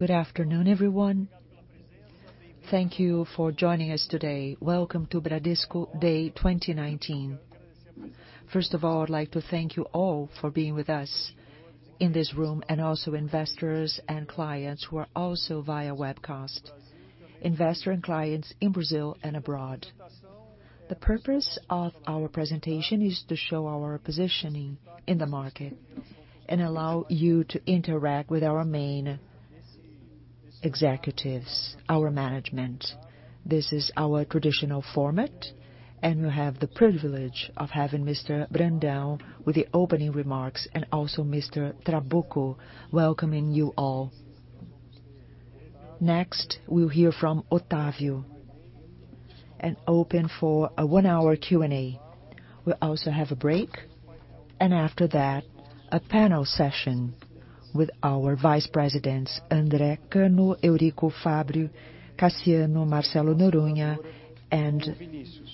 Good afternoon, everyone. Thank you for joining us today. Welcome to Bradesco Day 2019. First of all, I'd like to thank you all for being with us in this room. Also investors and clients who are also via webcast. Investor and clients in Brazil and abroad. The purpose of our presentation is to show our positioning in the market and allow you to interact with our main executives, our management. This is our traditional format. We have the privilege of having Mr. Brandão with the opening remarks. Also Mr. Trabuco welcoming you all. Next, we'll hear from Octavio and open for a one-hour Q&A. We'll also have a break. After that, a panel session with our Vice Presidents, Andre, Cano, Eurico, Fabio, Cassiano, Marcelo Noronha, and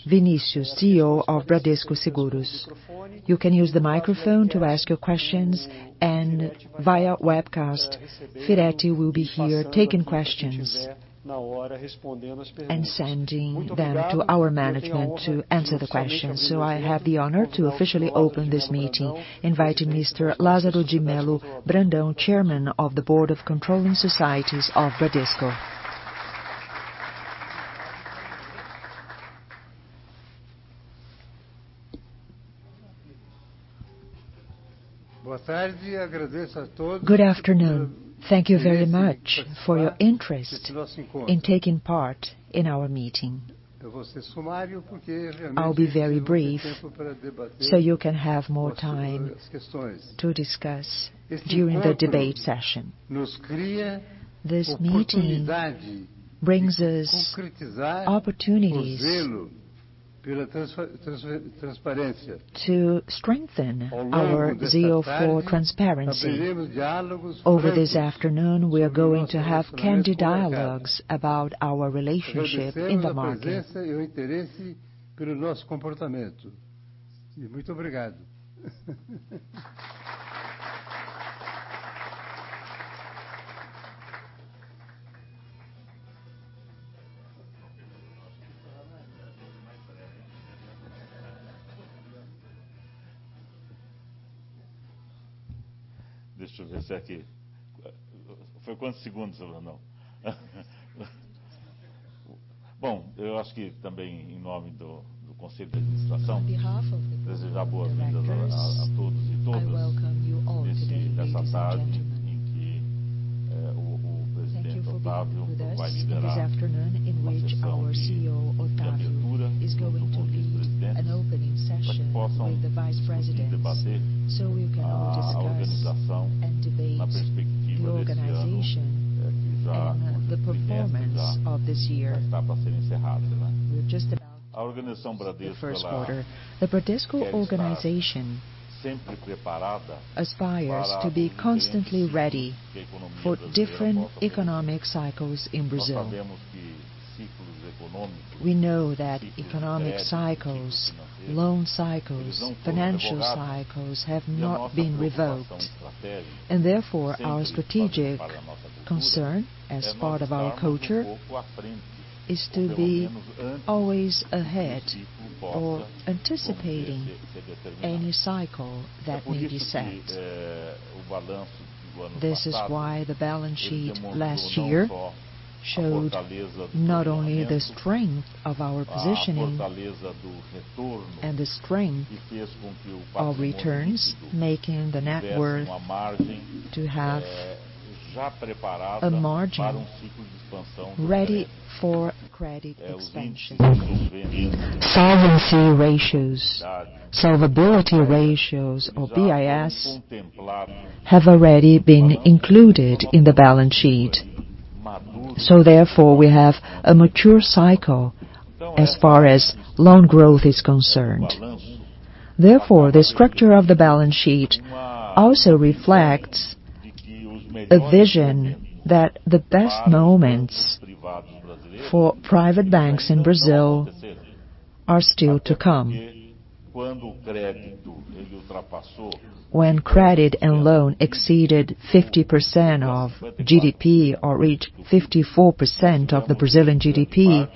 Vinicius, Chief Executive Officer of Bradesco Seguros. You can use the microphone to ask your questions. Via webcast, Firetti will be here taking questions and sending them to our management to answer the questions. I have the honor to officially open this meeting, inviting Mr. Lázaro de Mello Brandão, Chairman of the board of controlling societies of Bradesco. Good afternoon. Thank you very much for your interest in taking part in our meeting. I'll be very brief so you can have more time to discuss during the debate session. This meeting brings us opportunities to strengthen our zeal for transparency. Over this afternoon, we are going to have candid dialogues about our relationship in the market. On behalf of the board of directors, I welcome you all today, ladies and gentlemen. Thank you for being with us this afternoon in which our Chief Executive Officer, Octavio, is going to lead an opening session with the Vice Presidents so we can all discuss and debate the organization and the performance of this year. We're just about to begin the first quarter. The Bradesco organization aspires to be constantly ready for different economic cycles in Brazil. We know that economic cycles, loan cycles, financial cycles have not been revoked. Therefore, our strategic concern as part of our culture is to be always ahead or anticipating any cycle that may be set. This is why the balance sheet last year showed not only the strength of our positioning and the strength of returns, making the net worth to have a margin ready for credit expansion. Solvency ratios, solvability ratios, or BIS, have already been included in the balance sheet. Therefore, we have a mature cycle as far as loan growth is concerned. Therefore, the structure of the balance sheet also reflects a vision that the best moments for private banks in Brazil are still to come. When credit and loan exceeded 50% of GDP or reached 54% of the Brazilian GDP,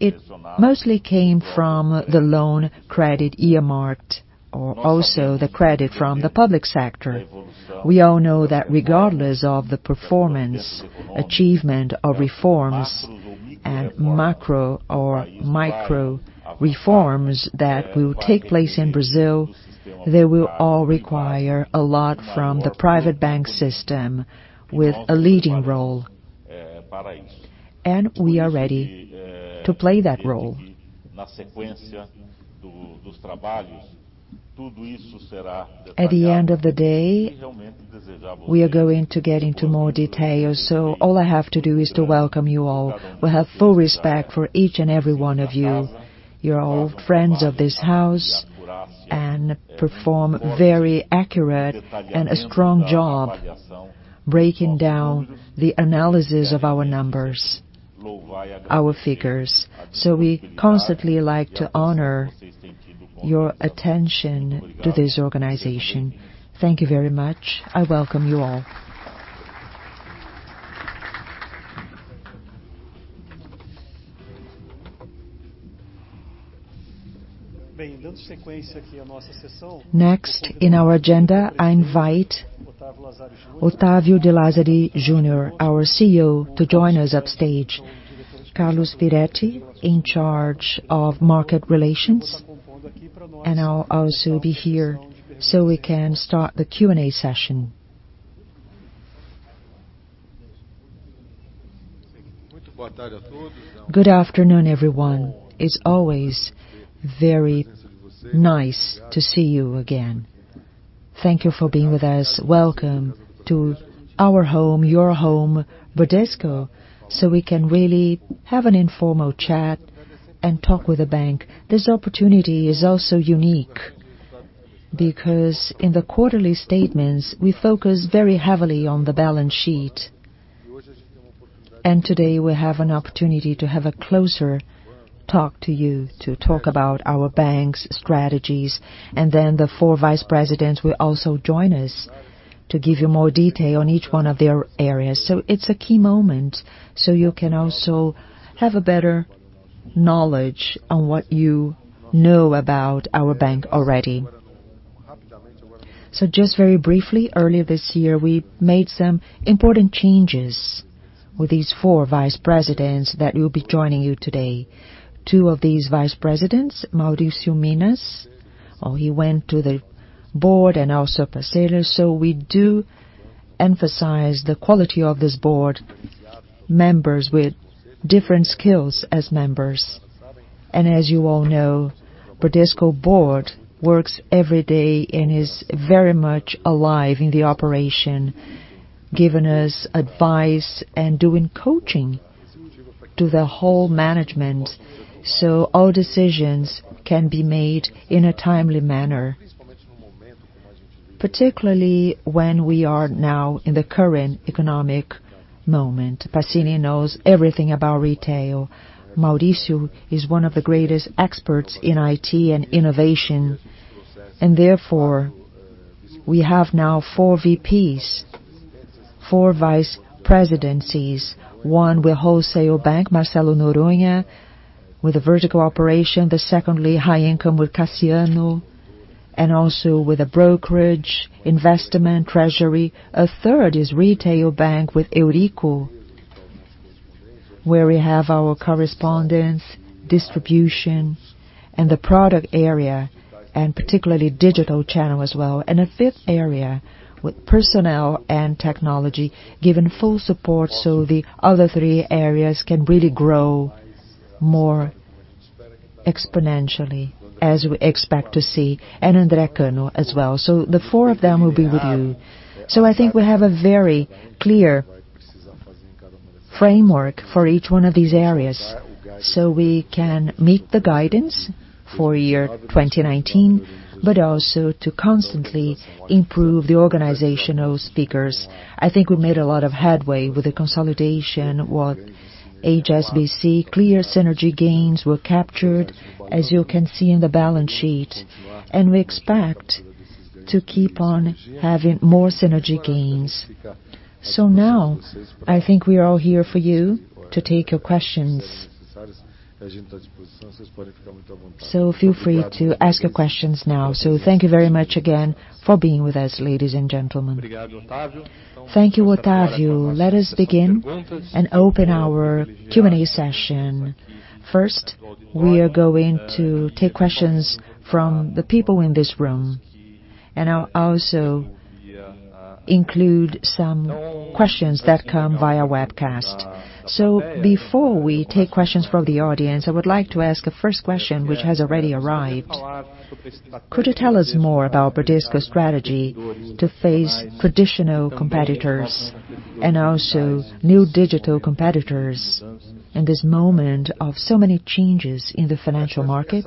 it mostly came from the loan credit earmarked or also the credit from the public sector. We all know that regardless of the performance, achievement of reforms at macro or micro reforms that will take place in Brazil, they will all require a lot from the private bank system with a leading role. We are ready to play that role. At the end of the day, we are going to get into more detail. All I have to do is to welcome you all. We have full respect for each and every one of you. You are all friends of this house and perform very accurate and a strong job breaking down the analysis of our numbers, our figures. We constantly like to honor your attention to this organization. Thank you very much. I welcome you all. Next in our agenda, I invite Octavio de Lazari Jr., our CEO, to join us upstage. Carlos Firetti, in charge of market relations, and I will also be here so we can start the Q&A session. Good afternoon, everyone. It is always very nice to see you again. Thank you for being with us. Welcome to our home, your home, Bradesco, we can really have an informal chat and talk with the bank. This opportunity is also unique, because in the quarterly statements, we focus very heavily on the balance sheet. Today we have an opportunity to have a closer talk to you to talk about our bank's strategies, and then the four vice presidents will also join us to give you more detail on each one of their areas. It is a key moment, you can also have a better knowledge on what you know about our bank already. Just very briefly, earlier this year, we made some important changes with these four vice presidents that will be joining you today. Two of these vice presidents, Mauricio Minas, he went to the board, and also Pancini. We do emphasize the quality of this board members with different skills as members. As you all know, Bradesco board works every day and is very much alive in the operation, giving us advice and doing coaching to the whole management so all decisions can be made in a timely manner, particularly when we are now in the current economic moment. Pancini knows everything about retail. Mauricio is one of the greatest experts in IT and innovation. Therefore, we have now four VPs, four vice presidencies. One with wholesale bank, Marcelo Noronha, with the vertical operation. The secondly high income with Cassiano, and also with the brokerage, investment treasury. A third is retail bank with Eurico, where we have our correspondents, distribution, and the product area, and particularly digital channel as well. A fifth area with personnel and technology given full support so the other three areas can really grow more exponentially as we expect to see. André Cano as well. The four of them will be with you. I think we have a very clear framework for each one of these areas so we can meet the guidance for year 2019, but also to constantly improve the organizational metrics. I think we made a lot of headway with the consolidation what HSBC clear synergy gains were captured, as you can see in the balance sheet. We expect to keep on having more synergy gains. Now I think we are all here for you to take your questions. Feel free to ask your questions now. Thank you very much again for being with us, ladies and gentlemen. Thank you, Octavio. Let us begin and open our Q&A session. First, we are going to take questions from the people in this room. I'll also include some questions that come via webcast. Before we take questions from the audience, I would like to ask a first question which has already arrived. Could you tell us more about Bradesco's strategy to face traditional competitors and also new digital competitors in this moment of so many changes in the financial market?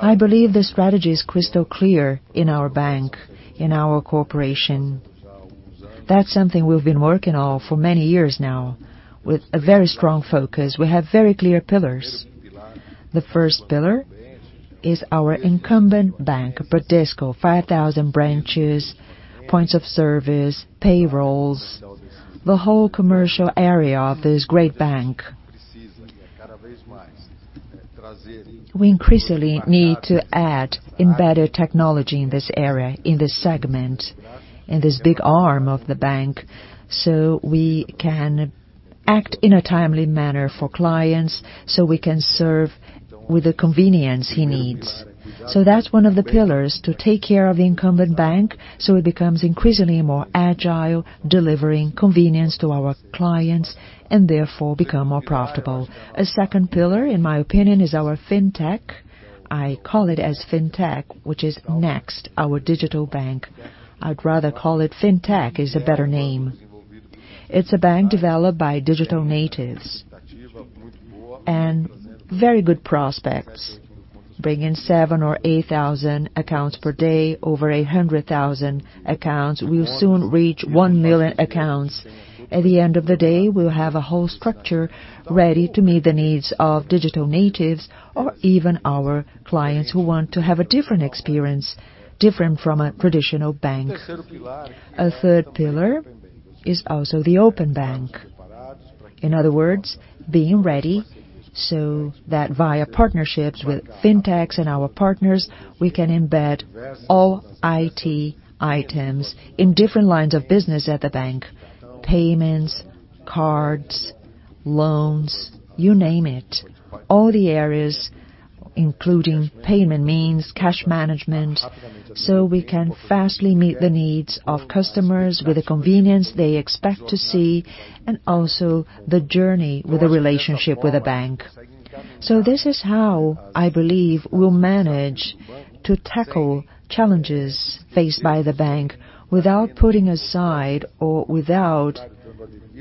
I believe the strategy is crystal clear in our bank, in our corporation. That's something we've been working on for many years now with a very strong focus. We have very clear pillars. The first pillar is our incumbent bank of Bradesco, 5,000 branches, points of service, payrolls, the whole commercial area of this great bank. We increasingly need to add embedded technology in this area, in this segment, in this big arm of the bank, so we can act in a timely manner for clients, so we can serve with the convenience he needs. That's one of the pillars to take care of the incumbent bank, so it becomes increasingly more agile, delivering convenience to our clients. Therefore, become more profitable. A second pillar, in my opinion, is our fintech. I call it as fintech, which is Next, our digital bank. I'd rather call it fintech is a better name. It's a bank developed by digital natives. Very good prospects. Bring in 7,000 or 8,000 accounts per day, over 100,000 accounts. We will soon reach 1 million accounts. At the end of the day, we'll have a whole structure ready to meet the needs of digital natives or even our clients who want to have a different experience, different from a traditional bank. A third pillar is also the open banking. In other words, being ready so that via partnerships with fintechs and our partners, we can embed all IT items in different lines of business at the bank. Payments, cards, loans, you name it. All the areas, including payment means, cash management, so we can fastly meet the needs of customers with the convenience they expect to see. Also the journey with a relationship with a bank. This is how, I believe, we'll manage to tackle challenges faced by the bank without putting aside or without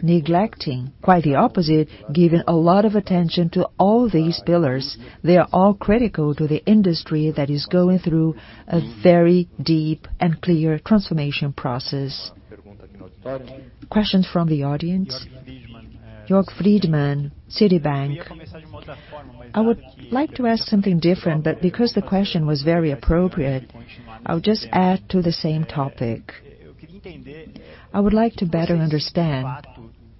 neglecting, quite the opposite, giving a lot of attention to all these pillars. They are all critical to the industry that is going through a very deep and clear transformation process. Questions from the audience? Jorg Friedman, Citibank. I would like to ask something different. Because the question was very appropriate, I'll just add to the same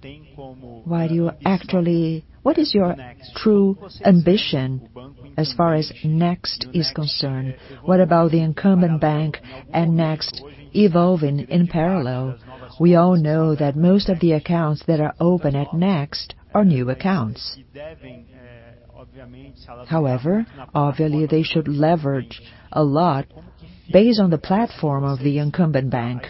topic. I would like to better understand, what is your true ambition as far as Next is concerned? What about the incumbent bank and Next evolving in parallel? We all know that most of the accounts that are open at Next are new accounts. However, obviously, they should leverage a lot based on the platform of the incumbent bank.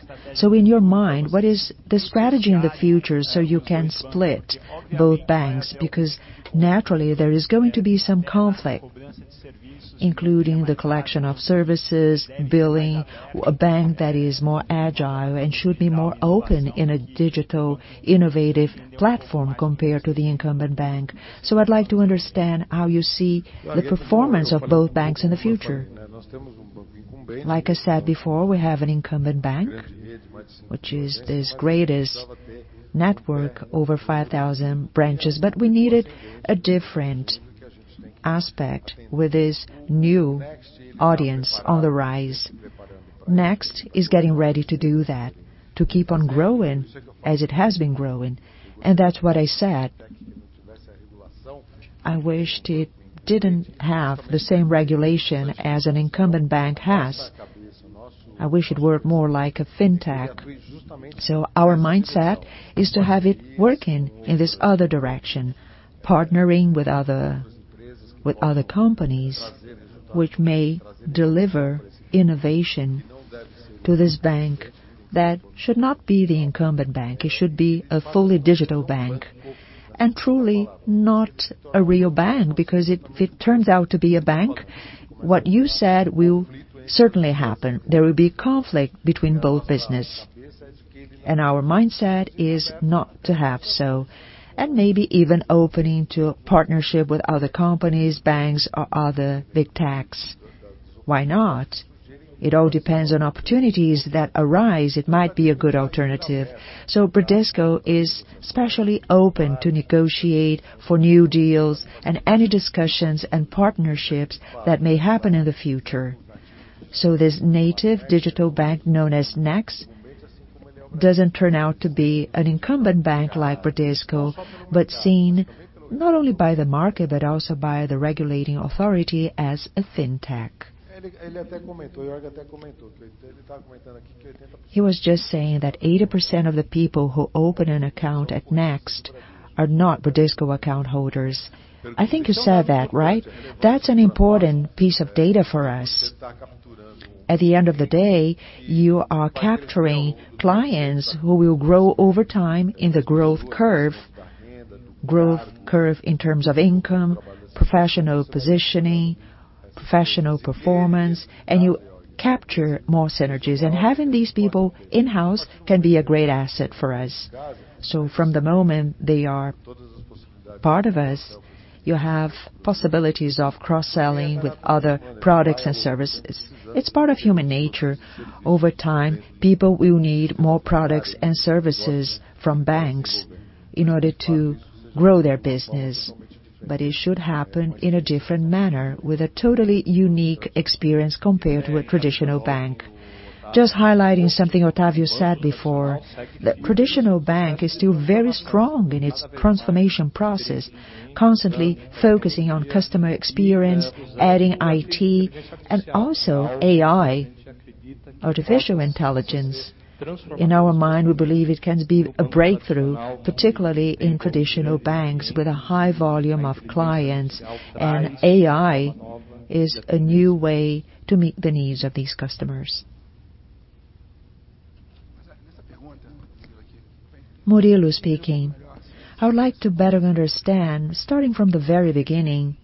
In your mind, what is the strategy in the future so you can split both banks? Naturally, there is going to be some conflict, including the collection of services, billing, a bank that is more agile and should be more open in a digital, innovative platform compared to the incumbent bank. I'd like to understand how you see the performance of both banks in the future. Like I said before, we have an incumbent bank, which is this greatest network, over 5,000 branches. We needed a different aspect with this new audience on the rise. Next is getting ready to do that, to keep on growing as it has been growing. That's what I said. I wished it didn't have the same regulation as an incumbent bank has. I wish it worked more like a fintech. Our mindset is to have it working in this other direction, partnering with other companies which may deliver innovation to this bank that should not be the incumbent bank. It should be a fully digital bank and truly not a real bank, because if it turns out to be a bank, what you said will certainly happen. There will be conflict between both business. Our mindset is not to have so, and maybe even opening to partnership with other companies, banks, or other big techs. Why not? It all depends on opportunities that arise. It might be a good alternative. Bradesco is specially open to negotiate for new deals and any discussions and partnerships that may happen in the future. This native digital bank known as Next doesn't turn out to be an incumbent bank like Bradesco, but seen, not only by the market, but also by the regulating authority as a fintech. He was just saying that 80% of the people who open an account at Next are not Bradesco account holders. I think you said that, right? That's an important piece of data for us. At the end of the day, you are capturing clients who will grow over time in the growth curve, growth curve in terms of income, professional positioning, professional performance, and you capture more synergies. Having these people in-house can be a great asset for us. From the moment they are part of us, you have possibilities of cross-selling with other products and services. It's part of human nature. Over time, people will need more products and services from banks in order to grow their business. It should happen in a different manner, with a totally unique experience compared to a traditional bank. Just highlighting something Octavio said before, the traditional bank is still very strong in its transformation process, constantly focusing on customer experience, adding IT, and also AI, artificial intelligence. In our mind, we believe it can be a breakthrough, particularly in traditional banks with a high volume of clients, AI is a new way to meet the needs of these customers. Murilo speaking. I would like to better understand, starting from the very beginning,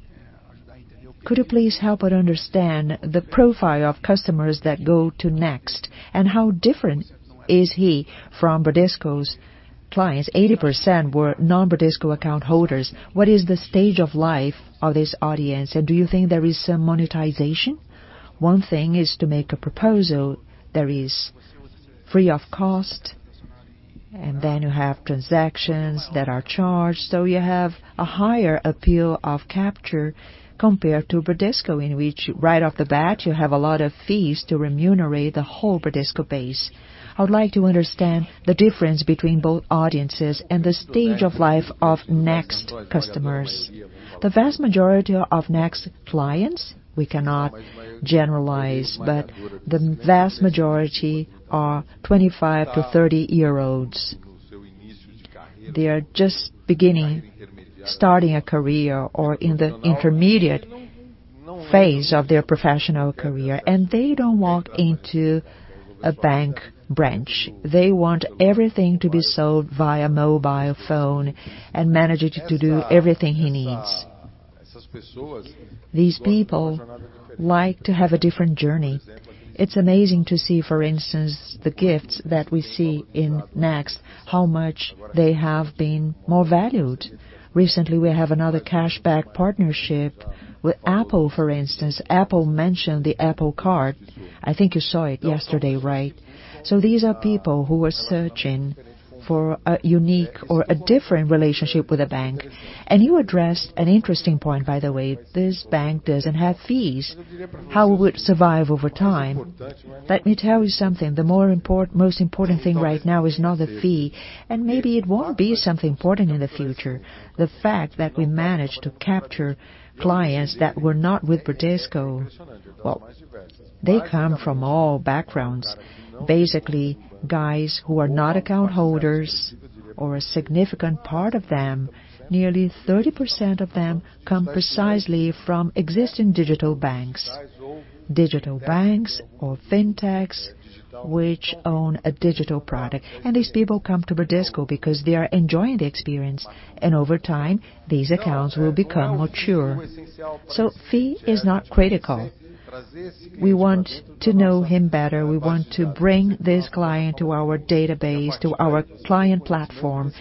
could you please help but understand the profile of customers that go to Next and how different is he from Bradesco's clients? 80% were non-Bradesco account holders. What is the stage of life of this audience, and do you think there is some monetization? One thing is to make a proposal that is free of cost, and then you have transactions that are charged. You have a higher appeal of capture compared to Bradesco, in which right off the bat, you have a lot of fees to remunerate the whole Bradesco base. I would like to understand the difference between both audiences and the stage of life of Next customers. The vast majority of Next clients, we cannot generalize, but the vast majority are 25 to 30-year-olds. They are just beginning, starting a career or in the intermediate phase of their professional career, and they don't walk into a bank branch. They want everything to be sold via mobile phone and manage to do everything he needs. These people like to have a different journey. It's amazing to see, for instance, the gifts that we see in Next, how much they have been more valued. Recently, we have another cashback partnership with Apple, for instance. Apple mentioned the Apple Card. I think you saw it yesterday, right? These are people who are searching for a unique or a different relationship with a bank. You addressed an interesting point, by the way, this bank doesn't have fees. How would survive over time? Let me tell you something. The most important thing right now is not the fee, and maybe it won't be something important in the future. The fact that we managed to capture clients that were not with Bradesco, well, they come from all backgrounds. Basically, guys who are not account holders or a significant part of them, nearly 30% of them come precisely from existing digital banks. Digital banks or fintechs, which own a digital product. These people come to Bradesco because they are enjoying the experience, and over time, these accounts will become mature. Fee is not critical. We want to know him better. We want to bring this client to our database, to our client platform.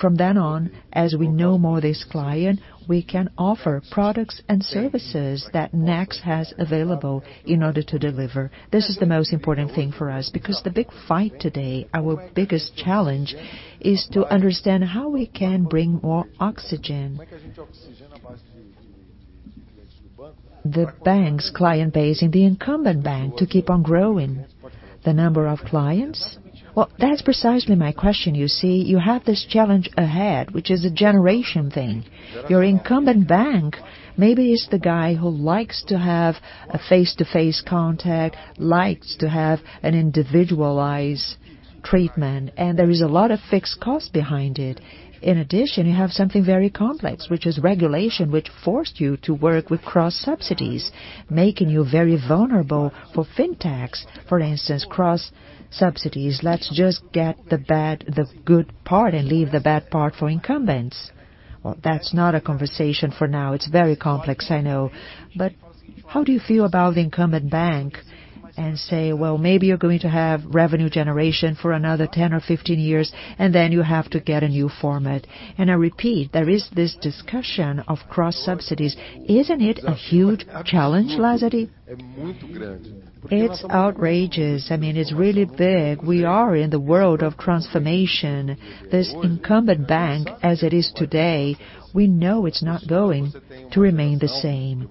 From then on, as we know more this client, we can offer products and services that Next has available in order to deliver. This is the most important thing for us, because the big fight today, our biggest challenge is to understand how we can bring more oxygen. The bank's client base in the incumbent bank to keep on growing the number of clients. Well, that's precisely my question. You see, you have this challenge ahead, which is a generation thing. Your incumbent bank, maybe it's the guy who likes to have a face-to-face contact, likes to have an individualized treatment, and there is a lot of fixed cost behind it. In addition, you have something very complex, which is regulation, which forced you to work with cross subsidies, making you very vulnerable for fintechs. For instance, cross subsidies. Let's just get the good part and leave the bad part for incumbents. Well, that's not a conversation for now. It's very complex, I know. How do you feel about the incumbent bank and say, "Well, maybe you're going to have revenue generation for another 10 or 15 years, and then you have to get a new format." I repeat, there is this discussion of cross subsidies. Isn't it a huge challenge, Lazari? It's outrageous. It's really big. We are in the world of transformation. This incumbent bank, as it is today, we know it's not going to remain the same.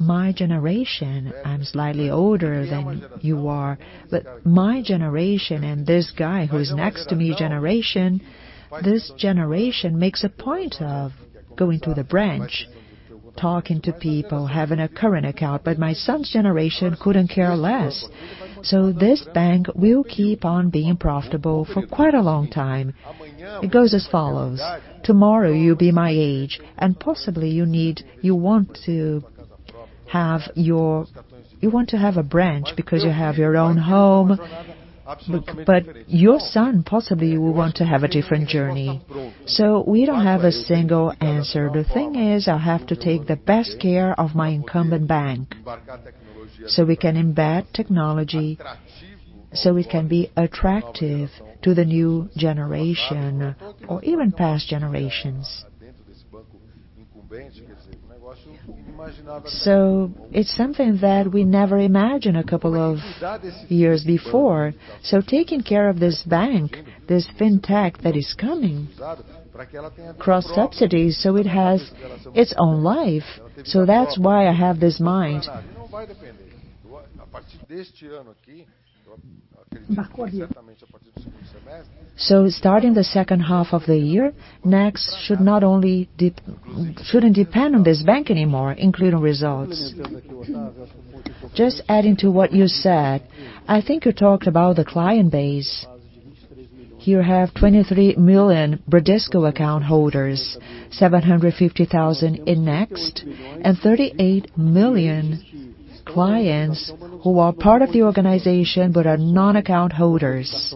My generation, I'm slightly older than you are, but my generation and this guy who's next to me generation, this generation makes a point of going to the branch, talking to people, having a current account, but my son's generation couldn't care less. This bank will keep on being profitable for quite a long time. It goes as follows: Tomorrow, you'll be my age, and possibly you want to have a branch because you have your own home. Your son possibly will want to have a different journey. We don't have a single answer. The thing is, I have to take the best care of my incumbent bank so we can embed technology, so we can be attractive to the new generation or even past generations. It's something that we never imagined a couple of years before. Taking care of this bank, this fintech that is coming, cross subsidies, so it has its own life. That's why I have this mind. Starting the second half of the year, Next shouldn't depend on this bank anymore, including results. Just adding to what you said, I think you talked about the client base. You have 23 million Bradesco account holders, 750,000 in Next, and 38 million clients who are part of the organization but are non-account holders.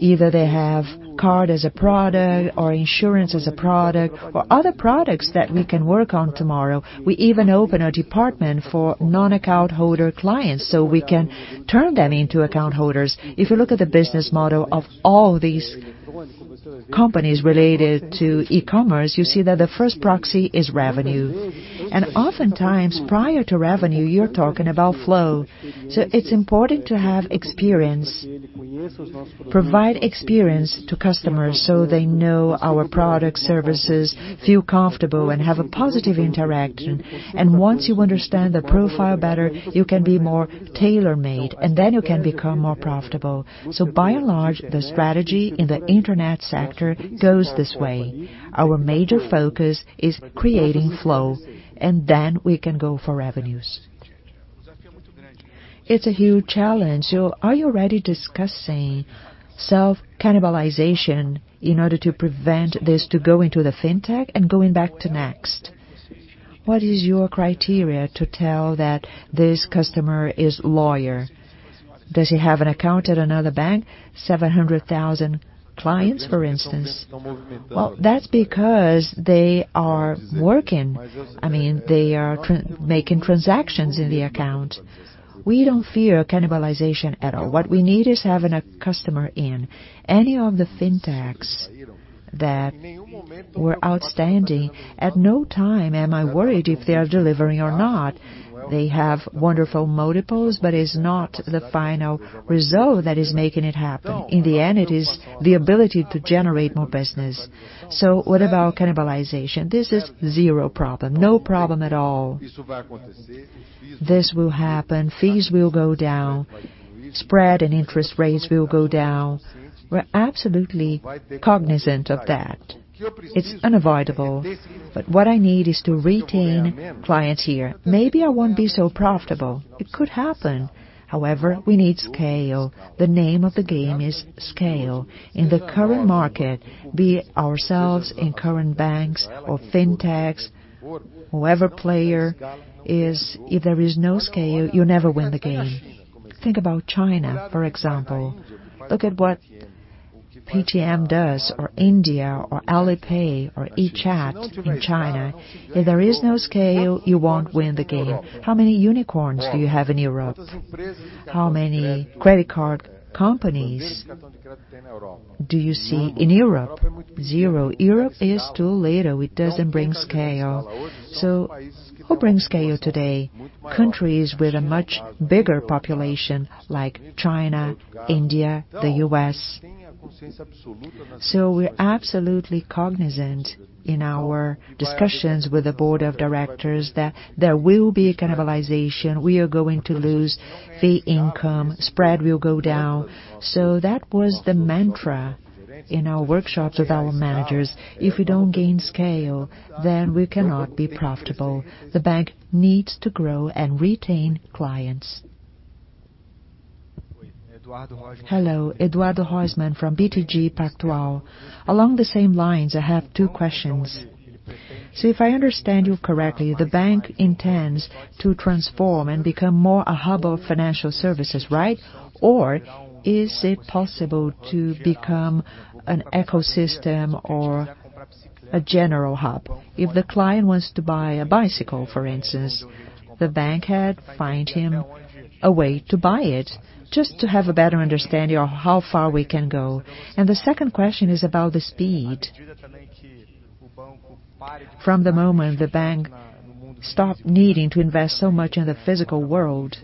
Either they have card as a product or insurance as a product, or other products that we can work on tomorrow. We even open a department for non-account holder clients, so we can turn them into account holders. If you look at the business model of all these companies related to e-commerce, you see that the first proxy is revenue. Oftentimes prior to revenue, you're talking about flow. It's important to have experience, provide experience to customers so they know our product services, feel comfortable, and have a positive interaction. Once you understand the profile better, you can be more tailor-made, and then you can become more profitable. By and large, the strategy in the internet sector goes this way. Our major focus is creating flow, and then we can go for revenues. It's a huge challenge. Are you already discussing self-cannibalization in order to prevent this to go into the fintech and going back to Next? What is your criteria to tell that this customer is loyal? Does he have an account at another bank? 700,000 clients, for instance. Well, that's because they are working. They are making transactions in the account. We don't fear cannibalization at all. What we need is having a customer in any of the fintechs that were outstanding. At no time am I worried if they are delivering or not. They have wonderful multiples, but it's not the final result that is making it happen. In the end, it is the ability to generate more business. What about cannibalization? This is zero problem. No problem at all. This will happen. Fees will go down, spread and interest rates will go down. We're absolutely cognizant of that. It's unavoidable, but what I need is to retain clients here. Maybe I won't be so profitable. It could happen. However, we need scale. The name of the game is scale. In the current market, be it ourselves in current banks or fintechs, whoever player is, if there is no scale, you never win the game. Think about China, for example. Look at what Paytm does or India or Alipay or WeChat in China. If there is no scale, you won't win the game. How many unicorns do you have in Europe? How many credit card companies do you see in Europe? Zero. Europe is too little. It doesn't bring scale. Who brings scale today? Countries with a much bigger population like China, India, the U.S. We're absolutely cognizant in our discussions with the board of directors that there will be cannibalization. We are going to lose fee income, spread will go down. That was the mantra in our workshops with our managers. If we don't gain scale, then we cannot be profitable. The bank needs to grow and retain clients. Hello, Eduardo Rosman from BTG Pactual. Along the same lines, I have two questions. If I understand you correctly, the bank intends to transform and become more a hub of financial services, right? Is it possible to become an ecosystem or a general hub? If the client wants to buy a bicycle, for instance, the bank can find him a way to buy it, just to have a better understanding of how far we can go. The second question is about the speed. From the moment the bank stops needing to invest so much in the physical world,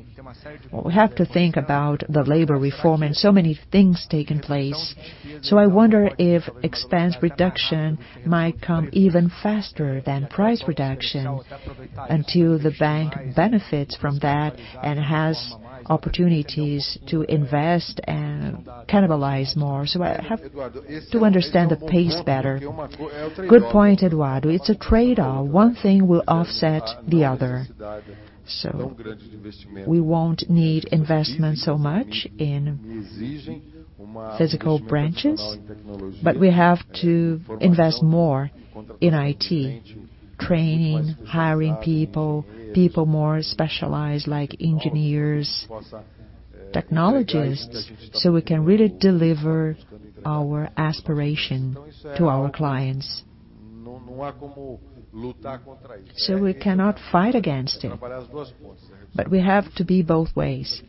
we have to think about the labor reform and so many things taking place. I wonder if expense reduction might come even faster than price reduction until the bank benefits from that and has opportunities to invest and cannibalize more. I have to understand the pace better. Good point, Eduardo. It's a trade-off. One thing will offset the other. We won't need investment so much in physical branches, but we have to invest more in IT, training, hiring people more specialized like engineers, technologists, so we can really deliver our aspiration to our clients. We cannot fight against it. We have to be both ways.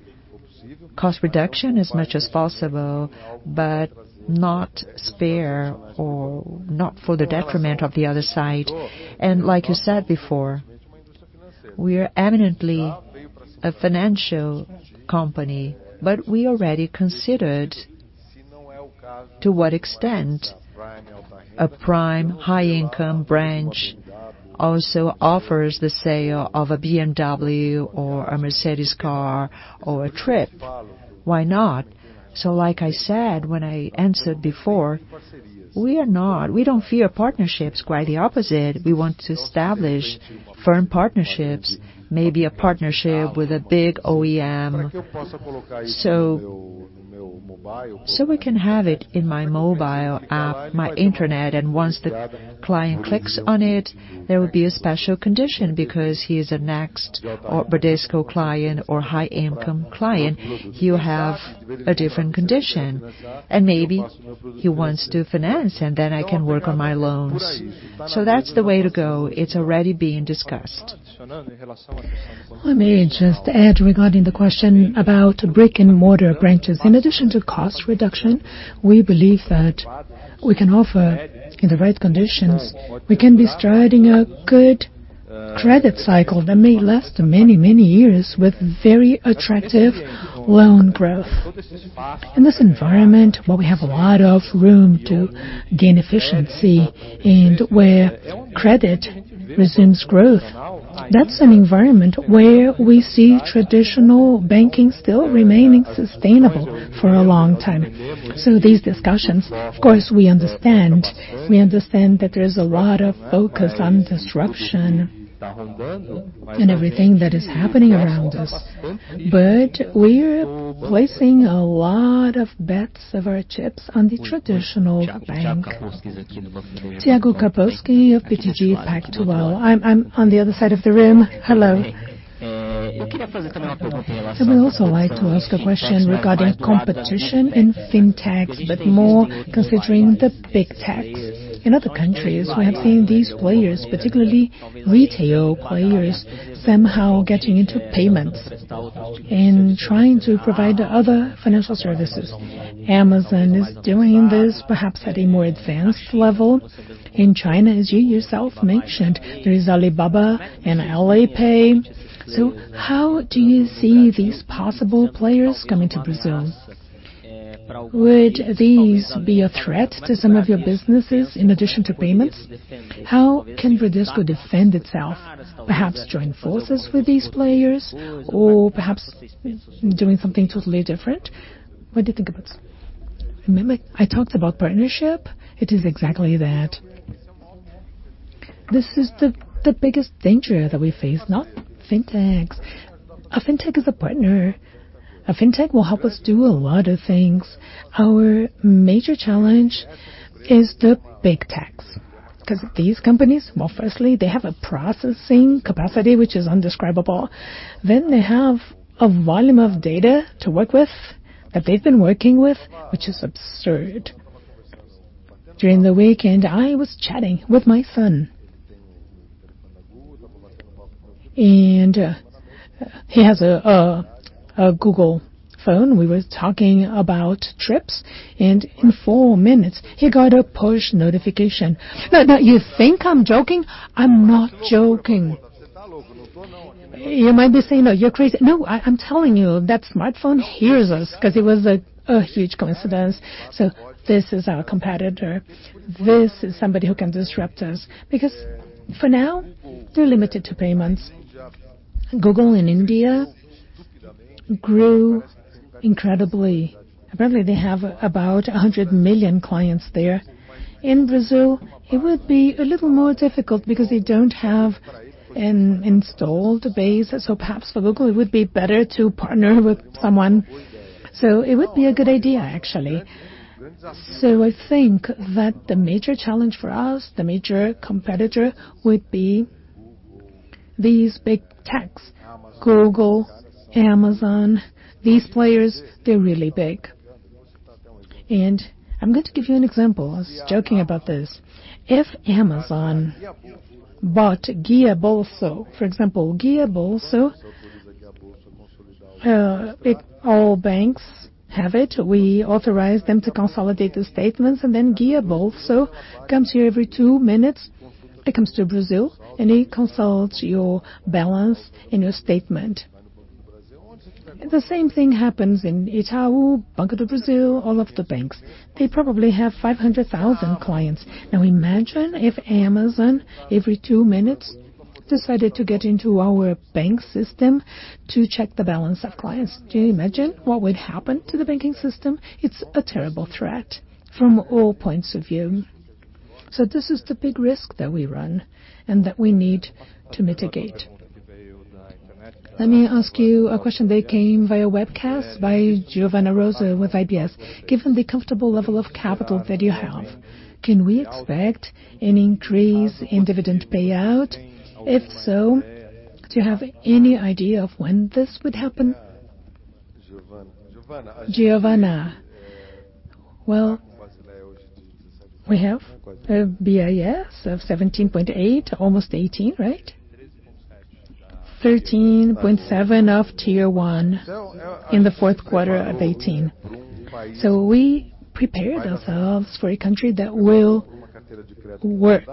Cost reduction as much as possible, but not spare or not for the detriment of the other side. Like you said before, we are eminently a financial company, but we already considered to what extent a Prime high income branch also offers the sale of a BMW or a Mercedes car or a trip. Why not? Like I said, when I answered before, we don't fear partnerships, quite the opposite. We want to establish firm partnerships, maybe a partnership with a big OEM. We can have it in my mobile app, my internet, and once the client clicks on it, there will be a special condition because he is a Next, or Bradesco client, or high income client. He'll have a different condition. Maybe he wants to finance, and then I can work on my loans. That's the way to go. It's already being discussed. Let me just add regarding the question about brick-and-mortar branches. In addition to cost reduction, we believe that we can offer, in the right conditions, we can be striding a good credit cycle that may last many years with very attractive loan growth. In this environment, where we have a lot of room to gain efficiency and where credit resumes growth, that's an environment where we see traditional banking still remaining sustainable for a long time. These discussions, of course, we understand that there is a lot of focus on disruption and everything that is happening around us, but we're placing a lot of bets of our chips on the traditional bank. Thiago Kapowski of BTG Pactual. I'm on the other side of the room. Hello. I would also like to ask a question regarding competition in FinTechs, but more considering the Big Techs. In other countries, we have seen these players, particularly retail players, somehow getting into payments and trying to provide other financial services. Amazon is doing this perhaps at a more advanced level. In China, as you yourself mentioned, there is Alibaba and Alipay. How do you see these possible players coming to Brazil? Would these be a threat to some of your businesses in addition to payments? How can Bradesco defend itself? Perhaps join forces with these players or perhaps doing something totally different. What do you think about this? Remember I talked about partnership? It is exactly that. This is the biggest danger that we face, not FinTechs. A FinTech is a partner. A FinTech will help us do a lot of things. Our major challenge is the Big Techs. Because these companies, well, firstly, they have a processing capacity, which is indescribable. They have a volume of data to work with, that they've been working with, which is absurd. During the weekend, I was chatting with my son. He has a Google phone. We were talking about trips, in 4 minutes, he got a push notification. No, you think I'm joking? I'm not joking. You might be saying, "Oh, you're crazy." No, I'm telling you that smartphone hears us because it was a huge coincidence. This is our competitor. This is somebody who can disrupt us. Because for now, we're limited to payments. Google in India grew incredibly. Apparently, they have about 100 million clients there. In Brazil, it would be a little more difficult because they don't have an installed base. Perhaps for Google, it would be better to partner with someone. It would be a good idea, actually. I think that the major challenge for us, the major competitor, would be these Big Techs, Google, Amazon, these players, they're really big. I'm going to give you an example. I was joking about this. If Amazon bought GuiaBolso, for example, GuiaBolso, all banks have it. We authorize them to consolidate the statements, GuiaBolso comes here every 2 minutes. It comes to Brazil, it consults your balance and your statement. The same thing happens in Itaú, Banco do Brasil, all of the banks. They probably have 500,000 clients. Now imagine if Amazon, every 2 minutes, decided to get into our bank system to check the balance of clients. Can you imagine what would happen to the banking system? It's a terrible threat from all points of view. This is the big risk that we run and that we need to mitigate. Let me ask you a question that came via webcast by Giovana Rosa with UBS. Given the comfortable level of capital that you have, can we expect an increase in dividend payout? If so, do you have any idea of when this would happen? Giovana, we have a BIS of 17.8, almost 18, right? 13.7 of Tier 1 in the fourth quarter of 2018. We prepared ourselves for a country that will work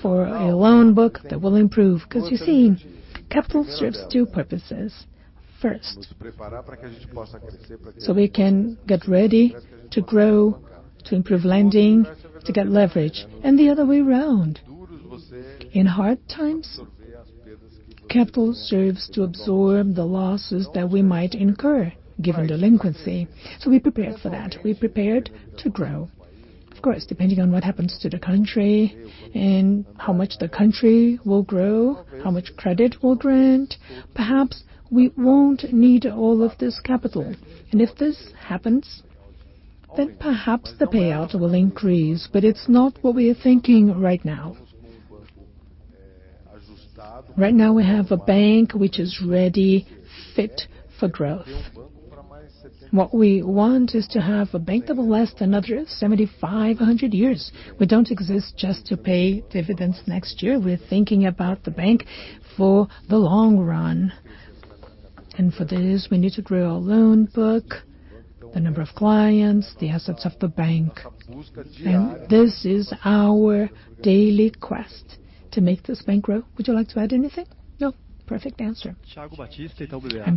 for a loan book that will improve. Because you see, capital serves two purposes. First, we can get ready to grow, to improve lending, to get leverage, and the other way around. In hard times, capital serves to absorb the losses that we might incur given delinquency. We prepared for that. We prepared to grow. Of course, depending on what happens to the country and how much the country will grow, how much credit will grant, perhaps we won't need all of this capital. If this happens, perhaps the payout will increase, but it's not what we are thinking right now. Right now we have a bank which is ready, fit for growth. What we want is to have a bank that will last another 7,500 years. We don't exist just to pay dividends next year. We're thinking about the bank for the long run. For this, we need to grow our loan book, the number of clients, the assets of the bank. This is our daily quest to make this bank grow. Would you like to add anything? No. Perfect answer. I'm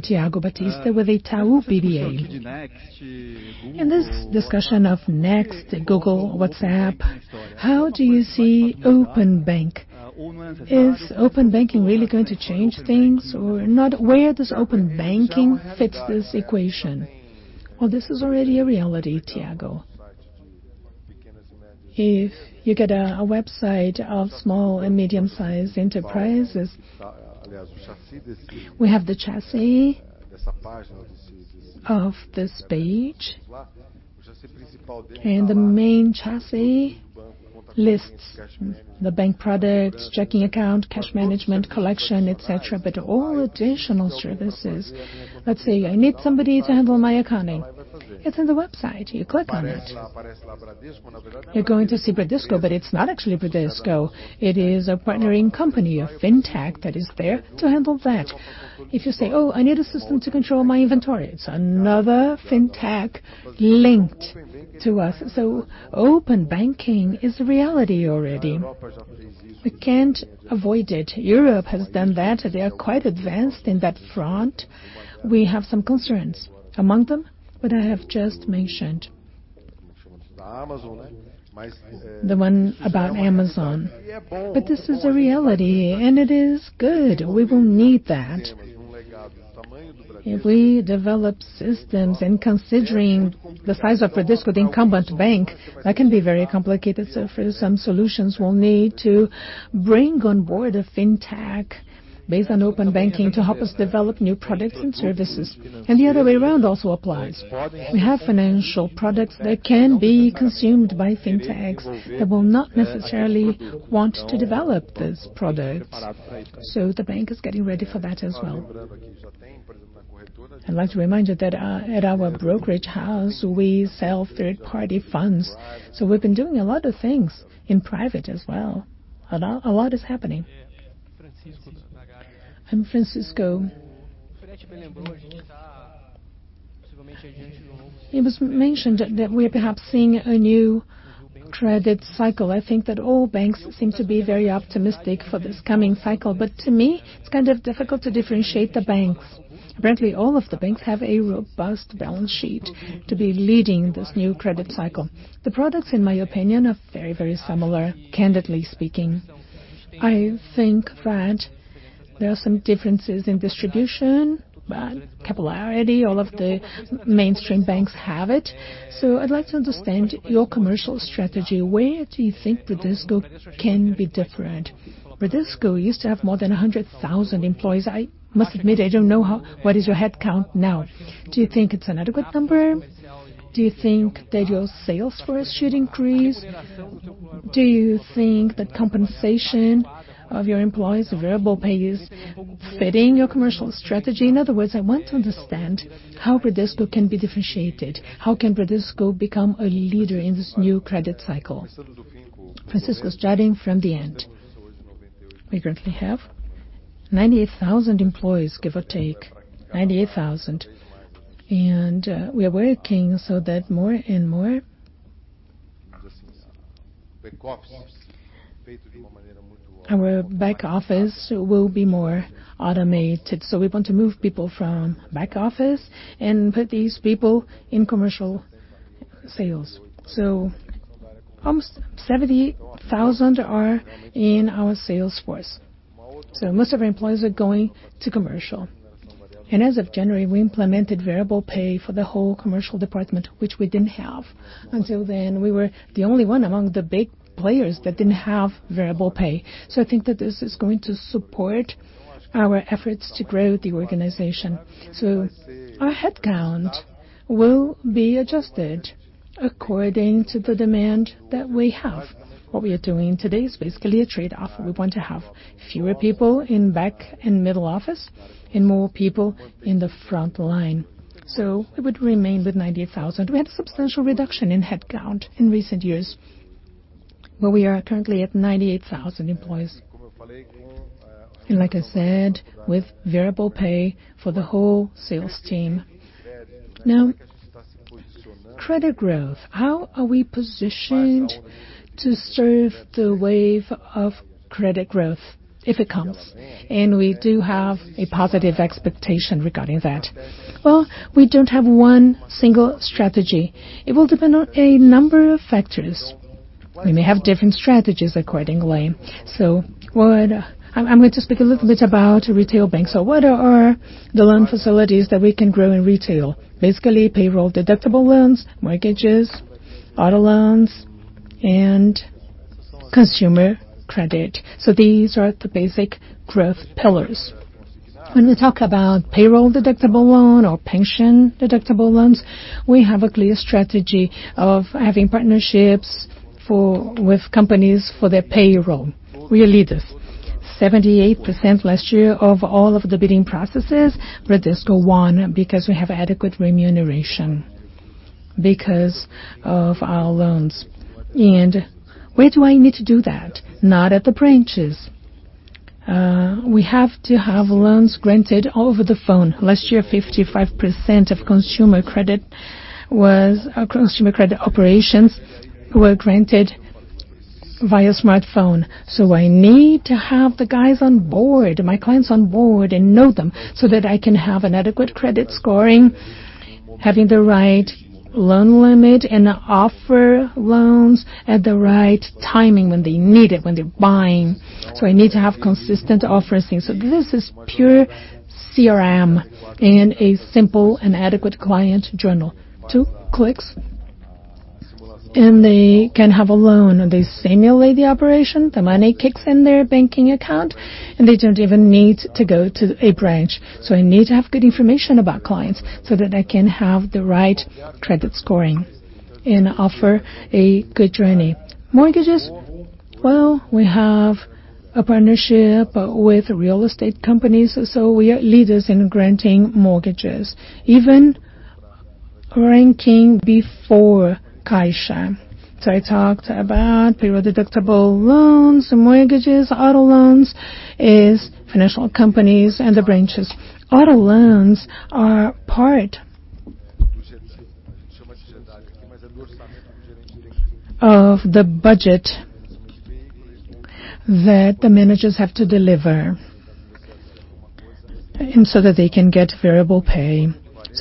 Thiago Batista with Itaú BBA. In this discussion of Next, Google, WhatsApp, how do you see open banking? Is open banking really going to change things or not? Where does open banking fit this equation? Well, this is already a reality, Thiago. If you get a website of small and medium-sized enterprises, we have the chassis of this page. The main chassis lists the bank products, checking account, cash management, collection, et cetera. All additional services, let's say I need somebody to handle my accounting. It's on the website. You click on it. You're going to see Bradesco, but it's not actually Bradesco. It is a partnering company, a fintech that is there to handle that. If you say, "Oh, I need a system to control my inventory," it's another fintech linked to us. Open banking is a reality already. We can't avoid it. Europe has done that. They are quite advanced in that front. We have some concerns. Among them, what I have just mentioned. The one about Amazon, this is a reality, and it is good. We will need that. If we develop systems and considering the size of Bradesco, the incumbent bank, that can be very complicated. For some solutions, we'll need to bring on board a fintech based on open banking to help us develop new products and services. The other way around also applies. We have financial products that can be consumed by fintechs that will not necessarily want to develop those products, the bank is getting ready for that as well. I'd like to remind you that at our brokerage house, we sell third-party funds. We've been doing a lot of things in private as well. A lot is happening. I'm Francisco. It was mentioned that we are perhaps seeing a new credit cycle. I think that all banks seem to be very optimistic for this coming cycle. To me, it's kind of difficult to differentiate the banks. Apparently, all of the banks have a robust balance sheet to be leading this new credit cycle. The products, in my opinion, are very similar, candidly speaking. I think that there are some differences in distribution, but capillarity, all of the mainstream banks have it. I'd like to understand your commercial strategy. Where do you think Bradesco can be different? Bradesco used to have more than 100,000 employees. I must admit, I don't know what is your headcount now. Do you think it's an adequate number? Do you think that your sales force should increase? Do you think the compensation of your employees' variable pay is fitting your commercial strategy? In other words, I want to understand how Bradesco can be differentiated. How can Bradesco become a leader in this new credit cycle? Francisco, starting from the end. We currently have 98,000 employees, give or take, 98,000. We are working so that more and more our back office will be more automated. We want to move people from back office and put these people in commercial sales. Almost 70,000 are in our sales force. Most of our employees are going to commercial. As of January, we implemented variable pay for the whole commercial department, which we didn't have. Until then, we were the only one among the big players that didn't have variable pay. I think that this is going to support our efforts to grow the organization. Our headcount will be adjusted according to the demand that we have. What we are doing today is basically a trade-off. We want to have fewer people in back and middle office and more people in the front line. We would remain with 98,000. We had a substantial reduction in headcount in recent years, but we are currently at 98,000 employees. Like I said, with variable pay for the whole sales team. Credit growth, how are we positioned to surf the wave of credit growth if it comes? We do have a positive expectation regarding that. We don't have one single strategy. It will depend on a number of factors. We may have different strategies accordingly. I'm going to speak a little bit about retail banks. What are the loan facilities that we can grow in retail? Basically, payroll deductible loans, mortgages, auto loans, and consumer credit. These are the basic growth pillars. When we talk about payroll deductible loan or pension deductible loans, we have a clear strategy of having partnerships with companies for their payroll. We are leaders. 78% last year of all of the bidding processes, Bradesco won because we have adequate remuneration because of our loans. Where do I need to do that? Not at the branches. We have to have loans granted over the phone. Last year, 55% of consumer credit operations were granted via smartphone. I need to have the guys on board, my clients on board, and know them so that I can have an adequate credit scoring, having the right loan limit, and offer loans at the right timing when they need it, when they're buying. I need to have consistent offerings. This is pure CRM and a simple and adequate client journal. Two clicks, and they can have a loan. They simulate the operation, the money kicks in their banking account, and they don't even need to go to a branch. I need to have good information about clients so that I can have the right credit scoring and offer a good journey. Mortgages, we have a partnership with real estate companies. We are leaders in granting mortgages, even ranking before Caixa. I talked about payroll-deductible loans, mortgages, auto loans is financial companies and the branches. Auto loans are part of the budget that the managers have to deliver so that they can get variable pay.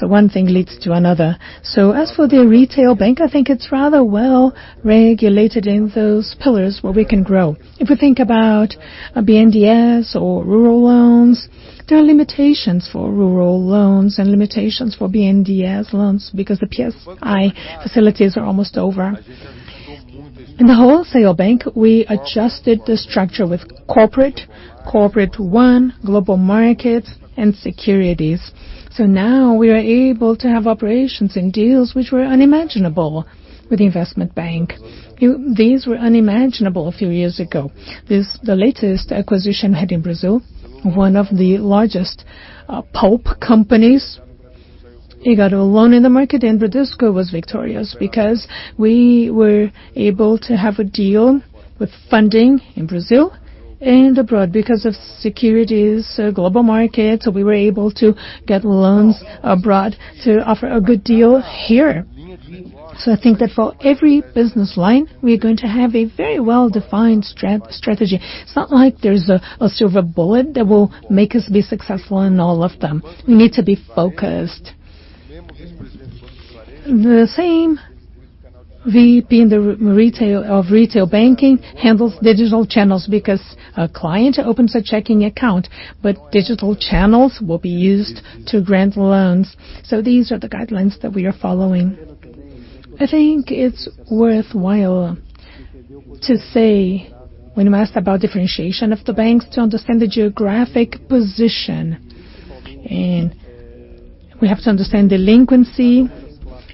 One thing leads to another. As for the retail bank, I think it's rather well-regulated in those pillars where we can grow. If we think about a BNDES or rural loans, there are limitations for rural loans and limitations for BNDES loans because the PSI facilities are almost over. In the wholesale bank, we adjusted the structure with corporate one, global market, and securities. Now we are able to have operations and deals which were unimaginable with the investment bank. These were unimaginable a few years ago. The latest acquisition made in Brazil, one of the largest pulp companies, it got a loan in the market. Bradesco was victorious because we were able to have a deal with funding in Brazil and abroad because of securities, global markets. We were able to get loans abroad to offer a good deal here. I think that for every business line, we are going to have a very well-defined strategy. It's not like there's a silver bullet that will make us be successful in all of them. We need to be focused. The same VP of retail banking handles digital channels because a client opens a checking account, but digital channels will be used to grant loans. These are the guidelines that we are following. I think it's worthwhile to say, when asked about differentiation of the banks, to understand the geographic position. We have to understand delinquency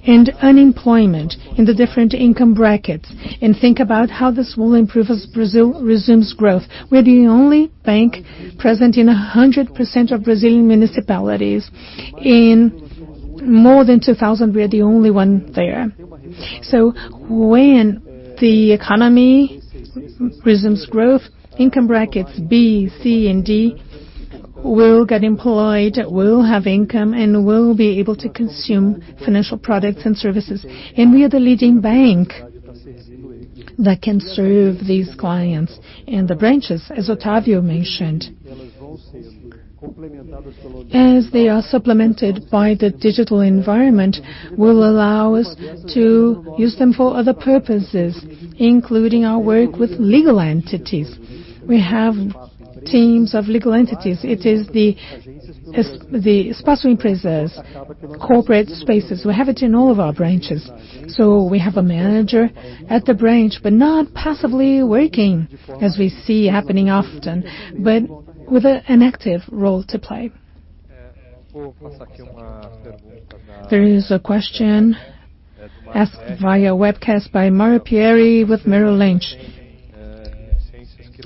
and unemployment in the different income brackets and think about how this will improve as Brazil resumes growth. We are the only bank present in 100% of Brazilian municipalities. In more than 2,000, we are the only one there. When the economy resumes growth, income brackets B, C, and D will get employed, will have income, and will be able to consume financial products and services. We are the leading bank that can serve these clients. The branches, as Octavio mentioned, as they are supplemented by the digital environment, will allow us to use them for other purposes, including our work with legal entities. We have teams of legal entities. It is the Espaço Empresas, corporate spaces. We have it in all of our branches. We have a manager at the branch, but not passively working as we see happening often, but with an active role to play. There is a question asked via webcast by Mario Pierry with Merrill Lynch.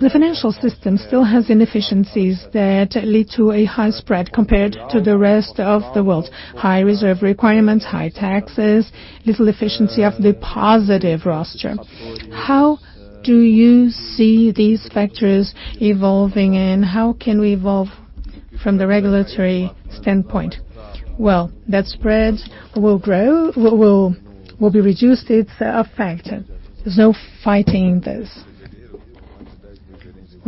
The financial system still has inefficiencies that lead to a high spread compared to the rest of the world. High reserve requirements, high taxes, little efficiency of the Cadastro Positivo. How do you see these factors evolving? How can we evolve from the regulatory standpoint? That spreads will be reduced. It's a factor. There's no fighting this.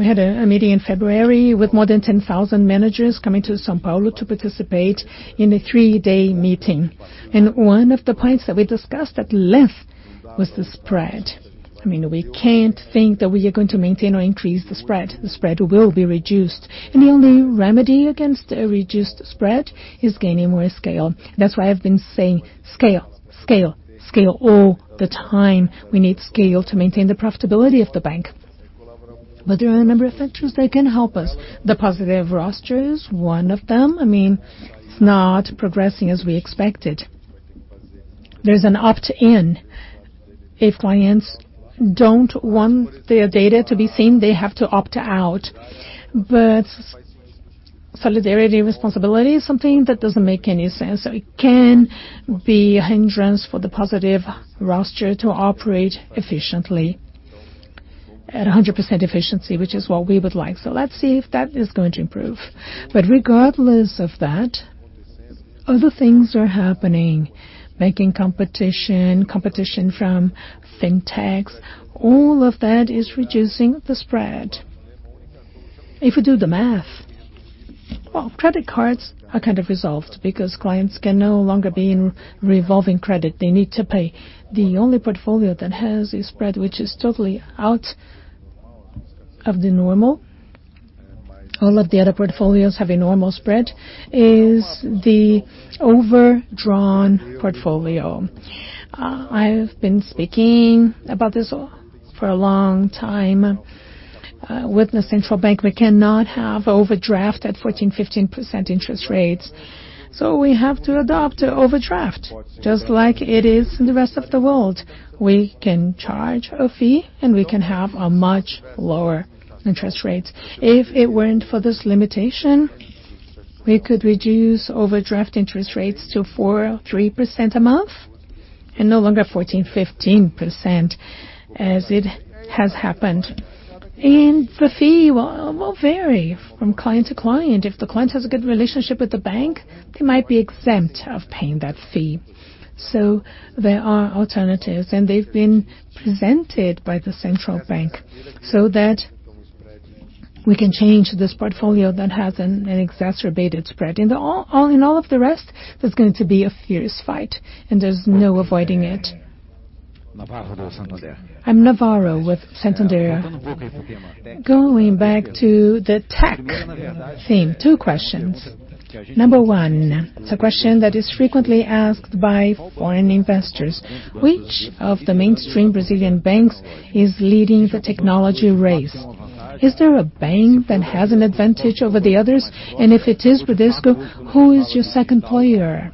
We had a meeting in February with more than 10,000 managers coming to São Paulo to participate in a three-day meeting. One of the points that we discussed at length was the spread. We can't think that we are going to maintain or increase the spread. The spread will be reduced, the only remedy against a reduced spread is gaining more scale. That's why I've been saying scale, scale all the time. We need scale to maintain the profitability of the bank. There are a number of factors that can help us. The Cadastro Positivo is one of them. It's not progressing as we expected. There's an opt-in. If clients don't want their data to be seen, they have to opt out. Solidarity and responsibility is something that doesn't make any sense, it can be a hindrance for the Cadastro Positivo to operate efficiently at 100% efficiency, which is what we would like. Let's see if that is going to improve. Regardless of that, other things are happening, making competition from fintechs, all of that is reducing the spread. If we do the math, well, credit cards are kind of resolved because clients can no longer be in revolving credit. They need to pay. The only portfolio that has a spread which is totally out of the normal, all of the other portfolios have a normal spread, is the overdrawn portfolio. I've been speaking about this for a long time with the central bank. We cannot have overdraft at 14%, 15% interest rates, we have to adopt overdraft just like it is in the rest of the world. We can charge a fee, we can have a much lower interest rate. If it weren't for this limitation, we could reduce overdraft interest rates to 4% or 3% a month and no longer 14%, 15% as it has happened. The fee will vary from client to client. If the client has a good relationship with the bank, they might be exempt of paying that fee. There are alternatives, they've been presented by the central bank so that we can change this portfolio that has an exacerbated spread. In all of the rest, there's going to be a fierce fight, there's no avoiding it. I'm Navarro with Santander. Going back to the tech theme, two questions. Number 1, it's a question that is frequently asked by foreign investors. Which of the mainstream Brazilian banks is leading the technology race? Is there a bank that has an advantage over the others? If it is Bradesco, who is your second player?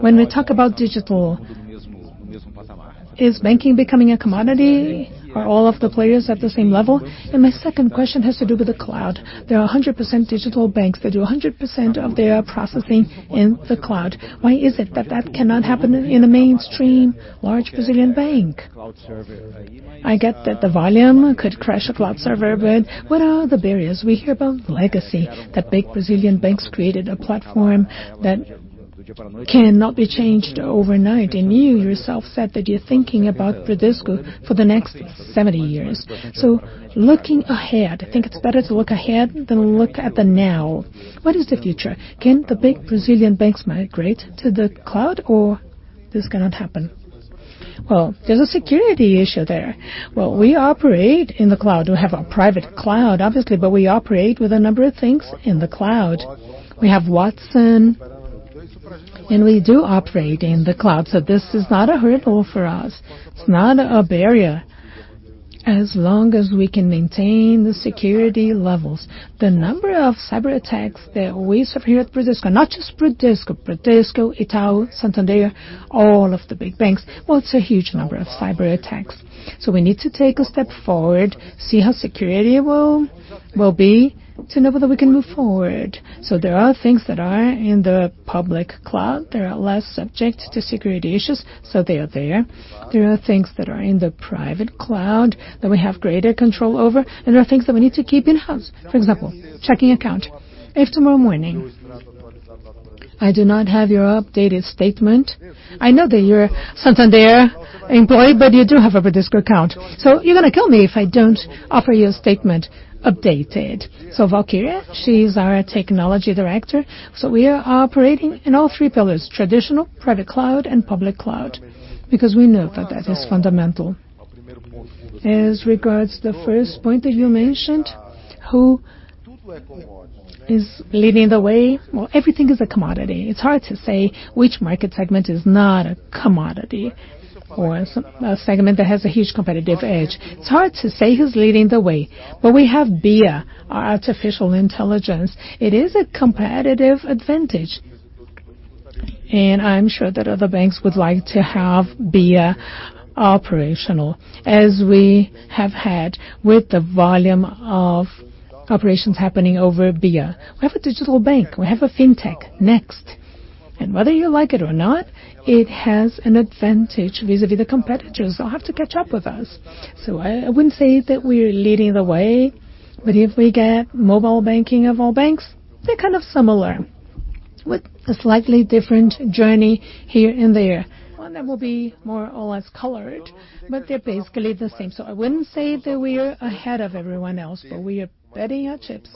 When we talk about digital, is banking becoming a commodity? Are all of the players at the same level? My second question has to do with the cloud. There are 100% digital banks that do 100% of their processing in the cloud. Why is it that that cannot happen in a mainstream large Brazilian bank? I get that the volume could crash a cloud server, what are the barriers? We hear about legacy, that big Brazilian banks created a platform that cannot be changed overnight, you yourself said that you're thinking about Bradesco for the next 70 years. Looking ahead, I think it's better to look ahead than look at the now. What is the future? Can the big Brazilian banks migrate to the cloud or this cannot happen? Well, there's a security issue there. Well, we operate in the cloud. We have a private cloud, obviously, but we operate with a number of things in the cloud. We have Watson, we do operate in the cloud. This is not a hurdle for us. It's not a barrier as long as we can maintain the security levels. The number of cyberattacks that we suffer here at Bradesco, not just Bradesco, Itaú, Santander, all of the big banks, well, it's a huge number of cyberattacks. We need to take a step forward, see how security will be to know whether we can move forward. There are things that are in the public cloud that are less subject to security issues, so they are there. There are things that are in the private cloud that we have greater control over, and there are things that we need to keep in-house. For example, checking account. If tomorrow morning I do not have your updated statement, I know that you're a Santander employee, but you do have a Bradesco account, you're going to kill me if I don't offer you a statement updated. Walkiria, she's our technology director. We are operating in all three pillars, traditional, private cloud, and public cloud, because we know that that is fundamental. As regards the first point that you mentioned, who is leading the way? Well, everything is a commodity. It's hard to say which market segment is not a commodity or a segment that has a huge competitive edge. It's hard to say who's leading the way, but we have BIA, our artificial intelligence. It is a competitive advantage. And I'm sure that other banks would like to have BIA operational as we have had with the volume of operations happening over BIA. We have a digital bank. We have a fintech, Next. Whether you like it or not, it has an advantage vis-à-vis the competitors. They'll have to catch up with us. I wouldn't say that we're leading the way, but if we get mobile banking of all banks, they're kind of similar. With a slightly different journey here and there. One that will be more or less colored, but they're basically the same. I wouldn't say that we're ahead of everyone else, but we are betting our chips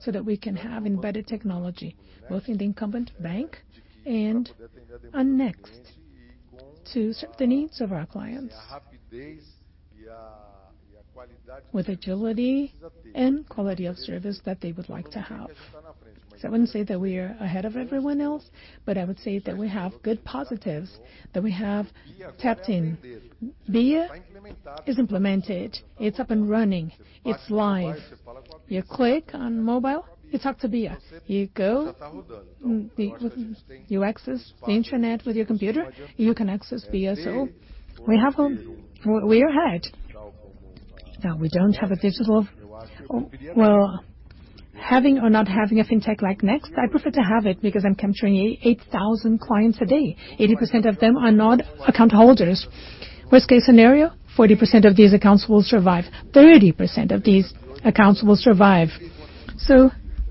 so that we can have embedded technology, both in the incumbent bank and on Next to serve the needs of our clients with agility and quality of service that they would like to have. I wouldn't say that we're ahead of everyone else, but I would say that we have good positives that we have tapped in. BIA is implemented, it's up and running, it's live. You click on mobile, it's up to BIA. You access the internet with your computer, you can access BIA, we are ahead. Well, having or not having a fintech like Next, I prefer to have it because I'm capturing 8,000 clients a day. 80% of them are not account holders. Worst case scenario, 40% of these accounts will survive. 30% of these accounts will survive.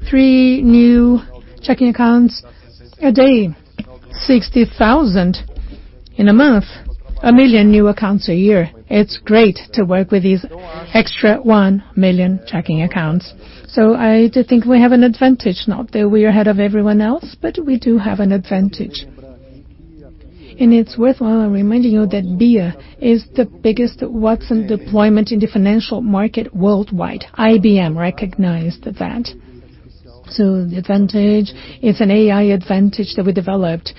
Three new checking accounts a day, 60,000 in a month, a million new accounts a year. It's great to work with these extra one million checking accounts. I think we have an advantage, not that we are ahead of everyone else, but we do have an advantage. It's worthwhile reminding you that BIA is the biggest Watson deployment in the financial market worldwide. IBM recognized that. The advantage, it's an AI advantage that we developed,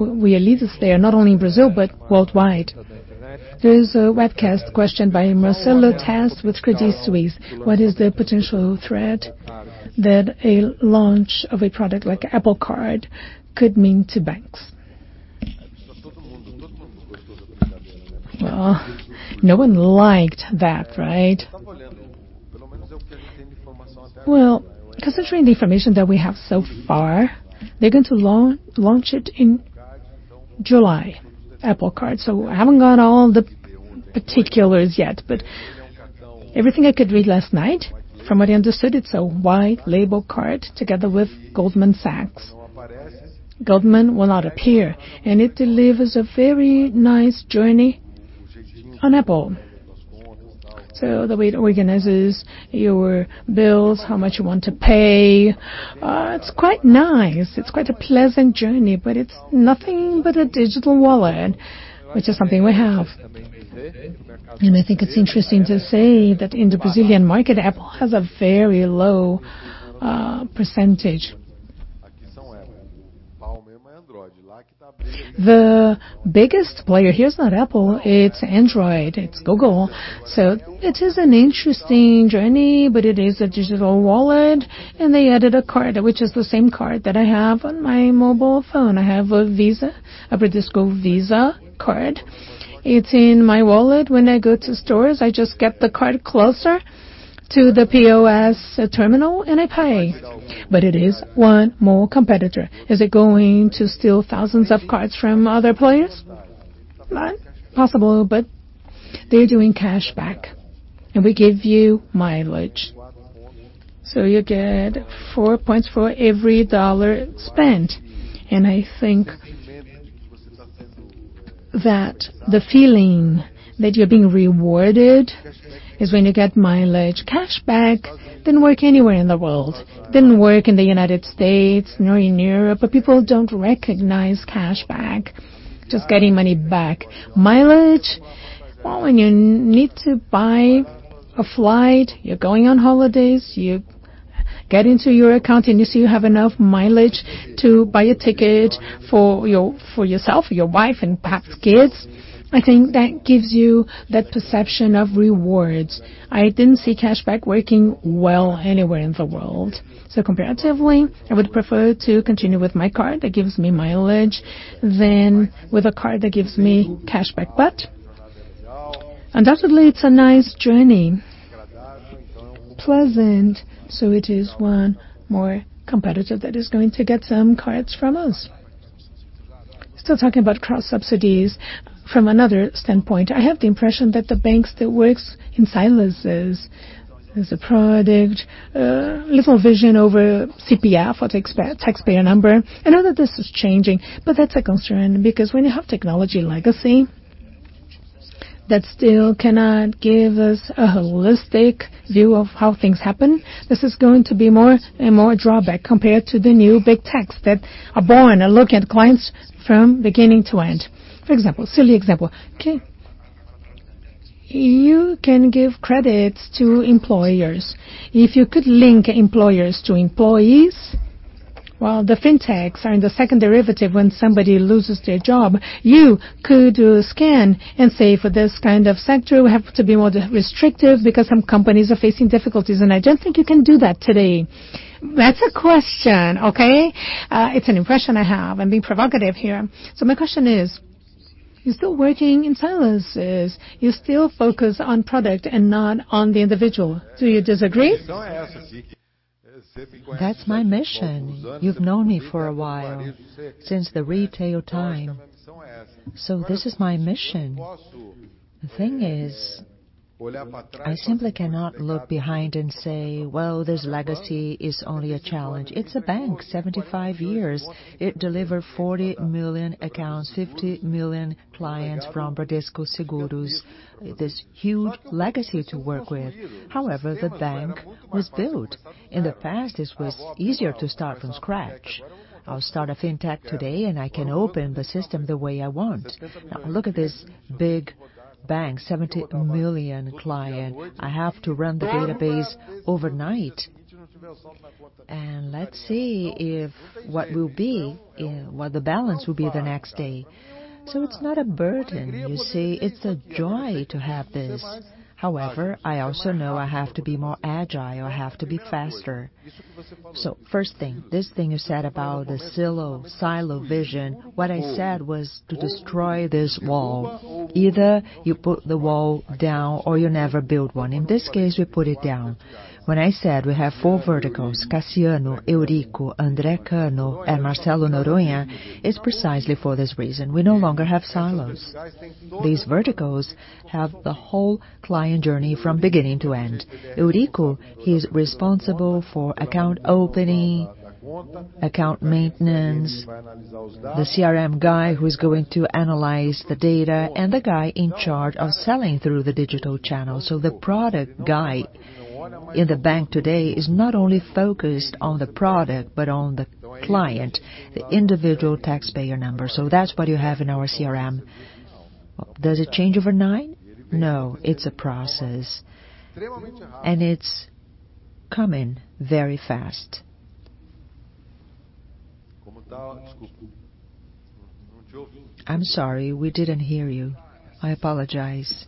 we are leaders there, not only in Brazil, but worldwide. There is a webcast question by Marcelo Telles with Credit Suisse. What is the potential threat that a launch of a product like Apple Card could mean to banks? No one liked that, right? Considering the information that we have so far, they're going to launch it in July, Apple Card. I haven't got all the particulars yet, but everything I could read last night, from what I understood, it's a white label card together with Goldman Sachs. Goldman will not appear, and it delivers a very nice journey on Apple. The way it organizes your bills, how much you want to pay, it's quite nice. It's quite a pleasant journey, but it's nothing but a digital wallet, which is something we have. I think it's interesting to say that in the Brazilian market, Apple has a very low percentage. The biggest player here is not Apple, it's Android, it's Google. It is an interesting journey, but it is a digital wallet. They added a card, which is the same card that I have on my mobile phone. I have a Bradesco Visa card. It's in my wallet. When I go to stores, I just get the card closer to the POS terminal and I pay. It is one more competitor. Is it going to steal thousands of cards from other players? Possible, but they're doing cashback, and we give you mileage. You get four points for every dollar spent. I think that the feeling that you're being rewarded is when you get mileage. Cashback didn't work anywhere in the world, didn't work in the U.S. nor in Europe, but people don't recognize cashback, just getting money back. Mileage, when you need to buy a flight, you're going on holidays, you get into your account, and you see you have enough mileage to buy a ticket for yourself, your wife, and perhaps kids. I think that gives you that perception of rewards. I didn't see cashback working well anywhere in the world. Comparatively, I would prefer to continue with my card that gives me mileage than with a card that gives me cashback. Undoubtedly, it's a nice journey. Pleasant. It is one more competitor that is going to get some cards from us. Still talking about cross subsidies from another standpoint, I have the impression that the banks that works in silos as a product, little vision over CPF or taxpayer number. I know that this is changing, but that's a constraint because when you have technology legacy that still cannot give us a holistic view of how things happen, this is going to be more and more drawback compared to the new Big Techs that are born and look at clients from beginning to end. For example, silly example, okay? You can give credits to employers. If you could link employers to employees, the fintechs are in the second derivative. When somebody loses their job, you could scan and say, "For this kind of sector, we have to be more restrictive because some companies are facing difficulties." I don't think you can do that today. That's a question, okay? It's an impression I have. I'm being provocative here. My question is, you're still working in silos. You're still focused on product and not on the individual. Do you disagree? That's my mission. You've known me for a while, since the retail time. This is my mission. The thing is I simply cannot look behind and say, "Well, this legacy is only a challenge." It's a bank, 75 years. It delivered 40 million accounts, 50 million clients from Bradesco Seguros, this huge legacy to work with. However, the bank was built. In the past, it was easier to start from scratch. I'll start a fintech today, and I can open the system the way I want. Now look at this big bank, 70 million clients. I have to run the database overnight, and let's see what the balance will be the next day. It's not a burden, you see? It's a joy to have this. However, I also know I have to be more agile. I have to be faster. First thing, this thing you said about the silo vision, what I said was to destroy this wall. Either you put the wall down, or you never build one. In this case, we put it down. When I said we have 4 verticals, Cassiano, Eurico, André Cano, and Marcelo Noronha, it's precisely for this reason. We no longer have silos. These verticals have the whole client journey from beginning to end. Eurico, he's responsible for account opening, account maintenance, the CRM guy who's going to analyze the data, and the guy in charge of selling through the digital channel. The product guy in the bank today is not only focused on the product, but on the client, the individual taxpayer number. That's what you have in our CRM. Does it change overnight? No, it's a process. It's coming very fast. I'm sorry, we didn't hear you. I apologize.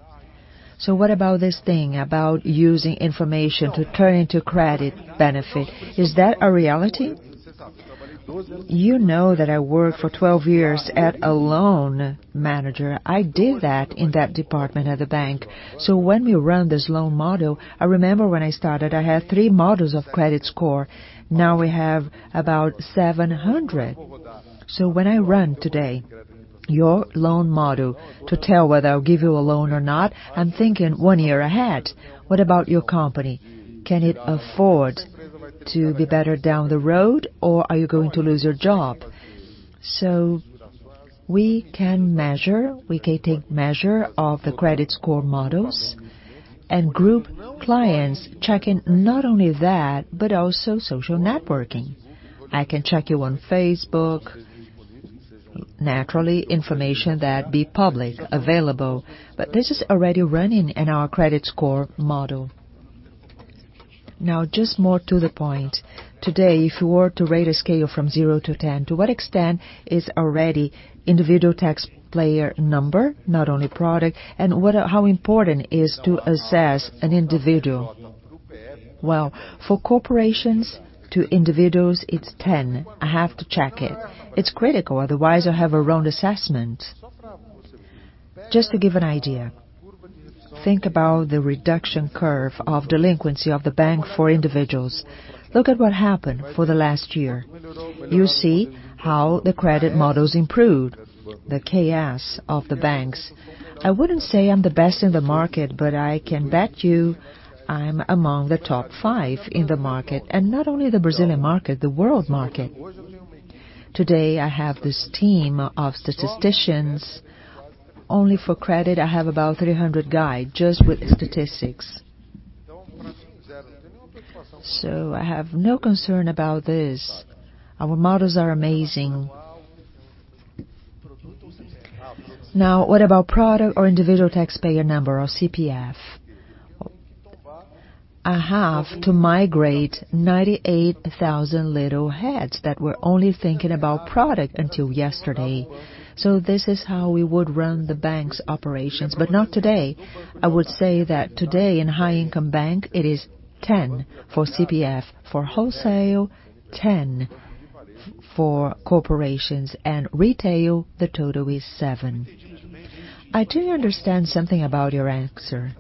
What about this thing about using information to turn into credit benefit? Is that a reality? You know that I worked for 12 years as a loan manager. I did that in that department at the bank. When we run this loan model, I remember when I started, I had three models of credit score. Now we have about 700. When I run today your loan model to tell whether I'll give you a loan or not, I'm thinking one year ahead. What about your company? Can it afford to be better down the road, or are you going to lose your job? We can measure, we can take measure of the credit score models and group clients checking not only that, but also social networking. I can check you on Facebook, naturally, information that'd be public available. This is already running in our credit score model. Just more to the point. Today, if you were to rate a scale from 0 to 10, to what extent is already individual taxpayer number, not only product, and how important is to assess an individual? Well, for corporations to individuals, it's 10. I have to check it. It's critical, otherwise, I'll have a wrong assessment. Just to give an idea, think about the reduction curve of delinquency of the bank for individuals. Look at what happened for the last year. You see how the credit models improved the cash of the banks. I wouldn't say I'm the best in the market, but I can bet you I'm among the top 5 in the market. Not only the Brazilian market, the world market. Today, I have this team of statisticians. Only for credit, I have about 300 guys just with statistics. I have no concern about this. Our models are amazing. What about product or individual taxpayer number or CPF? I have to migrate 98,000 little heads that were only thinking about product until yesterday. This is how we would run the bank's operations, but not today. I would say that today in high income bank, it is 10 for CPF, for wholesale, 10 for corporations, and retail, the total is 7. I do understand something about your answer.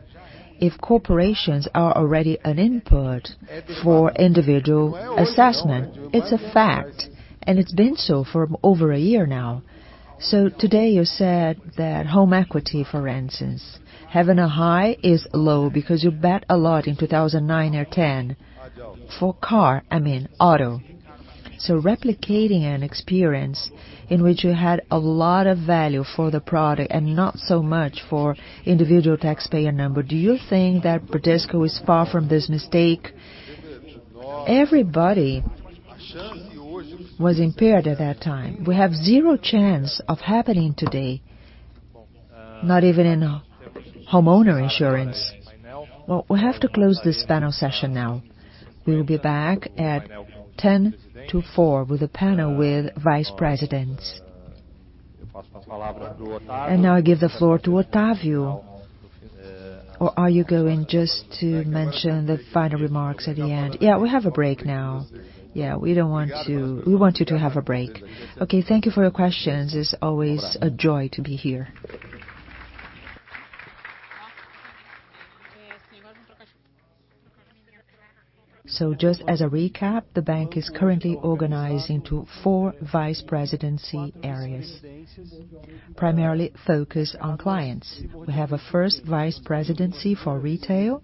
If corporations are already an input for individual assessment- It's a fact, and it's been so for over a year now. Today you said that home equity, for instance, having a high is low because you bet a lot in 2009 or 2010. For car, I mean auto. Replicating an experience in which you had a lot of value for the product and not so much for individual taxpayer number, do you think that Bradesco is far from this mistake? Everybody was impaired at that time. We have 0 chance of happening today, not even in homeowner insurance. Well, we have to close this panel session now. We will be back at 10 to 4 with a panel with vice presidents. Now I give the floor to Otavio. Or are you going just to mention the final remarks at the end? Yeah, we have a break now. Yeah, we want you to have a break. Okay, thank you for your questions. It's always a joy to be here. Just as a recap, the bank is currently organized into 4 vice presidency areas, primarily focused on clients. We have a first vice presidency for retail,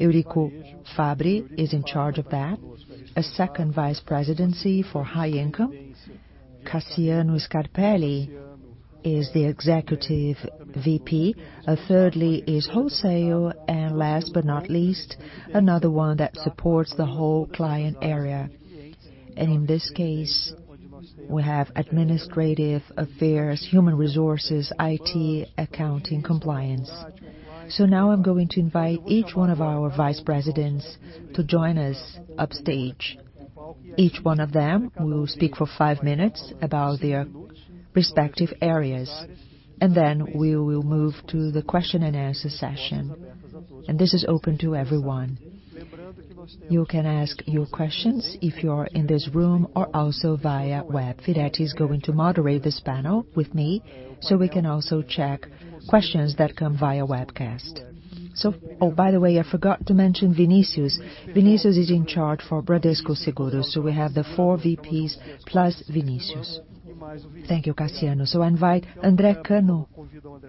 Eurico Fabri is in charge of that. A second vice presidency for high income, Cassiano Scarpelli is the Executive VP. Thirdly is wholesale, and last but not least, another one that supports the whole client area. In this case, we have administrative affairs, human resources, IT, accounting, compliance. Now I'm going to invite each one of our vice presidents to join us upstage. Each one of them will speak for five minutes about their respective areas, then we will move to the question and answer session. This is open to everyone. You can ask your questions if you are in this room or also via web. Firetti is going to moderate this panel with me. We can also check questions that come via webcast. By the way, I forgot to mention Vinicius. Vinicius is in charge for Bradesco Seguros. We have the four VPs plus Vinicius. Thank you, Cassiano. I invite André Cano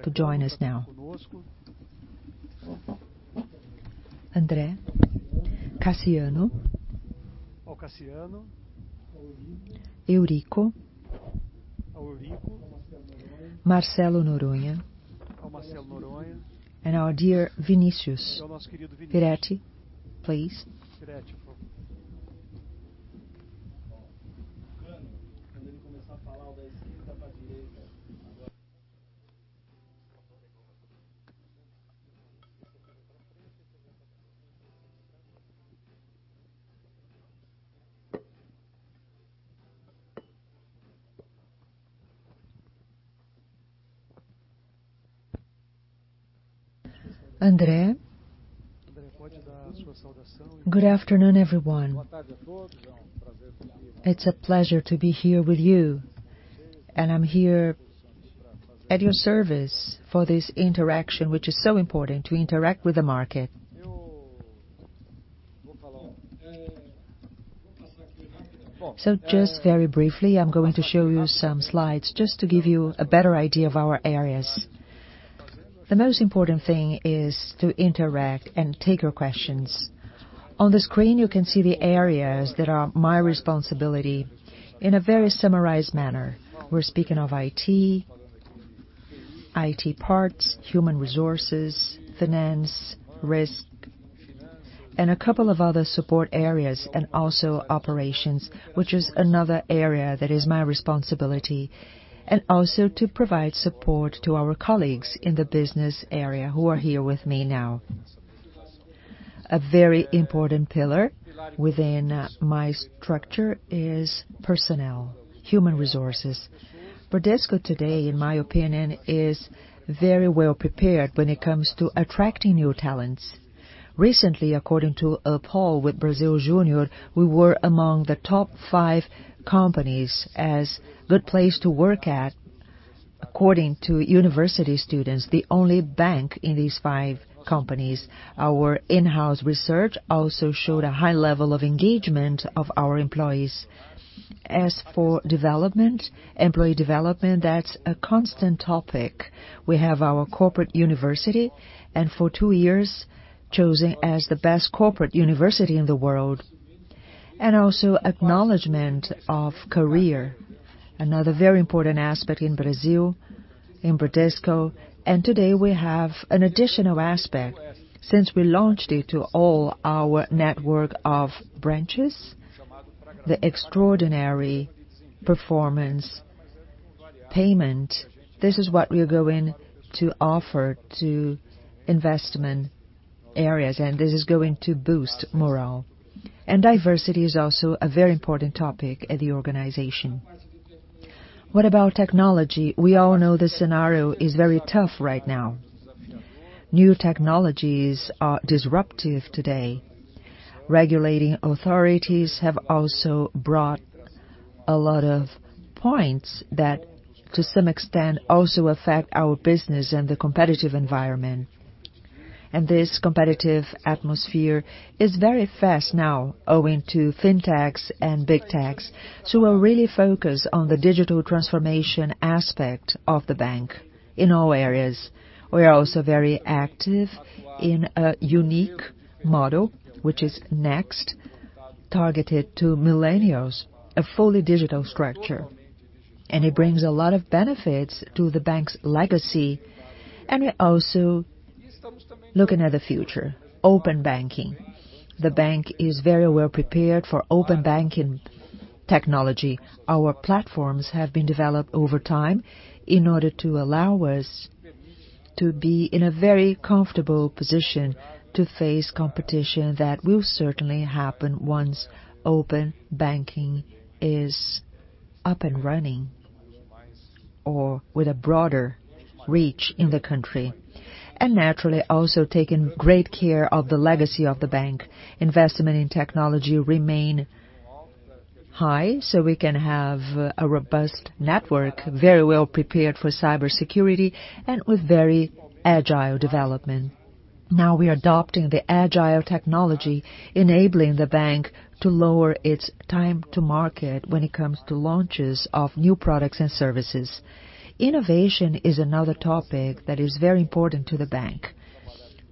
to join us now. Andre, Cassiano. Cassiano. Eurico. Eurico. Marcelo Noronha. Marcelo Noronha. Our dear Vinicius. Firetti, please. Firetti. André. Good afternoon, everyone. It's a pleasure to be here with you, I'm here at your service for this interaction, which is so important, to interact with the market. Just very briefly, I'm going to show you some slides just to give you a better idea of our areas. The most important thing is to interact and take your questions. On the screen, you can see the areas that are my responsibility in a very summarized manner. We're speaking of IT parts, human resources, finance, risk, and a couple of other support areas, and also operations, which is another area that is my responsibility. Also to provide support to our colleagues in the business area who are here with me now. A very important pillar within my structure is personnel, human resources. Bradesco today, in my opinion, is very well prepared when it comes to attracting new talents. Recently, according to a poll with Brasil Júnior, we were among the top five companies as good place to work at according to university students, the only bank in these five companies. Our in-house research also showed a high level of engagement of our employees. As for development, employee development, that's a constant topic. We have our corporate university, for two years chosen as the best corporate university in the world. Also acknowledgment of career, another very important aspect in Brazil, in Bradesco. Today we have an additional aspect since we launched it to all our network of branches, the extraordinary performance payment. This is what we are going to offer to investment areas, this is going to boost morale. Diversity is also a very important topic at the organization. What about technology? We all know the scenario is very tough right now. New technologies are disruptive today. Regulating authorities have also brought a lot of points that, to some extent, also affect our business and the competitive environment. This competitive atmosphere is very fast now owing to fintechs and bigtechs. We're really focused on the digital transformation aspect of the bank in all areas. We are also very active in a unique model, which is Next, targeted to millennials, a fully digital structure. It brings a lot of benefits to the bank's legacy. We're also looking at the future, open banking. The bank is very well prepared for open banking technology. Our platforms have been developed over time in order to allow us to be in a very comfortable position to face competition that will certainly happen once open banking is up and running or with a broader reach in the country. Naturally, also taking great care of the legacy of the bank. Investment and technology remain high, so we can have a robust network, very well prepared for cybersecurity and with very agile development. We are adopting the agile technology, enabling the bank to lower its time to market when it comes to launches of new products and services. Innovation is another topic that is very important to the bank.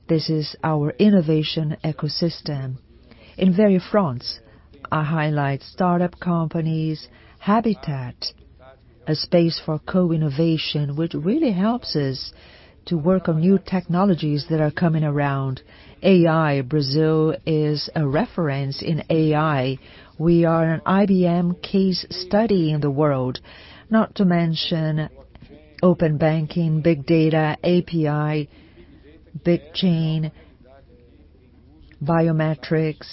This is our innovation ecosystem. In various fronts, I highlight startup companies, inovaBra habitat, a space for co-innovation, which really helps us to work on new technologies that are coming around. AI, Brazil is a reference in AI. We are an IBM case study in the world. Not to mention open banking, big data, API, blockchain, biometrics,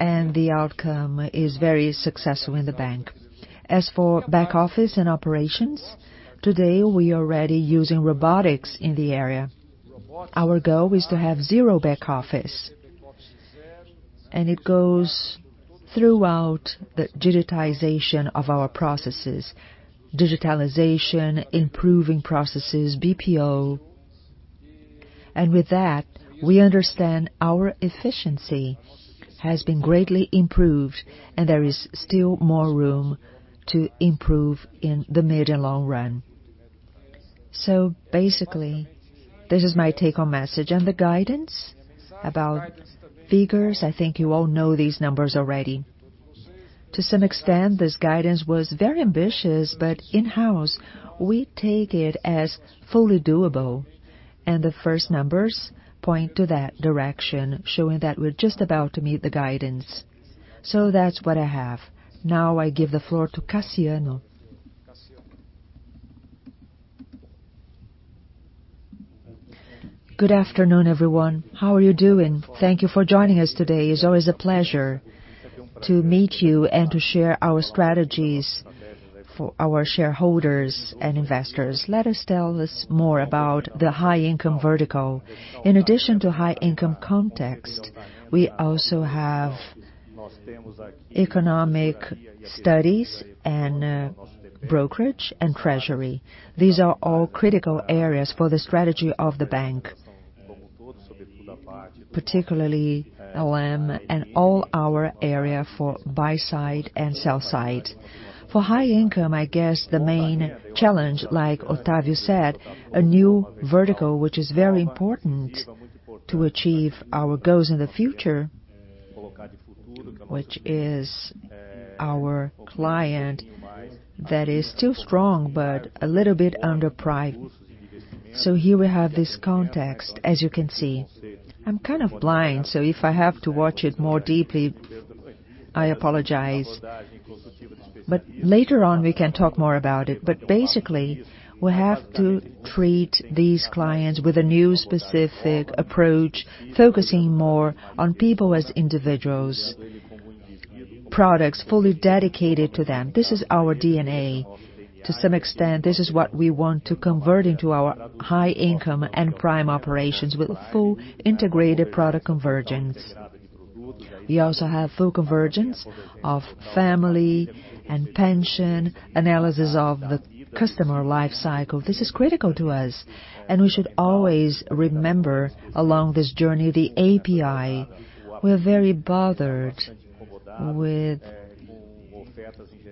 the outcome is very successful in the bank. As for back office and operations, today, we are already using robotics in the area. Our goal is to have zero back office. It goes throughout the digitization of our processes, digitalization, improving processes, BPO. With that, we understand our efficiency has been greatly improved, and there is still more room to improve in the mid and long run. Basically, this is my take-home message. The guidance about figures, I think you all know these numbers already. To some extent, this guidance was very ambitious. In-house, we take it as fully doable. The first numbers point to that direction, showing that we're just about to meet the guidance. That's what I have. I give the floor to Cassiano. Good afternoon, everyone. How are you doing? Thank you for joining us today. It's always a pleasure to meet you and to share our strategies for our shareholders and investors. Let us tell us more about the high-income vertical. In addition to high-income context, we also have economic studies and brokerage and treasury. These are all critical areas for the strategy of the bank, particularly ALM and all our area for buy side and sell side. For high income, I guess the main challenge, like Octavio said, a new vertical, which is very important to achieve our goals in the future, which is our client that is still strong, but a little bit under price. Here we have this context, as you can see. If I have to watch it more deeply, I apologize. Later on, we can talk more about it. Basically, we have to treat these clients with a new specific approach, focusing more on people as individuals. Products fully dedicated to them. This is our DNA. To some extent, this is what we want to convert into our high income and Prime operations with a full integrated product convergence. We also have full convergence of family and pension, analysis of the customer life cycle. This is critical to us. We should always remember along this journey, the API. We're very bothered with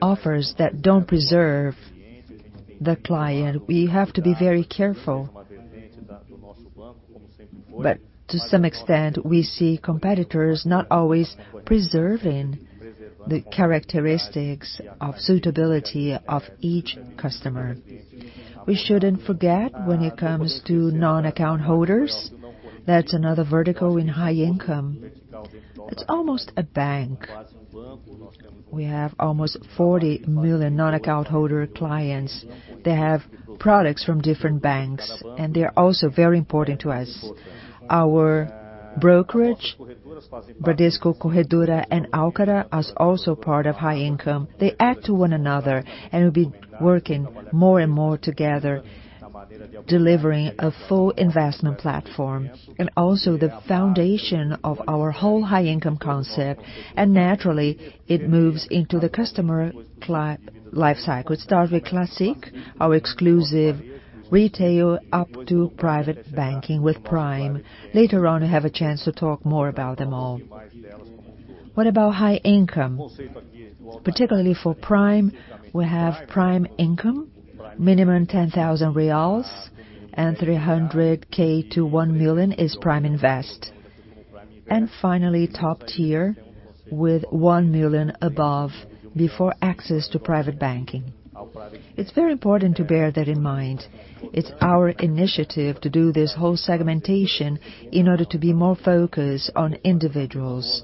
offers that don't preserve the client. We have to be very careful. To some extent, we see competitors not always preserving the characteristics of suitability of each customer. We shouldn't forget when it comes to non-account holders, that's another vertical in high income. It's almost a bank. We have almost 40 million non-account holder clients that have products from different banks. They're also very important to us. Our brokerage, Bradesco Corretora, Ágora are also part of high income. They add to one another. Will be working more and more together, delivering a full investment platform and also the foundation of our whole high-income concept. Naturally, it moves into the customer life cycle. It starts with Classic, our exclusive retail up to private banking with Prime. Later on, we have a chance to talk more about them all. What about high income? Particularly for Prime, we have prime income, minimum 10,000 reais. 300 thousand to 1 million is Prime Invest. Finally, top tier with 1 million above before access to private banking. It's very important to bear that in mind. It's our initiative to do this whole segmentation in order to be more focused on individuals.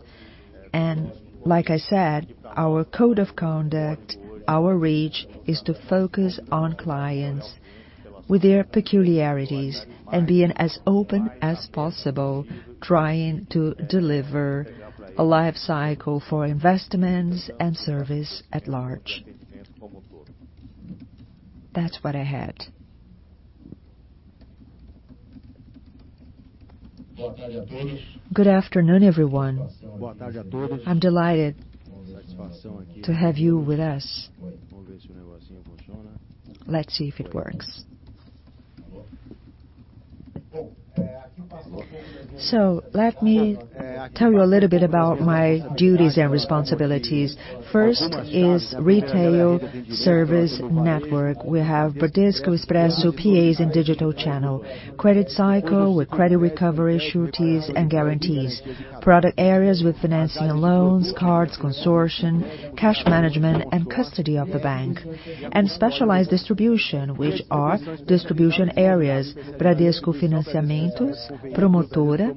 Like I said, our code of conduct, our reach is to focus on clients with their peculiarities and being as open as possible, trying to deliver a life cycle for investments and service at large. That's what I had. Good afternoon, everyone. Let's see if it works. Let me tell you a little bit about my duties and responsibilities. First is retail service network. We have Bradesco Expresso, PAs, digital channel. Credit cycle with credit recovery, sureties and guarantees. Product areas with financing and loans, cards, consortium, cash management, custody of the bank. Specialized distribution, which are distribution areas, Bradesco Financiamentos, Promotora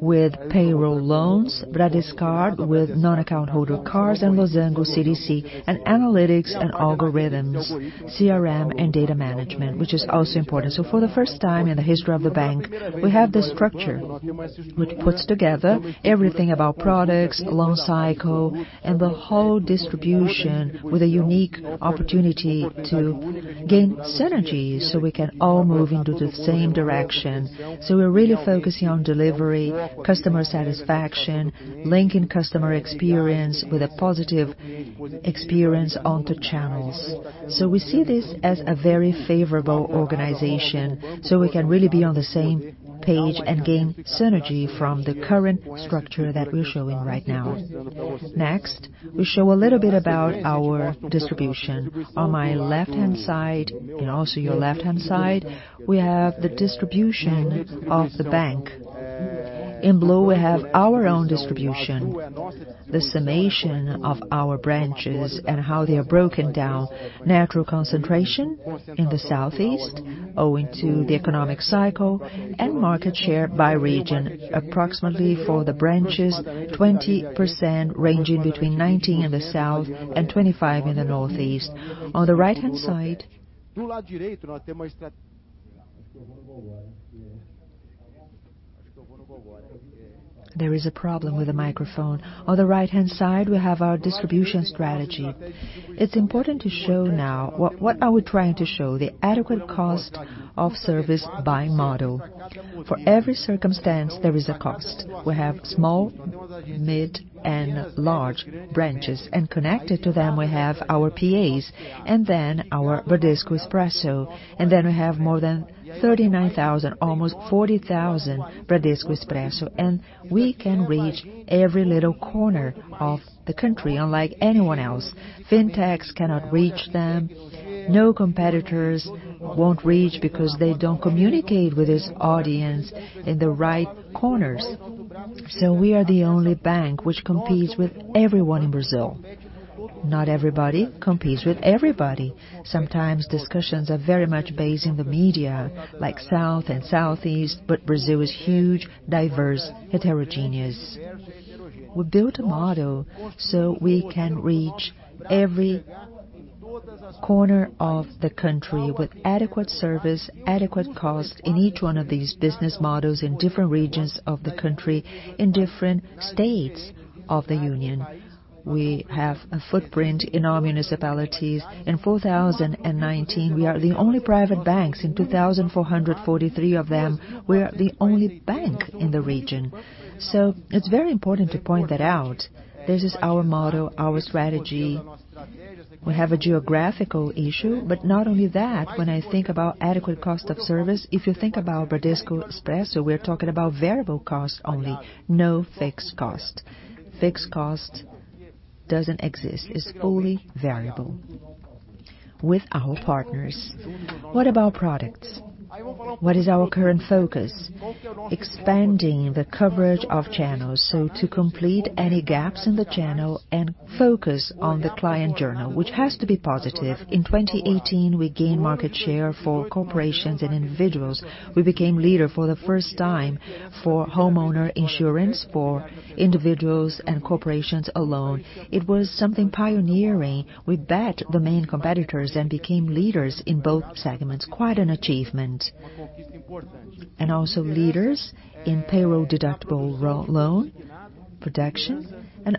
with payroll loans, Bradescard with non-account holder cards, Losango CDC. Analytics and algorithms, CRM and data management, which is also important. For the first time in the history of the bank, we have this structure which puts together everything about products, loan cycle, and the whole distribution with a unique opportunity to gain synergies so we can all move into the same direction. We're really focusing on delivery, customer satisfaction, linking customer experience with a positive experience on the channels. We see this as a very favorable organization so we can really be on the same page and gain synergy from the current structure that we're showing right now. Next, we show a little bit about our distribution. On my left-hand side, also your left-hand side, we have the distribution of the bank. In blue, we have our own distribution, the summation of our branches and how they are broken down. Natural concentration in the southeast owing to the economic cycle and market share by region, approximately for the branches, 20% ranging between 19% in the south and 25% in the northeast. On the right-hand side, there is a problem with the microphone. On the right-hand side, we have our distribution strategy. It's important to show now what are we trying to show, the adequate cost of service by model. For every circumstance, there is a cost. We have small, mid, and large branches. Connected to them, we have our PAs and our Bradesco Expresso. We have more than 39,000, almost 40,000 Bradesco Expresso. We can reach every little corner of the country unlike anyone else. Fintechs cannot reach them, no competitors won't reach because they don't communicate with this audience in the right corners. We are the only bank which competes with everyone in Brazil. Not everybody competes with everybody. Sometimes discussions are very much based in the media, like south and southeast, but Brazil is huge, diverse, heterogeneous. We built a model so we can reach every corner of the country with adequate service, adequate cost in each one of these business models in different regions of the country, in different states of the union. We have a footprint in all municipalities. In 4,019, we are the only private banks. In 2,443 of them, we are the only bank in the region. It's very important to point that out. This is our model, our strategy. We have a geographical issue, but not only that, when I think about adequate cost of service, if you think about Bradesco Expresso, we're talking about variable costs only, no fixed cost. Fixed cost doesn't exist, it's fully variable with our partners. What about products? What is our current focus? Expanding the coverage of channels, so to complete any gaps in the channel and focus on the client journey, which has to be positive. In 2018, we gained market share for corporations and individuals. We became leader for the first time for homeowner insurance for individuals and corporations alone. It was something pioneering. We beat the main competitors and became leaders in both segments. Quite an achievement. Also leaders in payroll deductible loan protection.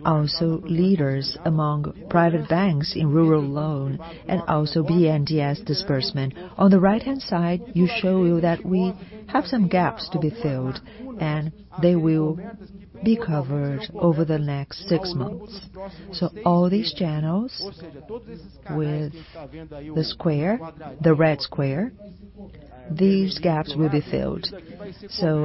Also leaders among private banks in rural loan. Also BNDES disbursement. On the right-hand side, you show that we have some gaps to be filled, and they will be covered over the next six months. All these channels with the square, the red square, these gaps will be filled.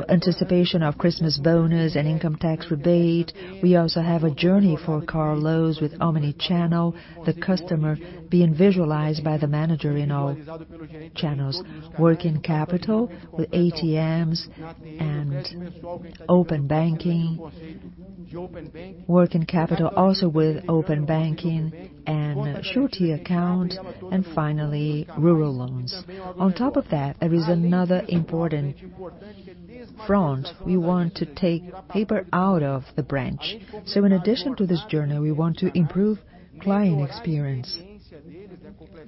Anticipation of Christmas bonus and income tax rebate. We also have a journey for car loans with omni channel, the customer being visualized by the manager in all channels. Working capital with ATMs and open banking, working capital also with open banking and surety account. Finally, rural loans. On top of that, there is another important front. We want to take paper out of the branch. In addition to this journey, we want to improve client experience,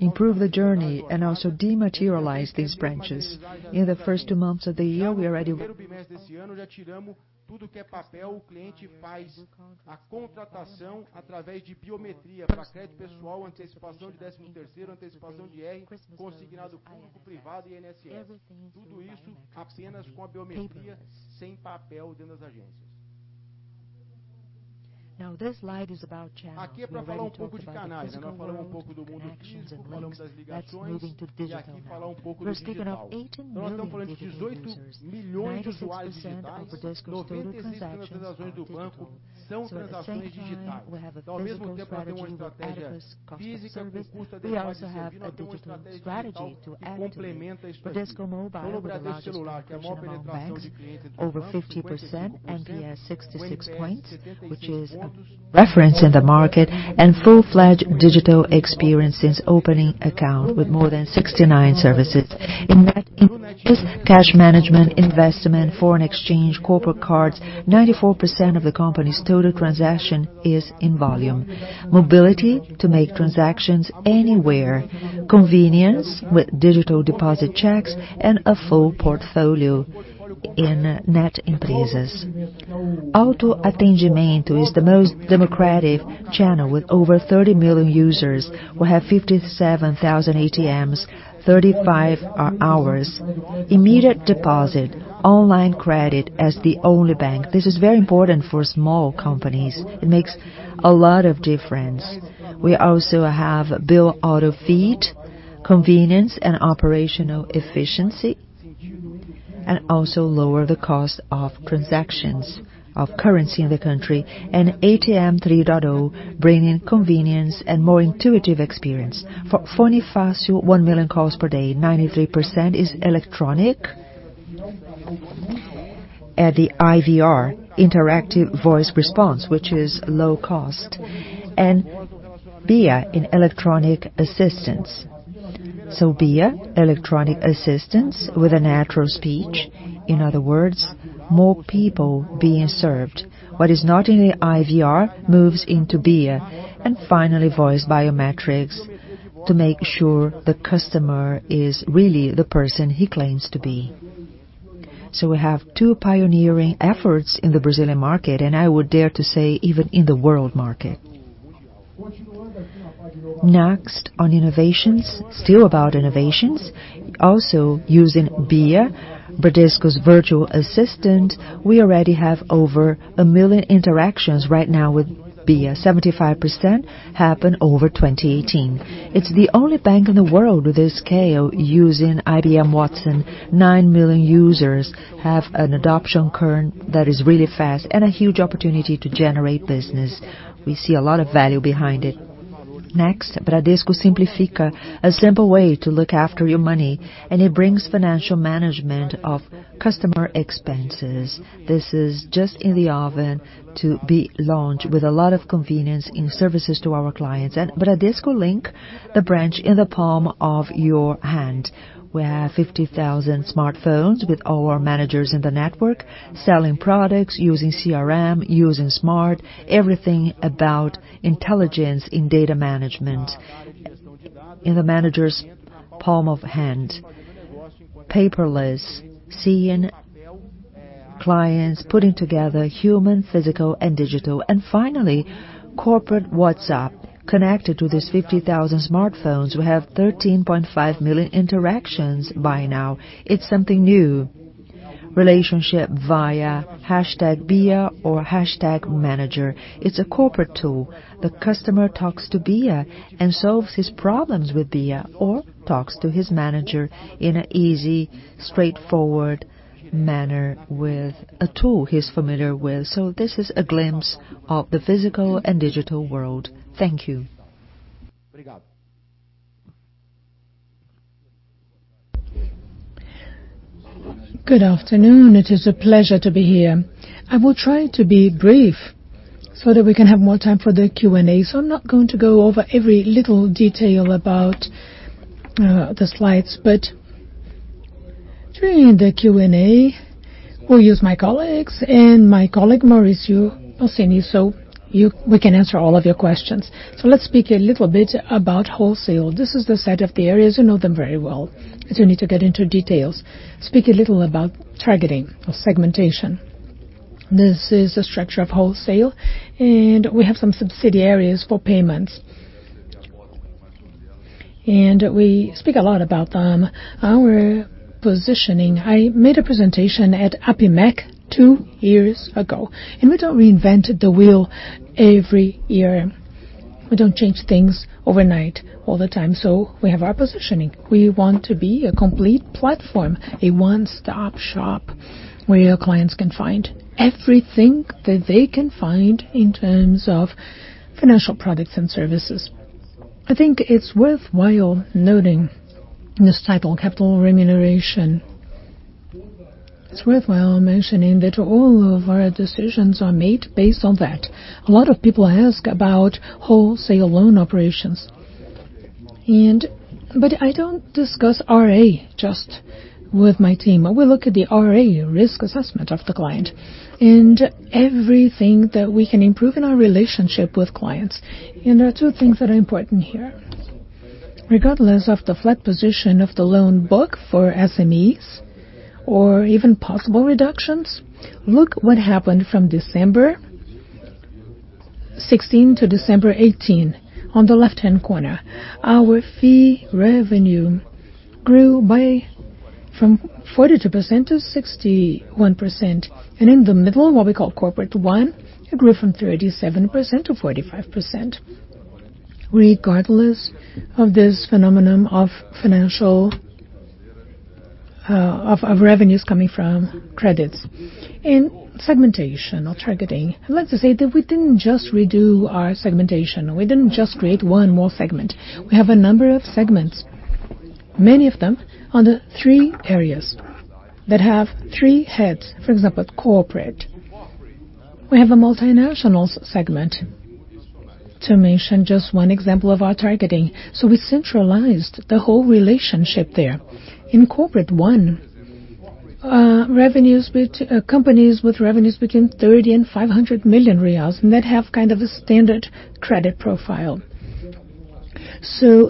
improve the journey, and also dematerialize these branches. Now, this slide is about channels. We've already talked about the physical world, transactions, and links. Let's move into digital now. We're speaking of 18 million digital users. 96% of Bradesco's total transactions are digital. At the same time, we have a physical strategy with adequate cost of service. We also have a digital strategy to add to it. Bradesco Mobile with the largest penetration among banks, over 50%, NPS 66 points, which is a reference in the market, and full-fledged digital experience since opening account with more than 69 services. In that, it's cash management, investment, foreign exchange, corporate cards. 94% of the company's total transaction is in volume. Mobility to make transactions anywhere, convenience with digital deposit checks, a full portfolio in Net Empresa. Autoatendimento is the most democratic channel with over 30 million users who have 57,000 ATMs, 35 are ours. Immediate deposit, online credit as the only bank. This is very important for small companies. It makes a lot of difference. We also have bill auto feed, convenience, operational efficiency, lower the cost of transactions of currency in the country, and ATM 3.0, bringing convenience and more intuitive experience. Fone Fácil, 1 million calls per day, 93% is electronic at the IVR, interactive voice response, which is low cost, and BIA in electronic assistance. BIA, electronic assistance with a natural speech. In other words, more people being served. What is not in the IVR moves into BIA. Finally, voice biometrics to make sure the customer is really the person he claims to be. We have two pioneering efforts in the Brazilian market, I would dare to say even in the world market. On innovations, still about innovations, also using BIA, Bradesco's virtual assistant. We already have over 1 million interactions right now with BIA. 75% happened over 2018. It is the only bank in the world with this scale using IBM Watson. 9 million users have an adoption current that is really fast and a huge opportunity to generate business. We see a lot of value behind it. Bradesco Simplifica, a simple way to look after your money, it brings financial management of customer expenses. This is just in the oven to be launched with a lot of convenience in services to our clients. Bradesco Link, the branch in the palm of your hand. We have 50,000 smartphones with our managers in the network selling products, using CRM, using smart, everything about intelligence in data management in the manager's palm of hand. Paperless, seeing clients, putting together human, physical, and digital. Finally, corporate WhatsApp connected to these 50,000 smartphones. We have 13.5 million interactions by now. It's something new. Relationship via #BIA or #manager. It's a corporate tool. The customer talks to BIA and solves his problems with BIA or talks to his manager in an easy, straightforward manner with a tool he's familiar with. This is a glimpse of the physical and digital world. Thank you. Good afternoon. It is a pleasure to be here. I will try to be brief so that we can have more time for the Q&A. I'm not going to go over every little detail about the slides, but during the Q&A, we'll use my colleagues and my colleague, Mauricio Possini, we can answer all of your questions. Let's speak a little bit about wholesale. This is the side of the areas you know them very well, so we need to get into details. Speak a little about targeting or segmentation. This is the structure of wholesale, we have some subsidiaries for payments. We speak a lot about them. Our positioning, I made a presentation at APIMEC two years ago, we don't reinvent the wheel every year. We don't change things overnight all the time. We have our positioning. We want to be a complete platform, a one-stop shop where your clients can find everything that they can find in terms of financial products and services. I think it's worthwhile noting this type of capital remuneration. It's worthwhile mentioning that all of our decisions are made based on that. A lot of people ask about wholesale loan operations. I don't discuss RA just with my team. We look at the RA, risk assessment of the client, and everything that we can improve in our relationship with clients. There are two things that are important here. Regardless of the flat position of the loan book for SMEs or even possible reductions, look what happened from December 2016 to December 2018 on the left-hand corner. Our fee revenue grew from 42% to 61%. In the middle, what we call Corporate One, it grew from 37% to 45%, regardless of this phenomenon of revenues coming from credits. In segmentation or targeting, let's say that we didn't just redo our segmentation, and we didn't just create one more segment. We have a number of segments, many of them on the three areas that have three heads. For example, corporate. We have a multinationals segment to mention just one example of our targeting. We centralized the whole relationship there. In Corporate One, companies with revenues between 30 million and 500 million reais and that have kind of a standard credit profile.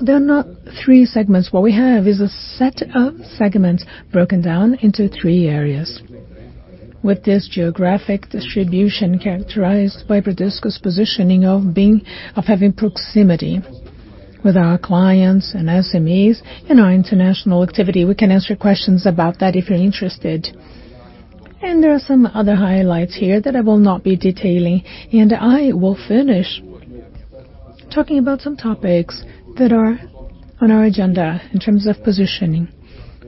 They're not three segments. What we have is a set of segments broken down into three areas. With this geographic distribution characterized by Bradesco's positioning of having proximity with our clients and SMEs in our international activity. We can answer questions about that if you're interested. There are some other highlights here that I will not be detailing, and I will finish talking about some topics that are on our agenda in terms of positioning.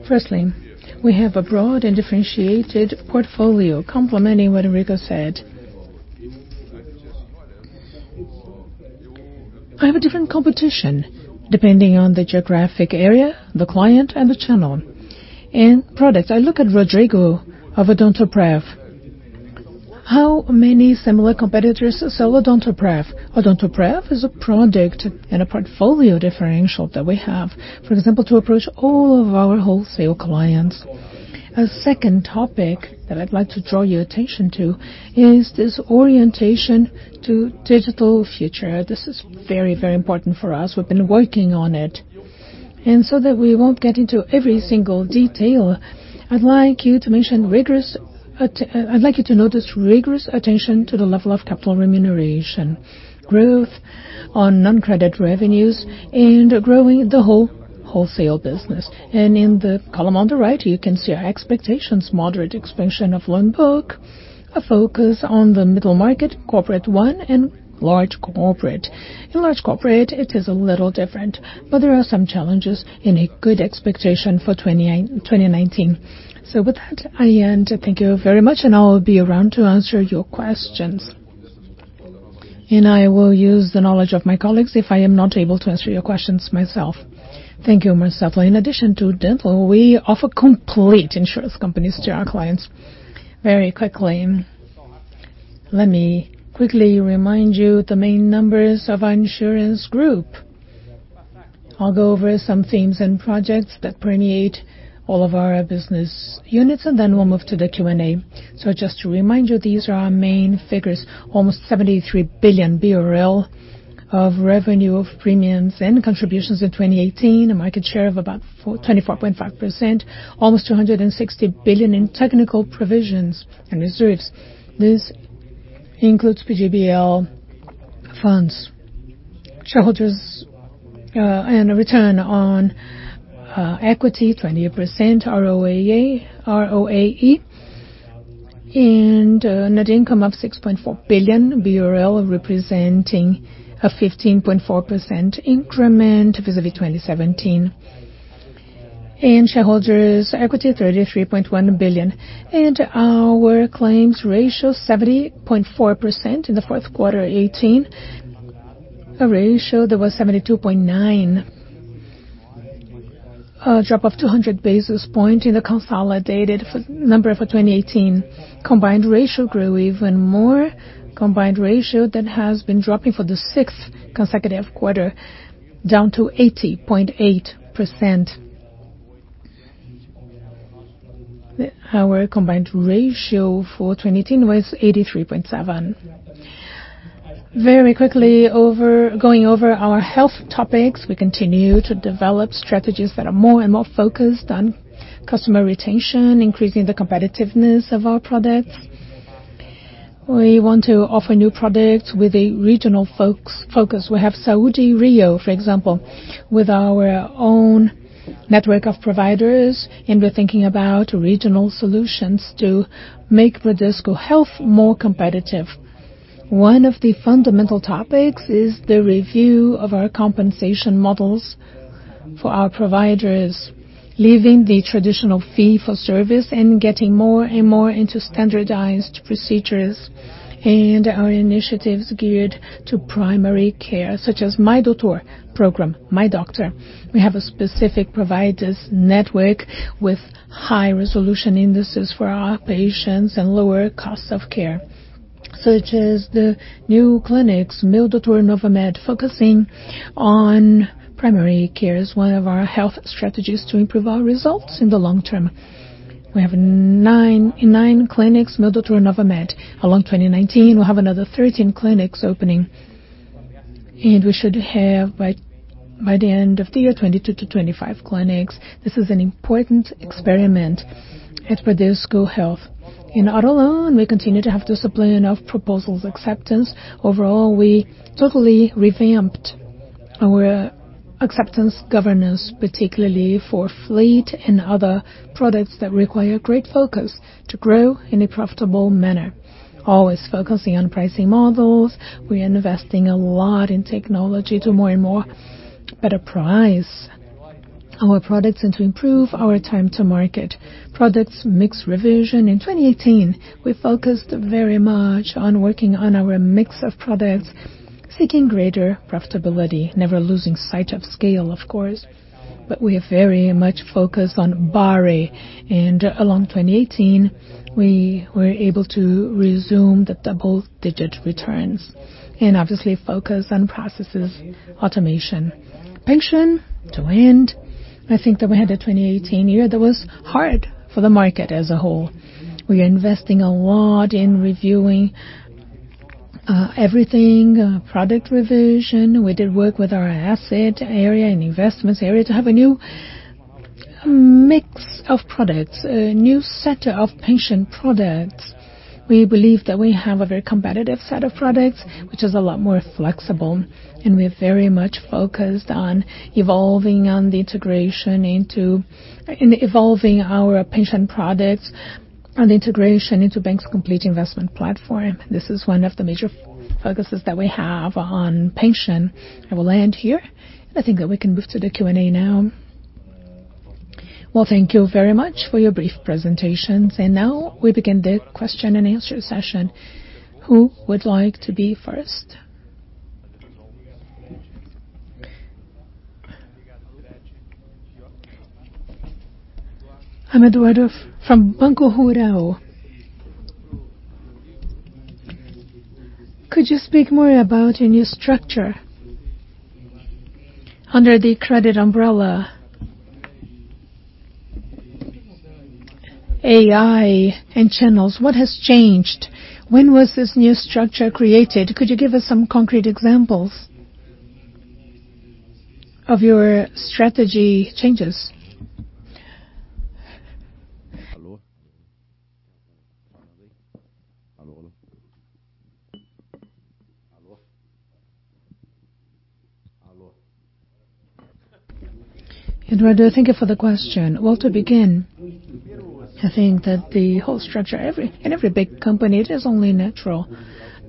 Firstly, we have a broad and differentiated portfolio complementing what Eurico said. I have a different competition depending on the geographic area, the client and the channel, and products. I look at Rodrigo of OdontoPrev. How many similar competitors sell OdontoPrev? OdontoPrev is a product and a portfolio differential that we have, for example, to approach all of our wholesale clients. A second topic that I'd like to draw your attention to is this orientation to digital future. This is very important for us. We've been working on it. That we won't get into every single detail, I'd like you to notice rigorous attention to the level of capital remuneration, growth on non-credit revenues, and growing the whole wholesale business. In the column on the right, you can see our expectations, moderate expansion of loan book, a focus on the middle market, Corporate One and large corporate. In large corporate, it is a little different, but there are some challenges and a good expectation for 2019. With that, I end. Thank you very much, and I'll be around to answer your questions. I will use the knowledge of my colleagues if I am not able to answer your questions myself. Thank you, Marcelo. In addition to dental, we offer complete insurance companies to our clients. Very quickly, let me quickly remind you the main numbers of our insurance group. I'll go over some themes and projects that permeate all of our business units, then we'll move to the Q&A. Just to remind you, these are our main figures. Almost 73 billion BRL of revenue of premiums and contributions in 2018, a market share of about 24.5%, almost 260 billion in technical provisions and reserves. This includes PGBL funds, shareholders, and a return on equity, 20% ROAE, and a net income of 6.4 billion, representing a 15.4% increment vis-à-vis 2017, and shareholders' equity, 33.1 billion. Our claims ratio, 70.4% in the fourth quarter 2018, a ratio that was 72.9%, a drop of 200 basis points in the consolidated number for 2018. Combined ratio grew even more. Combined ratio that has been dropping for the sixth consecutive quarter, down to 80.8%. Our combined ratio for 2018 was 83.7%. Very quickly, going over our health topics, we continue to develop strategies that are more and more focused on customer retention, increasing the competitiveness of our products. We want to offer new products with a regional focus. We have Saúde Rio, for example, with our own network of providers, and we're thinking about regional solutions to make Bradesco Health more competitive. One of the fundamental topics is the review of our compensation models for our providers, leaving the traditional fee for service and getting more and more into standardized procedures and our initiatives geared to primary care, such as Meu Doutor program, My Doctor. We have a specific providers network with high resolution indices for our patients and lower costs of care, such as the new clinics, Meu Doutor Novamed, focusing on primary care as one of our health strategies to improve our results in the long term. We have nine clinics, Meu Doutor Novamed. Along 2019, we'll have another 13 clinics opening, and we should have, by the end of the year, 22 to 25 clinics. This is an important experiment at Bradesco Health. In auto loan, we continue to have discipline of proposals acceptance. Overall, we totally revamped our acceptance governance, particularly for fleet and other products that require great focus to grow in a profitable manner. Always focusing on pricing models. We're investing a lot in technology to more and more better price our products and to improve our time to market. Products mix revision. In 2018, we focused very much on working on our mix of products, seeking greater profitability, never losing sight of scale, of course, but we are very much focused on BARRE. Along 2018, we were able to resume the double-digit returns and obviously focus on processes automation. Pension, to end, I think that we had a 2018 year that was hard for the market as a whole. We are investing a lot in reviewing everything, product revision. We did work with our asset area and investments area to have a new mix of products, a new set of pension products. We believe that we have a very competitive set of products, which is a lot more flexible, and we're very much focused on evolving our pension products and integration into bank's complete investment platform. This is one of the major focuses that we have on pension. I will end here. I think that we can move to the Q&A now. Well, thank you very much for your brief presentations. Now we begin the question and answer session. Who would like to be first? Eduardo from Banco Rural. Could you speak more about your new structure under the credit umbrella, AI, and channels? What has changed? When was this new structure created? Could you give us some concrete examples of your strategy changes? Eduardo, thank you for the question. Well, to begin, I think that the whole structure, in every big company, it is only natural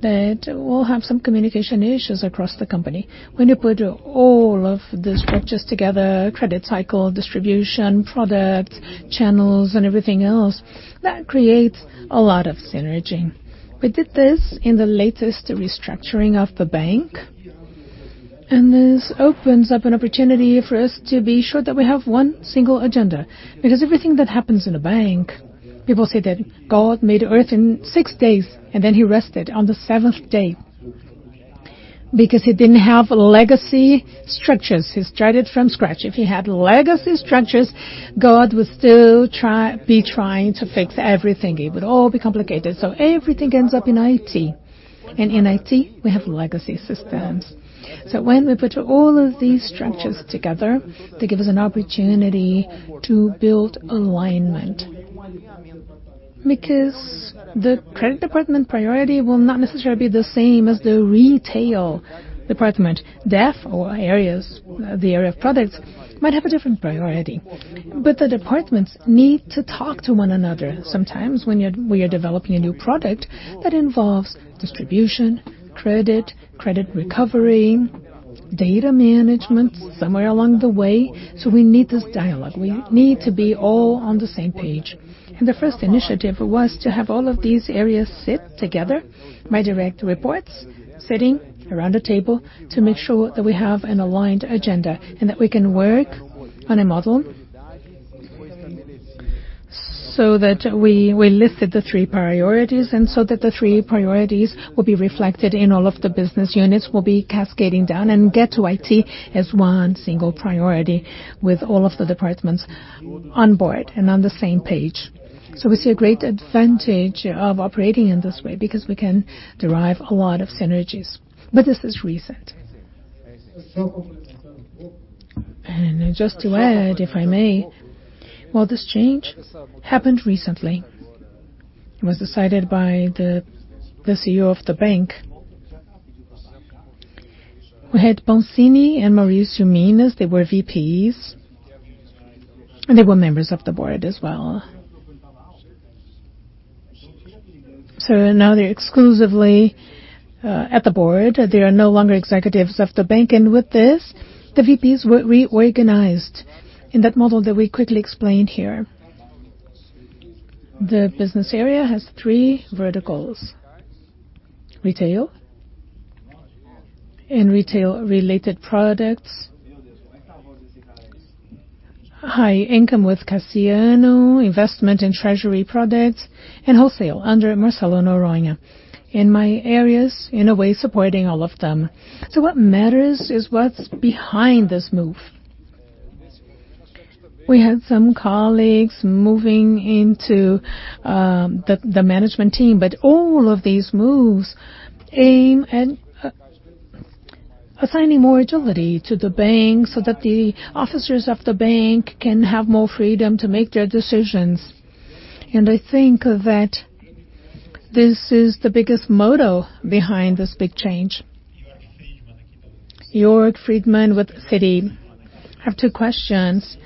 that we'll have some communication issues across the company. When you put all of the structures together, credit cycle, distribution, product, channels, and everything else, that creates a lot of synergy. We did this in the latest restructuring of the bank, and this opens up an opportunity for us to be sure that we have one single agenda. Because everything that happens in a bank, people say that God made Earth in six days, and then he rested on the seventh day because he didn't have legacy structures. He started from scratch. If he had legacy structures, God would still be trying to fix everything. It would all be complicated. Everything ends up in IT. In IT, we have legacy systems. When we put all of these structures together, they give us an opportunity to build alignment. The credit department priority will not necessarily be the same as the retail department. Or the area of products might have a different priority. The departments need to talk to one another. Sometimes when we are developing a new product, that involves distribution, credit recovery, data management somewhere along the way. We need this dialogue. We need to be all on the same page. The first initiative was to have all of these areas sit together, my direct reports, sitting around a table to make sure that we have an aligned agenda and that we can work on a model. That we listed the three priorities and that the three priorities will be reflected in all of the business units, will be cascading down and get to IT as one single priority with all of the departments on board and on the same page. We see a great advantage of operating in this way because we can derive a lot of synergies. This is recent. Just to add, if I may, while this change happened recently, it was decided by the CEO of the bank. We had Pancini and Mauricio Minas, they were VPs, and they were members of the board as well. Now they're exclusively at the board. They are no longer executives of the bank. With this, the VPs were reorganized in that model that we quickly explained here. The business area has three verticals: retail and retail related products, high income with Cassiano, investment and treasury products, and wholesale under Marcelo Noronha. My area's, in a way, supporting all of them. What matters is what's behind this move. We had some colleagues moving into the management team, all of these moves aim at assigning more agility to the bank so that the officers of the bank can have more freedom to make their decisions. I think that this is the biggest motto behind this big change. Jorg Friedman with Citi. I have two questions.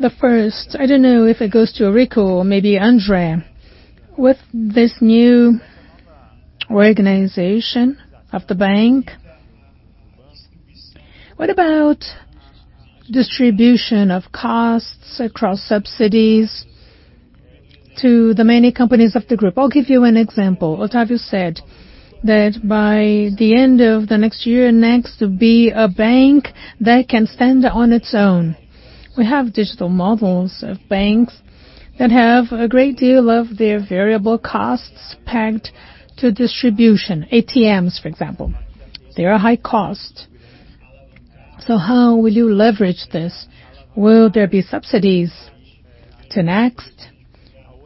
The first, I don't know if it goes to Rico or maybe Andre. With this new organization of the bank, what about distribution of costs across subsidies to the many companies of the group? I'll give you an example. Octavio said that by the end of the next year, Next will be a bank that can stand on its own. We have digital models of banks that have a great deal of their variable costs pegged to distribution. ATMs, for example, they are high cost. How will you leverage this? Will there be subsidies to Next?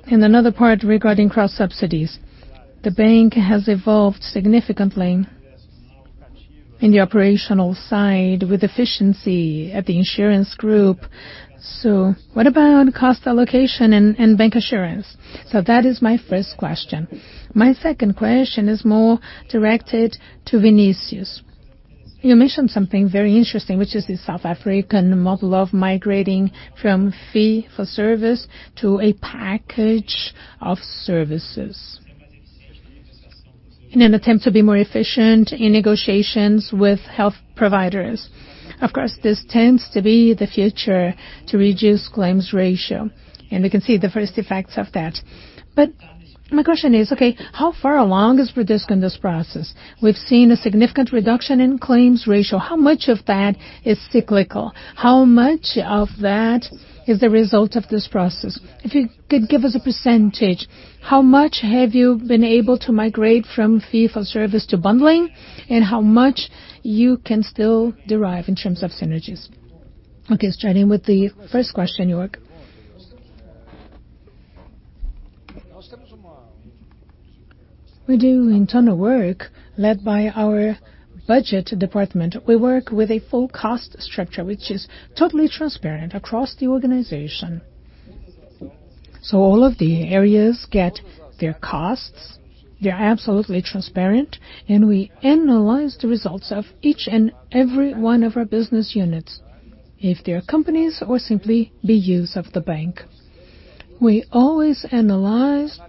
Another part regarding cross subsidies. The bank has evolved significantly in the operational side with efficiency at the insurance group. What about cost allocation and bank insurance? That is my first question. My second question is more directed to Vinicius. You mentioned something very interesting, which is the South African model of migrating from fee for service to a package of services in an attempt to be more efficient in negotiations with health providers. Of course, this tends to be the future to reduce claims ratio, and we can see the first effects of that. My question is, okay, how far along is Bradesco in this process? We've seen a significant reduction in claims ratio. How much of that is cyclical? How much of that is the result of this process? If you could give us a percentage, how much have you been able to migrate from fee for service to bundling, and how much you can still derive in terms of synergies? Okay, starting with the first question, Jorg. We do internal work led by our budget department. We work with a full cost structure, which is totally transparent across the organization. All of the areas get their costs, they're absolutely transparent, and we analyze the results of each and every one of our business units, if they're companies or simply BUs of the bank. We always analyze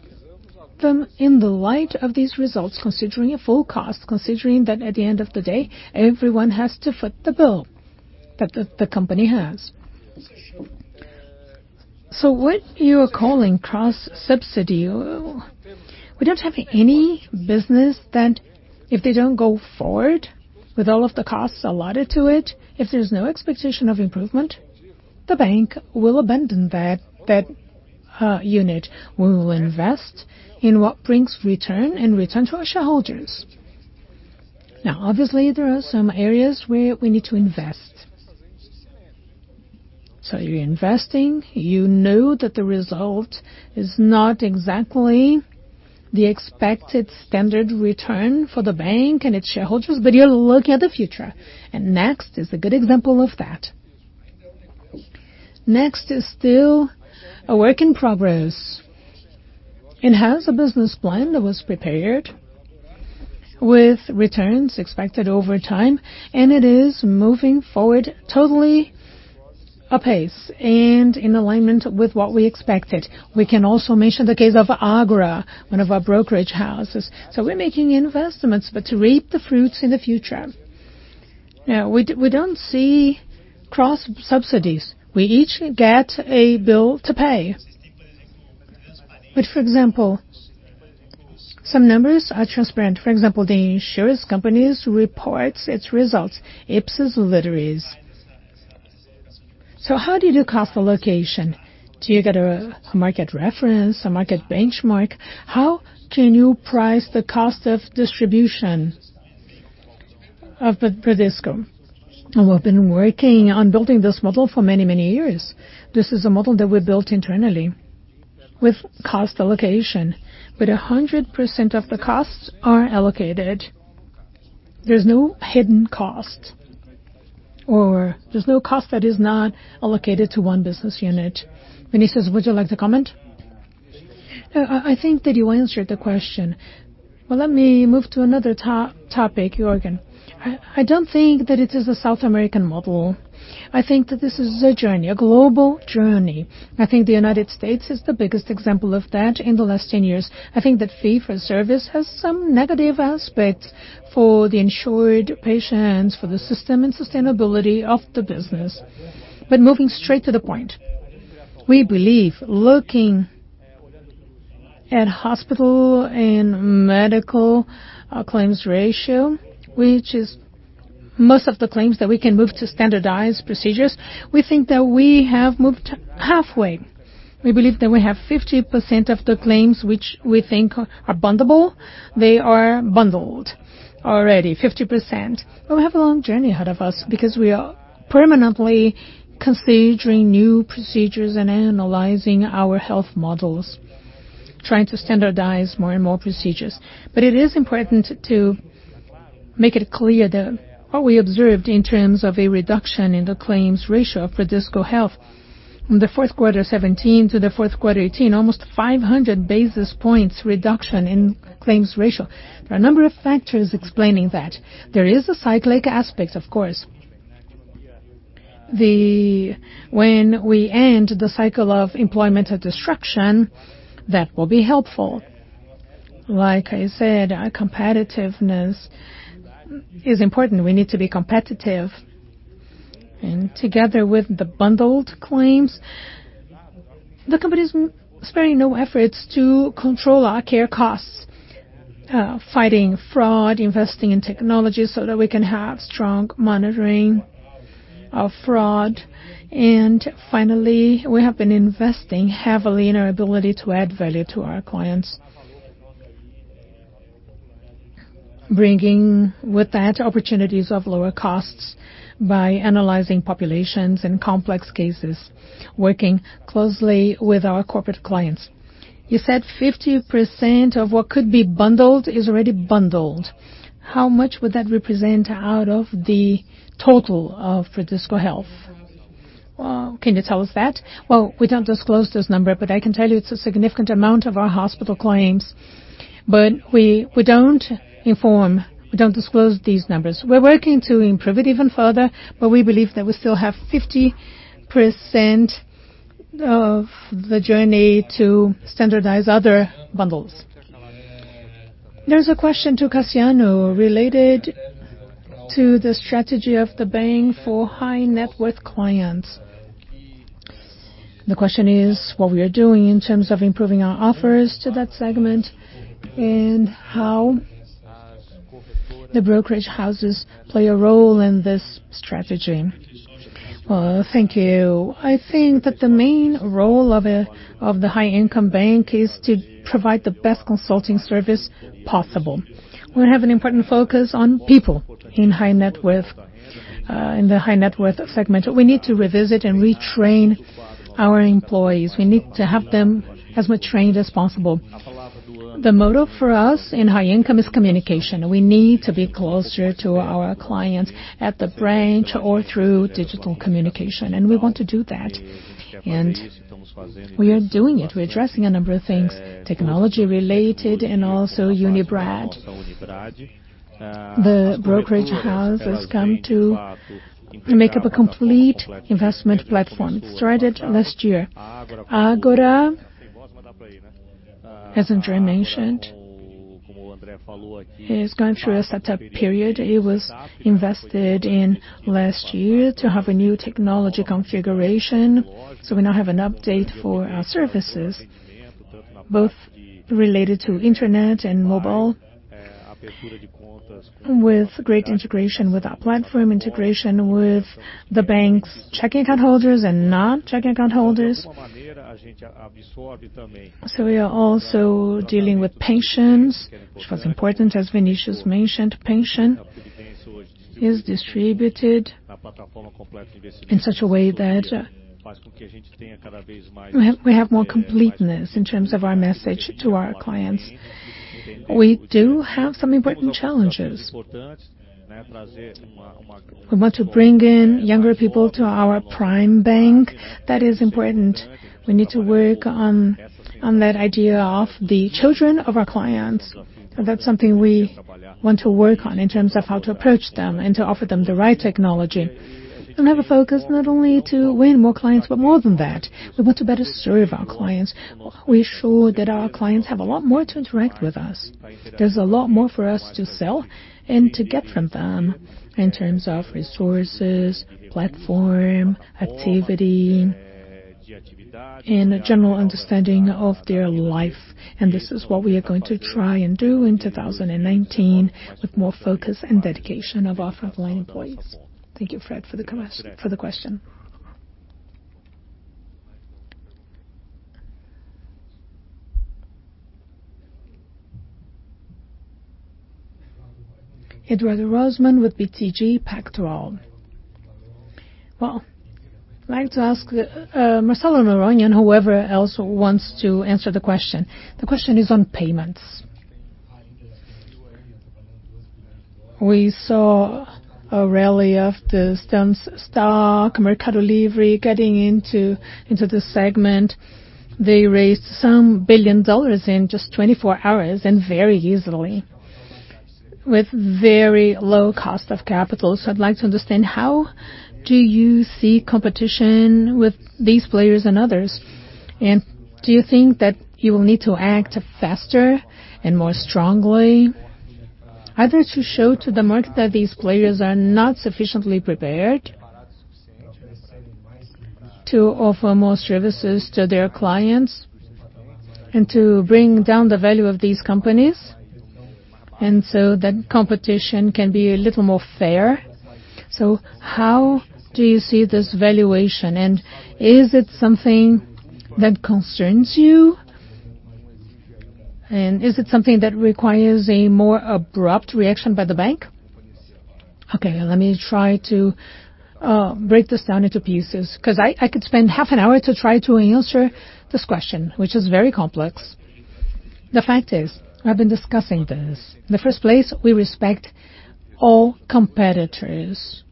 them in the light of these results, considering a full cost, considering that at the end of the day, everyone has to foot the bill that the company has. What you are calling cross subsidy, we don't have any business that if they don't go forward with all of the costs allotted to it, if there's no expectation of improvement, the bank will abandon that unit. We will invest in what brings return and return to our shareholders. Now, obviously, there are some areas where we need to invest. You're investing, you know that the result is not exactly the expected standard return for the bank and its shareholders, but you're looking at the future, and Next is a good example of that. Next is still a work in progress. It has a business plan that was prepared with returns expected over time, and it is moving forward totally apace and in alignment with what we expected. We can also mention the case of Ágora, one of our brokerage houses. We're making investments, but to reap the fruits in the future. No, we don't see cross subsidies. We each get a bill to pay. For example, some numbers are transparent. For example, the insurance company reports its results, in full literally. How do you do cost allocation? Do you get a market reference, a market benchmark? How can you price the cost of distribution of Bradesco? We've been working on building this model for many, many years. This is a model that we built internally with cost allocation, but 100% of the costs are allocated. There's no hidden cost, or there's no cost that is not allocated to one business unit. Vinicius, would you like to comment? I think that you answered the question. Well, let me move to another topic, Jorg. I don't think that it is a South American model. I think that this is a journey, a global journey. I think the United States is the biggest example of that in the last 10 years. I think that fee-for-service has some negative aspects for the insured patients, for the system, and sustainability of the business. Moving straight to the point, we believe looking at hospital and medical claims ratio, which is most of the claims that we can move to standardized procedures, we think that we have moved halfway. We believe that we have 50% of the claims which we think are bundleable, they are bundled already, 50%. We have a long journey ahead of us because we are permanently considering new procedures and analyzing our health models, trying to standardize more and more procedures. It is important to make it clear that what we observed in terms of a reduction in the claims ratio of Bradesco Saúde, from the fourth quarter 2017 to the fourth quarter 2018, almost 500 basis points reduction in claims ratio. There are a number of factors explaining that. There is a cyclic aspect, of course. When we end the cycle of employment destruction, that will be helpful. Like I said, our competitiveness is important. We need to be competitive. Together with the bundled claims, the company's sparing no efforts to control our care costs, fighting fraud, investing in technology so that we can have strong monitoring of fraud. Finally, we have been investing heavily in our ability to add value to our clients. Bringing with that, opportunities of lower costs by analyzing populations in complex cases, working closely with our corporate clients. You said 50% of what could be bundled is already bundled. How much would that represent out of the total of Bradesco Saúde? Can you tell us that? We don't disclose this number, but I can tell you it's a significant amount of our hospital claims. We don't inform, we don't disclose these numbers. We're working to improve it even further, we believe that we still have 50% of the journey to standardize other bundles. There's a question to Cassiano related to the strategy of the bank for high net worth clients. The question is what we are doing in terms of improving our offers to that segment and how the brokerage houses play a role in this strategy. Thank you. I think that the main role of the high income bank is to provide the best consulting service possible. We have an important focus on people in the high net worth segment. We need to revisit and retrain our employees. We need to have them as much trained as possible. The motto for us in high income is communication. We need to be closer to our clients at the branch or through digital communication, and we want to do that. We are doing it. We are addressing a number of things, technology related and also Unibraes, the brokerage house has come to make up a complete investment platform. It started last year. Ágora, as André mentioned, is going through a setup period. It was invested in last year to have a new technology configuration. We now have an update for our services, both related to internet and mobile, with great integration with our platform, integration with the bank's checking account holders and non-checking account holders. We are also dealing with pensions, which was important, as Vinicius mentioned. Pension is distributed in such a way that we have more completeness in terms of our message to our clients. We do have some important challenges. We want to bring in younger people to our Prime bank. That is important. We need to work on that idea of the children of our clients. That's something we want to work on in terms of how to approach them and to offer them the right technology. We have a focus not only to win more clients, but more than that, we want to better serve our clients. We are sure that our clients have a lot more to interact with us. There's a lot more for us to sell and to get from them in terms of resources, platform, activity, and a general understanding of their life. This is what we are going to try and do in 2019 with more focus and dedication of our frontline employees. Thank you, Fred, for the question. Eduardo Rosman with BTG Pactual. I'd like to ask Marcelo Noronha and whoever else wants to answer the question. The question is on payments. We saw a rally of the Stone stock, Mercado Livre getting into the segment. They raised some BRL billion in just 24 hours and very easily with very low cost of capital. I'd like to understand, how do you see competition with these players and others? Do you think that you will need to act faster and more strongly, either to show to the market that these players are not sufficiently prepared to offer more services to their clients and to bring down the value of these companies, that competition can be a little more fair? How do you see this valuation, and is it something that concerns you? Is it something that requires a more abrupt reaction by the bank? Let me try to break this down into pieces, because I could spend half an hour to try to answer this question, which is very complex. The fact is, I've been discussing this. In the first place, we respect all competitors,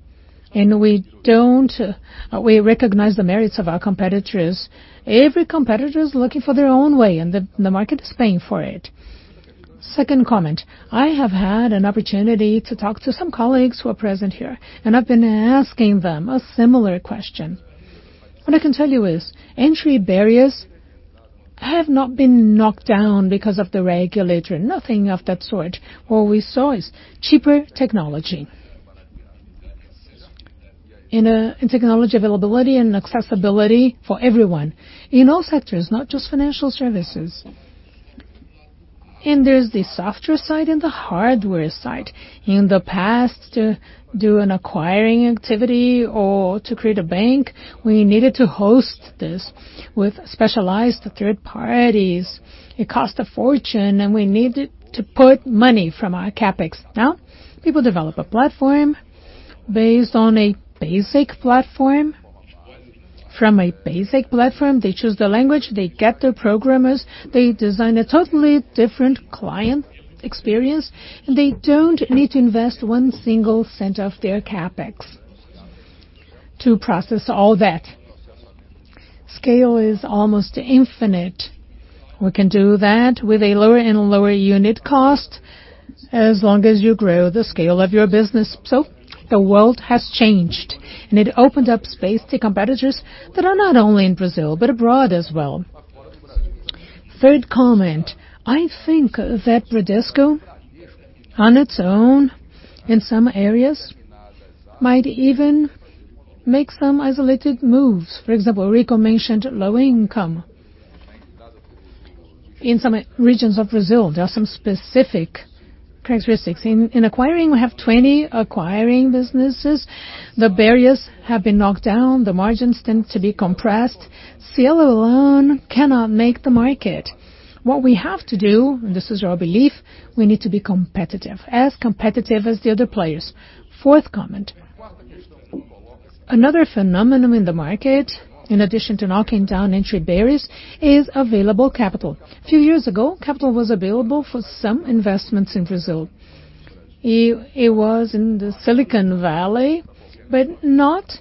we recognize the merits of our competitors. Every competitor is looking for their own way, the market is paying for it. Second comment, I have had an opportunity to talk to some colleagues who are present here, I've been asking them a similar question. What I can tell you is, entry barriers have not been knocked down because of the regulator. Nothing of that sort. What we saw is cheaper technology. In technology availability and accessibility for everyone, in all sectors, not just financial services. There's the software side and the hardware side. In the past, to do an acquiring activity or to create a bank, we needed to host this with specialized third parties. It cost a fortune, and we needed to put money from our CapEx. Now, people develop a platform based on a basic platform. From a basic platform, they choose the language, they get their programmers, they design a totally different client experience. They don't need to invest 0.01 of their CapEx to process all that. Scale is almost infinite. We can do that with a lower and lower unit cost as long as you grow the scale of your business. The world has changed, and it opened up space to competitors that are not only in Brazil, but abroad as well. Third comment, I think that Bradesco, on its own, in some areas, might even make some isolated moves. For example, Rico mentioned low income. In some regions of Brazil, there are some specific characteristics. In acquiring, we have 20 acquiring businesses. The barriers have been knocked down. The margins tend to be compressed. Cielo alone cannot make the market. What we have to do, and this is our belief, we need to be competitive, as competitive as the other players. Fourth comment, another phenomenon in the market, in addition to knocking down entry barriers, is available capital. A few years ago, capital was available for some investments in Brazil. It was in the Silicon Valley, but not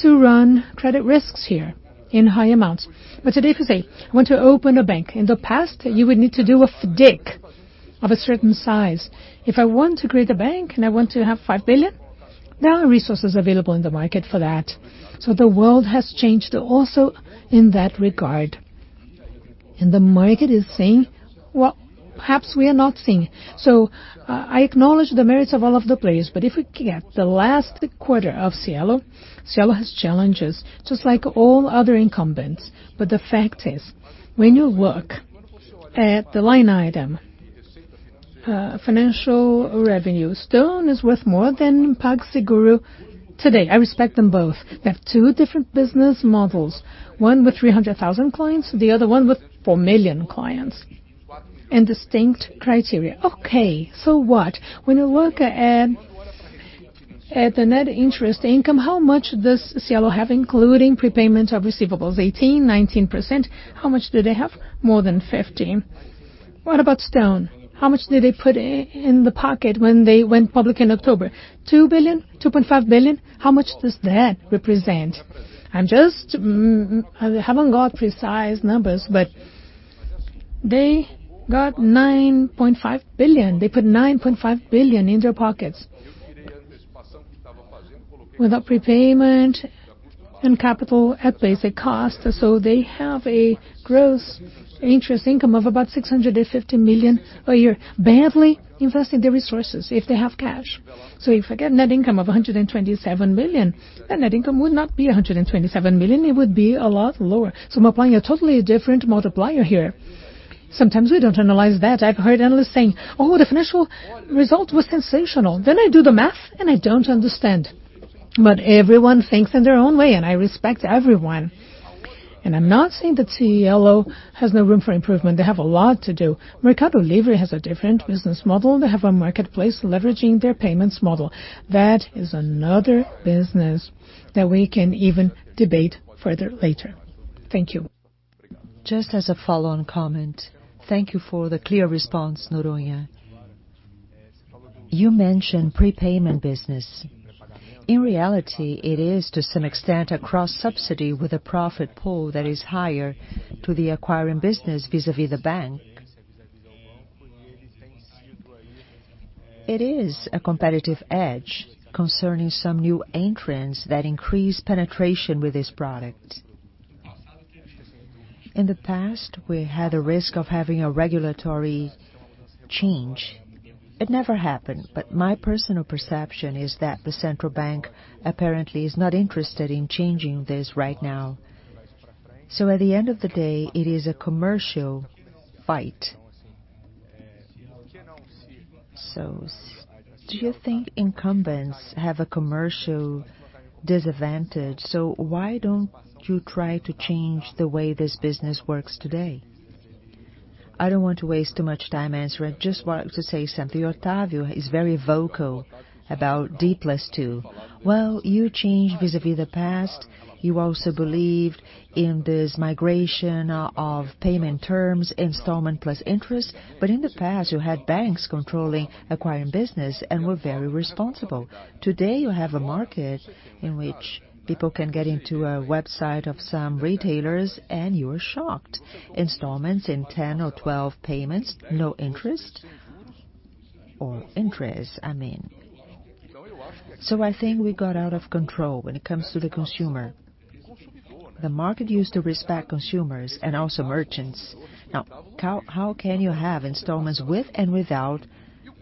to run credit risks here in high amounts. Today, if you say, "I want to open a bank," in the past, you would need to do a FIDC of a certain size. If I want to create a bank and I want to have 5 billion, there are resources available in the market for that. The world has changed also in that regard. The market is saying what perhaps we are not saying. I acknowledge the merits of all of the players, but if we look at the last quarter of Cielo has challenges, just like all other incumbents. The fact is, when you look at the line item, financial revenue, Stone is worth more than PagSeguro today. I respect them both. They have two different business models, one with 300,000 clients, the other one with 4 million clients and distinct criteria. Okay, what? When you look at the net interest income, how much does Cielo have, including prepayment of receivables? 18%-19%. How much do they have? More than 15%. What about Stone? How much did they put in the pocket when they went public in October? 2 billion, 2.5 billion. How much does that represent? I haven't got precise numbers, but they got 9.5 billion. They put 9.5 billion in their pockets without prepayment and capital at basic cost. They have a gross interest income of about 650 million a year, badly investing their resources if they have cash. If I get net income of 127 million, that net income would not be 127 million, it would be a lot lower. I'm applying a totally different multiplier here. Sometimes we don't analyze that. I've heard analysts saying, "Oh, the financial result was sensational." I do the math, and I don't understand. Everyone thinks in their own way, and I respect everyone. I'm not saying that Cielo has no room for improvement. They have a lot to do. Mercado Livre has a different business model. They have a marketplace leveraging their payments model. That is another business that we can even debate further later. Thank you. Just as a follow-on comment. Thank you for the clear response, Noronha. You mentioned prepayment business. In reality, it is to some extent a cross-subsidy with a profit pool that is higher to the acquiring business vis-à-vis the bank. It is a competitive edge concerning some new entrants that increase penetration with this product. In the past, we had a risk of having a regulatory change. It never happened, but my personal perception is that the Central Bank apparently is not interested in changing this right now. At the end of the day, it is a commercial fight. Do you think incumbents have a commercial disadvantage? Why don't you try to change the way this business works today? I don't want to waste too much time answering. Just wanted to say something. Octavio is very vocal about D+2. Well, you changed vis-à-vis the past. You also believed in this migration of payment terms, installment plus interest. In the past, you had banks controlling acquiring business and were very responsible. Today you have a market in which people can get into a website of some retailers, and you are shocked. Installments in 10 or 12 payments, no interest, or interest, I mean. I think we got out of control when it comes to the consumer. The market used to respect consumers and also merchants. Now, how can you have installments with and without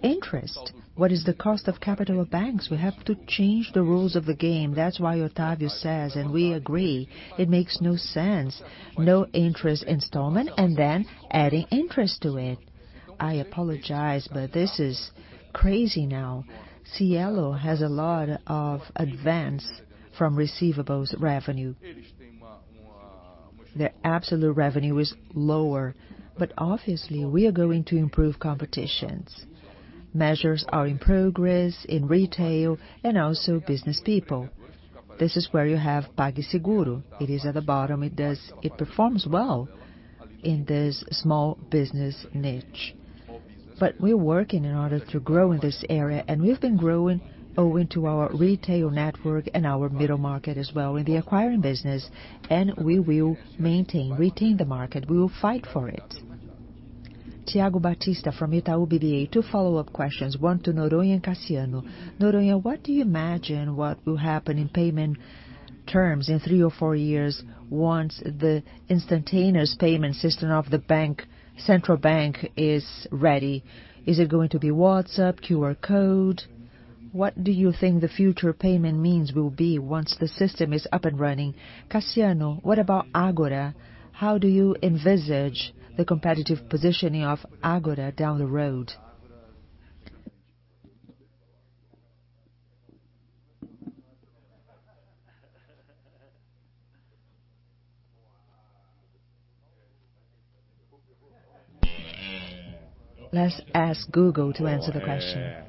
interest? What is the cost of capital of banks? We have to change the rules of the game. That's why Octavio says, and we agree, it makes no sense. No interest installment and then adding interest to it. I apologize, but this is crazy now. Cielo has a lot of advance from receivables revenue. Their absolute revenue is lower, but obviously we are going to improve competitions. Measures are in progress in retail and also business people. This is where you have PagSeguro. It is at the bottom. It performs well in this small business niche. We're working in order to grow in this area, and we've been growing owing to our retail network and our middle market as well in the acquiring business, and we will maintain, retain the market. We will fight for it. Thiago Batista from Itaú BBA. Two follow-up questions, one to Noronha and Cassiano. Noronha, what do you imagine what will happen in payment terms in three or four years once the instantaneous payment system of the Central Bank is ready? Is it going to be WhatsApp, QR code? What do you think the future payment means will be once the system is up and running? Cassiano, what about Ágora? How do you envisage the competitive positioning of Ágora down the road? Let's ask Google to answer the question.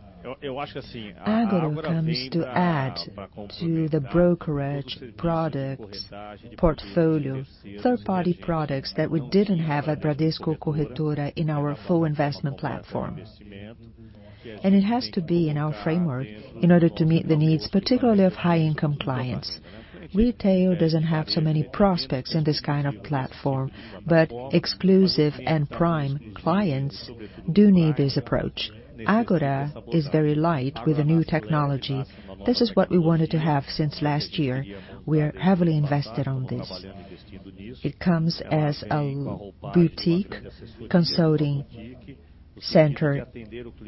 Ágora comes to add to the brokerage products portfolio, third-party products that we didn't have at Bradesco Corretora in our full investment platform. It has to be in our framework in order to meet the needs, particularly of high income clients. Retail doesn't have so many prospects in this kind of platform. Exclusive and Prime clients do need this approach. Ágora is very light with the new technology. This is what we wanted to have since last year. We are heavily invested on this. It comes as a boutique consulting center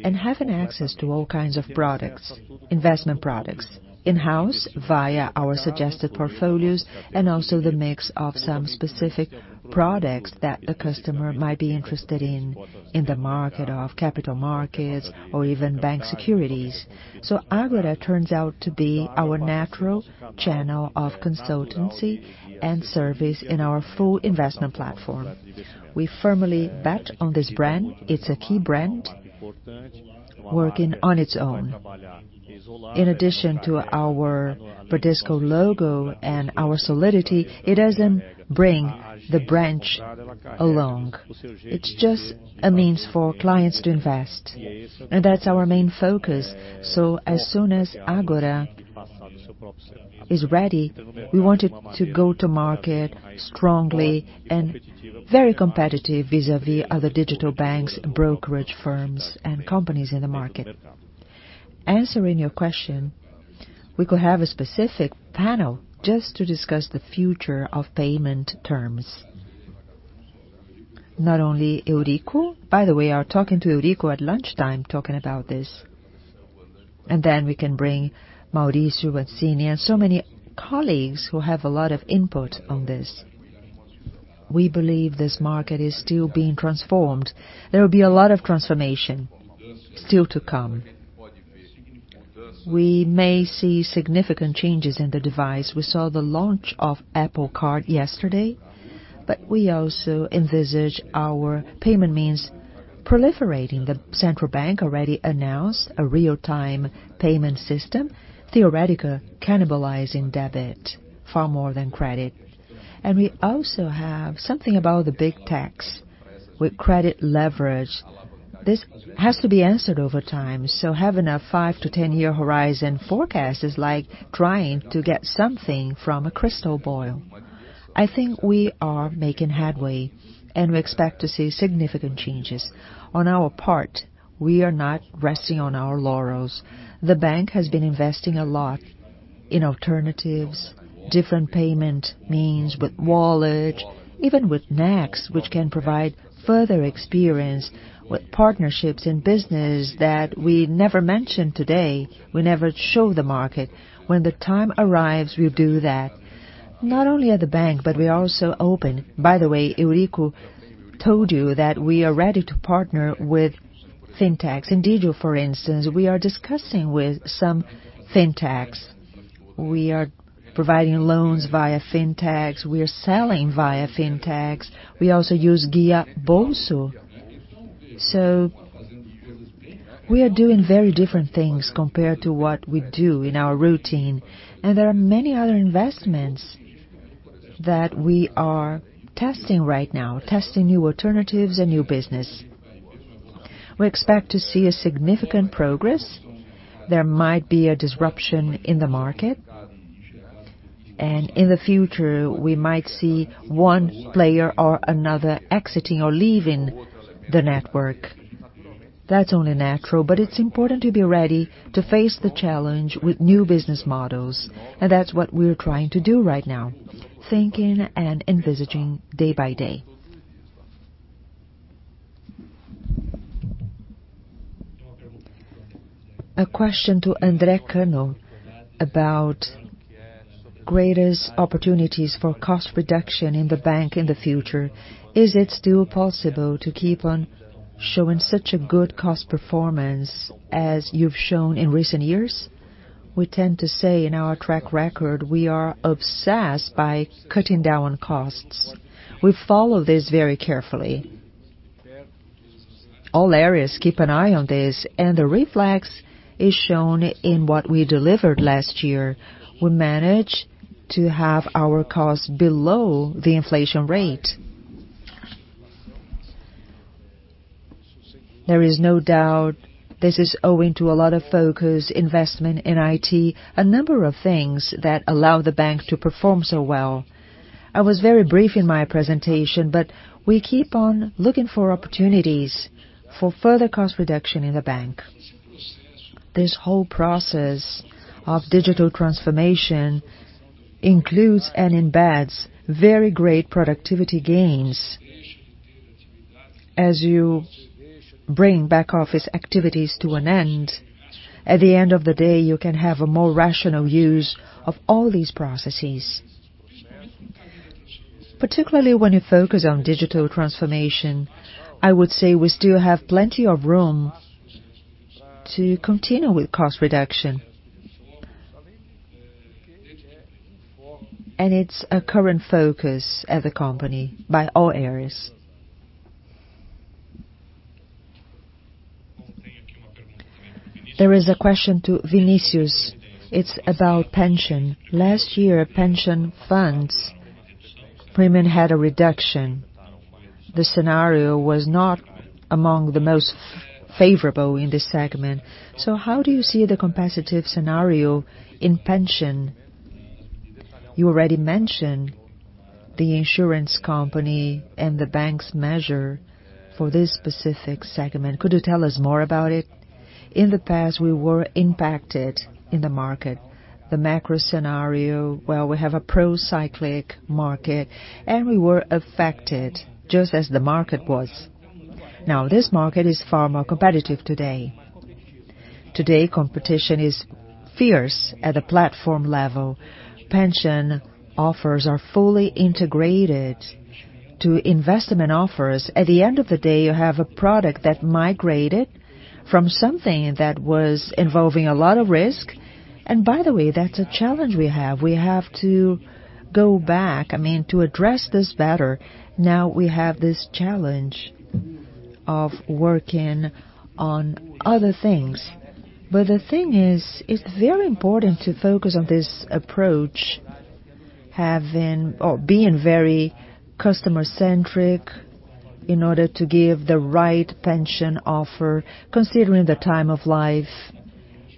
and having access to all kinds of products, investment products, in-house via our suggested portfolios and also the mix of some specific products that a customer might be interested in the market of capital markets or even bank securities. Ágora turns out to be our natural channel of consultancy and service in our full investment platform. We firmly bet on this brand. It's a key brand working on its own. In addition to our Bradesco logo and our solidity, it doesn't bring the branch along. It's just a means for clients to invest. That's our main focus. As soon as Ágora is ready, we want it to go to market strongly and very competitive vis-a-vis other digital banks, brokerage firms, and companies in the market. Answering your question, we could have a specific panel just to discuss the future of payment terms. Not only Eurico, by the way, I was talking to Eurico at lunchtime talking about this. Then we can bring Mauricio and Cindy and so many colleagues who have a lot of input on this. We believe this market is still being transformed. There will be a lot of transformation still to come. We may see significant changes in the device. We saw the launch of Apple Card yesterday. We also envisage our payment means proliferating. The Central Bank already announced a real-time payment system, theoretically cannibalizing debit far more than credit. We also have something about the big tax with credit leverage. This has to be answered over time. Having a 5-10-year horizon forecast is like trying to get something from a crystal ball. I think we are making headway. We expect to see significant changes. On our part, we are not resting on our laurels. The bank has been investing a lot in alternatives, different payment means with wallet, even with Next, which can provide further experience with partnerships in business that we never mentioned today. We never show the market. When the time arrives, we'll do that. Not only at the bank. We are also open. By the way, Eurico told you that we are ready to partner with fintechs. Enevo, for instance, we are discussing with some fintechs. We are providing loans via fintechs. We are selling via fintechs. We also use GuiaBolso. We are doing very different things compared to what we do in our routine. There are many other investments that we are testing right now, testing new alternatives and new business. We expect to see a significant progress. There might be a disruption in the market, and in the future, we might see one player or another exiting or leaving the network. That's only natural, but it's important to be ready to face the challenge with new business models. That's what we're trying to do right now, thinking and envisaging day by day. A question to André Cano about greatest opportunities for cost reduction in the bank in the future. Is it still possible to keep on showing such a good cost performance as you've shown in recent years? We tend to say in our track record, we are obsessed by cutting down on costs. We follow this very carefully. All areas keep an eye on this, and the reflex is shown in what we delivered last year. We managed to have our costs below the inflation rate. There is no doubt this is owing to a lot of focus, investment in IT, a number of things that allow the bank to perform so well. I was very brief in my presentation, but we keep on looking for opportunities for further cost reduction in the bank. This whole process of digital transformation includes and embeds very great productivity gains. As you bring back office activities to an end, at the end of the day, you can have a more rational use of all these processes. Particularly when you focus on digital transformation, I would say we still have plenty of room to continue with cost reduction. It's a current focus at the company by all areas. There is a question to Vinicius. It's about pension. Last year, pension funds premium had a reduction. The scenario was not among the most favorable in this segment. How do you see the competitive scenario in pension? You already mentioned the insurance company and the bank's measure for this specific segment. Could you tell us more about it? In the past, we were impacted in the market. The macro scenario, well, we have a pro-cyclic market, and we were affected just as the market was. Now, this market is far more competitive today. Today, competition is fierce at a platform level. Pension offers are fully integrated to investment offers. At the end of the day, you have a product that migrated from something that was involving a lot of risk. By the way, that's a challenge we have. We have to go back, I mean, to address this better. Now we have this challenge of working on other things. The thing is, it's very important to focus on this approach, being very customer centric in order to give the right pension offer, considering the time of life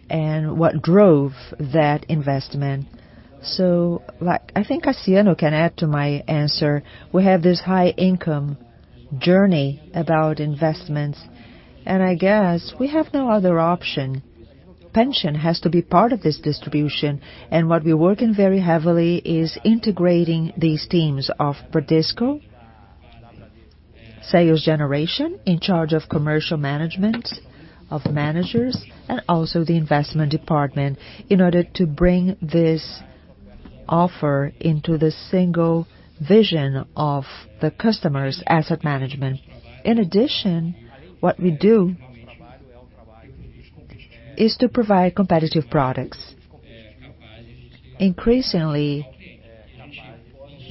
and what drove that investment. I think Cassiano can add to my answer. We have this high income journey about investments, and I guess we have no other option. Pension has to be part of this distribution, and what we're working very heavily is integrating these teams of Bradesco, sales generation in charge of commercial management of managers, and also the investment department in order to bring this offer into the single vision of the customer's asset management. In addition, what we do is to provide competitive products. Increasingly,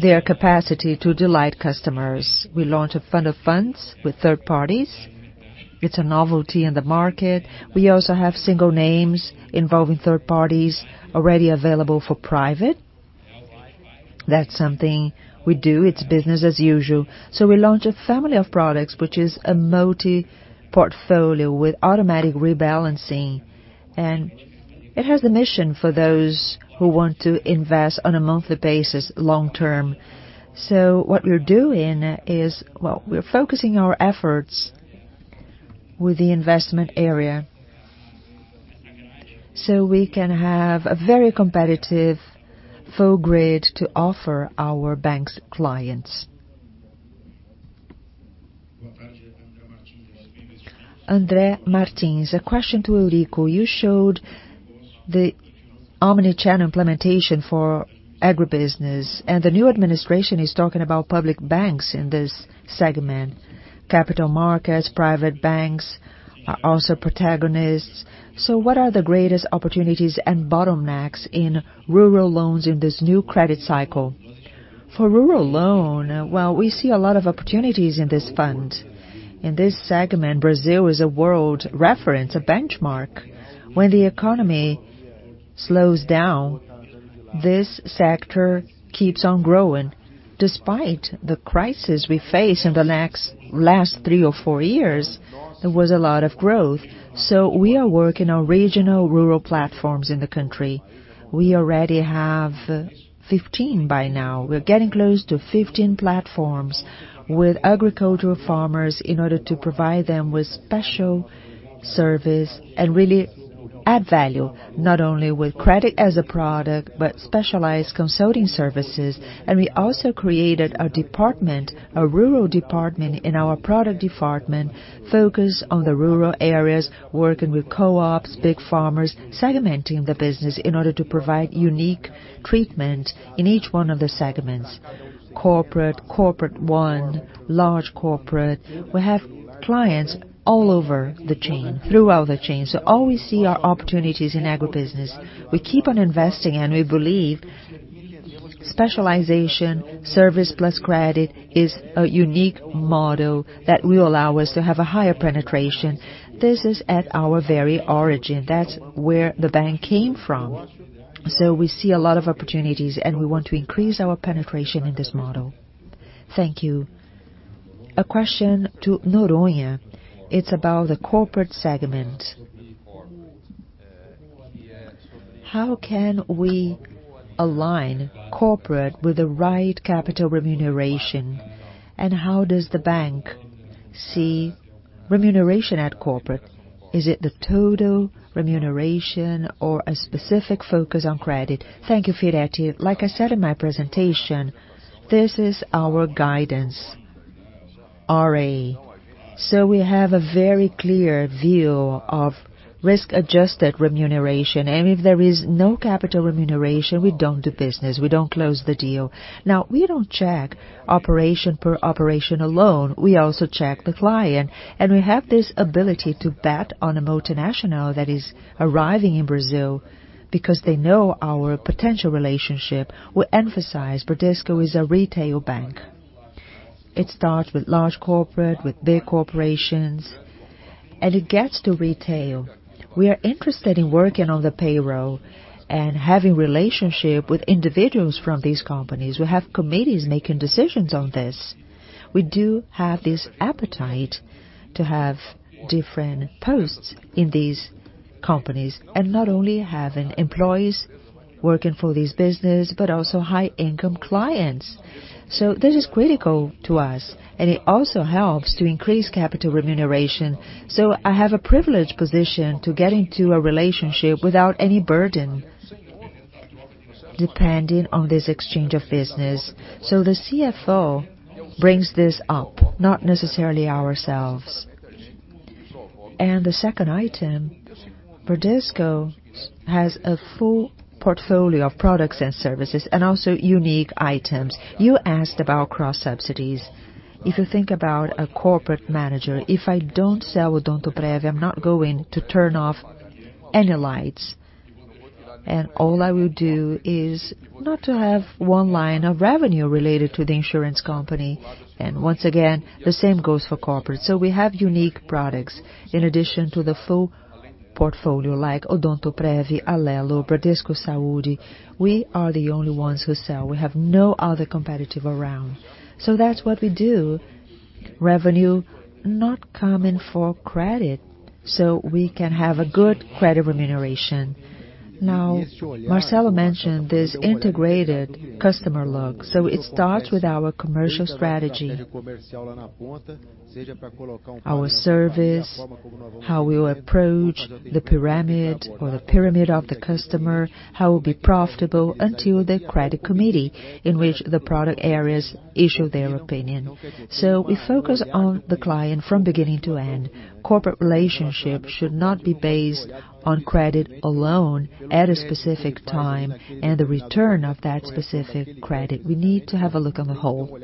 their capacity to delight customers. We launched a fund of funds with third parties. It's a novelty in the market. We also have single names involving third parties already available for private. That's something we do. It's business as usual. We launched a family of products, which is a multi-portfolio with automatic rebalancing, and it has a mission for those who want to invest on a monthly basis long-term. What we're doing is, well, we're focusing our efforts with the investment area so we can have a very competitive full grid to offer our bank's clients. Andre Martins: A question to Eurico. You showed the omni-channel implementation for agribusiness, and the new administration is talking about public banks in this segment. Capital markets, private banks are also protagonists. What are the greatest opportunities and bottlenecks in rural loans in this new credit cycle? For rural loan, we see a lot of opportunities in this fund. In this segment, Brazil is a world reference, a benchmark. When the economy slows down, this sector keeps on growing. Despite the crisis we face in the last three or four years, there was a lot of growth. We are working on regional rural platforms in the country. We already have 15 by now. We're getting close to 15 platforms with agricultural farmers in order to provide them with special service and really add value, not only with credit as a product, but specialized consulting services. We also created a rural department in our product department, focused on the rural areas, working with co-ops, big farmers, segmenting the business in order to provide unique treatment in each one of the segments. Corporate, corporate one, large corporate. We have clients all over the chain, throughout the chain. All we see are opportunities in agribusiness. We keep on investing, and we believe specialization, service plus credit, is a unique model that will allow us to have a higher penetration. This is at our very origin. That's where the bank came from. We see a lot of opportunities, and we want to increase our penetration in this model. Thank you. A question to Noronha. It's about the corporate segment. How can we align corporate with the right capital remuneration? How does the bank see remuneration at corporate? Is it the total remuneration or a specific focus on credit? Thank you, Firetti. Like I said in my presentation, this is our guidance, RAROC. We have a very clear view of risk-adjusted remuneration. If there is no capital remuneration, we don't do business. We don't close the deal. We don't check operation per operation alone. We also check the client, and we have this ability to bet on a multinational that is arriving in Brazil because they know our potential relationship. We emphasize Bradesco is a retail bank. It starts with large corporate, with big corporations, and it gets to retail. We are interested in working on the payroll and having relationship with individuals from these companies. We have committees making decisions on this. We do have this appetite to have different posts in these companies. Not only having employees working for this business, but also high-income clients. This is critical to us, and it also helps to increase capital remuneration. I have a privileged position to get into a relationship without any burden depending on this exchange of business. The CFO brings this up, not necessarily ourselves. The second item, Bradesco has a full portfolio of products and services, and also unique items. You asked about cross-subsidies. If you think about a corporate manager, if I don't sell OdontoPrev, I'm not going to turn off any lights. All I will do is not to have one line of revenue related to the insurance company. Once again, the same goes for corporate. We have unique products in addition to the full portfolio, like OdontoPrev, Alelo, Bradesco Saúde. We are the only ones who sell. We have no other competitive around. That's what we do, revenue not coming for credit, so we can have a good credit remuneration. Now, Marcelo mentioned this integrated customer look. It starts with our commercial strategy, our service, how we will approach the pyramid or the pyramid of the customer, how it will be profitable until the credit committee, in which the product areas issue their opinion. We focus on the client from beginning to end. Corporate relationship should not be based on credit alone at a specific time and the return of that specific credit. We need to have a look on the whole.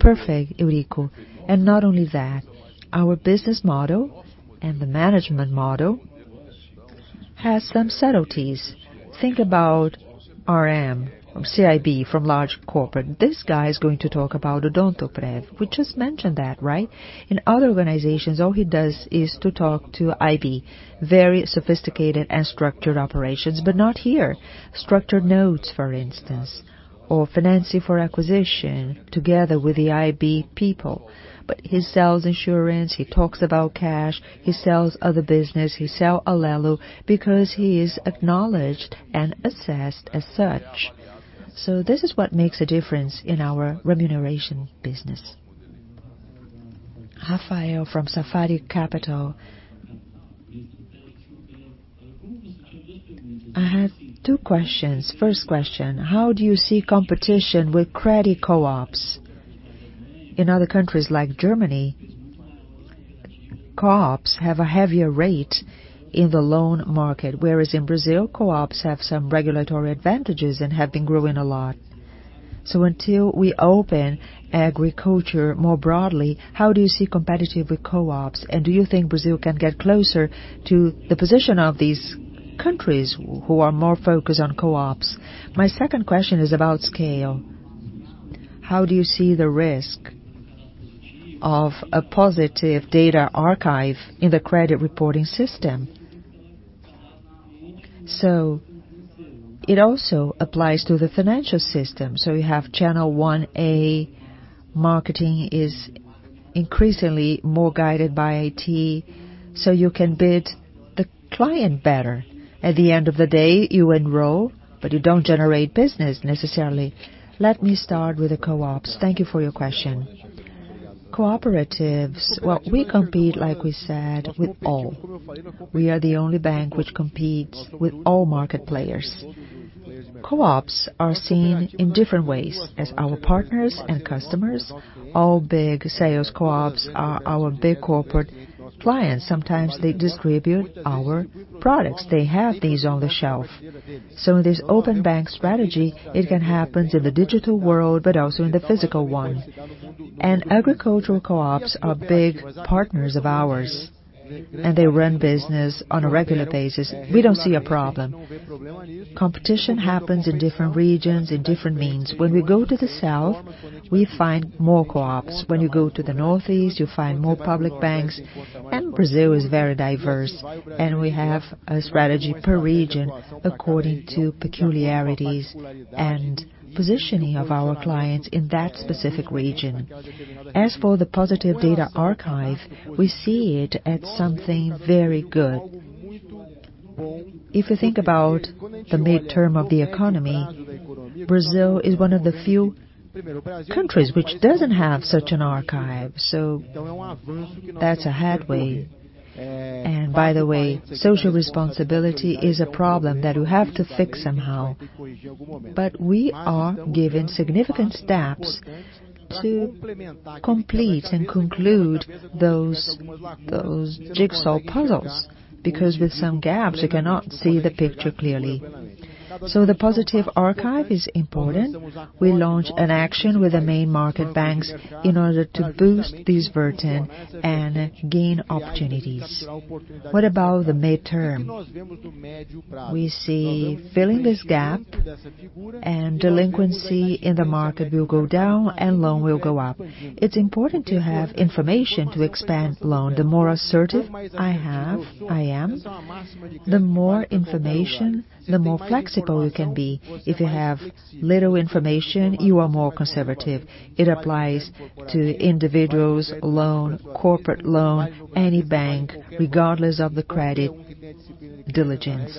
Perfect, Eurico. Not only that, our business model and the management model has some subtleties. Think about RM, CIB from large corporate. This guy is going to talk about OdontoPrev. We just mentioned that, right? In other organizations, all he does is to talk to IB, very sophisticated and structured operations, but not here. Structured notes, for instance, or financing for acquisition together with the IB people. He sells insurance, he talks about cash, he sells other business, he sell Alelo because he is acknowledged and assessed as such. This is what makes a difference in our remuneration business. Rafael from Safari Capital. I have 2 questions. 1st question, how do you see competition with credit co-ops? In other countries like Germany, co-ops have a heavier rate in the loan market, whereas in Brazil, co-ops have some regulatory advantages and have been growing a lot. Until we open agriculture more broadly, how do you see competitive with co-ops, and do you think Brazil can get closer to the position of these countries who are more focused on co-ops? My 2nd question is about scale. How do you see the risk of a positive data archive in the credit reporting system. It also applies to the financial system. We have Channel 1A, marketing is increasingly more guided by IT, so you can bid the client better. At the end of the day, you enroll, but you don't generate business necessarily. Let me start with the co-ops. Thank you for your question. Cooperatives, well, we compete, like we said, with all. We are the only bank which competes with all market players. Co-ops are seen in different ways as our partners and customers. All big sales co-ops are our big corporate clients. Sometimes they distribute our products. They have these on the shelf. This open bank strategy, it can happen in the digital world, but also in the physical one. Agricultural co-ops are big partners of ours, and they run business on a regular basis. We don't see a problem. Competition happens in different regions, in different means. When we go to the South, we find more co-ops. When you go to the Northeast, you'll find more public banks, Brazil is very diverse, and we have a strategy per region according to peculiarities and positioning of our clients in that specific region. As for the Cadastro Positivo, we see it as something very good. If you think about the midterm of the economy, Brazil is one of the few countries which doesn't have such an archive, that's a headway. By the way, social responsibility is a problem that we have to fix somehow. We are giving significant steps to complete and conclude those jigsaw puzzles, because with some gaps, you cannot see the picture clearly. The Cadastro Positivo is important. We launched an action with the main market banks in order to boost this version and gain opportunities. What about the midterm? We see filling this gap, delinquency in the market will go down, loan will go up. It's important to have information to expand loan. The more assertive I am, the more information, the more flexible you can be. If you have little information, you are more conservative. It applies to individuals, loan, corporate loan, any bank, regardless of the credit diligence.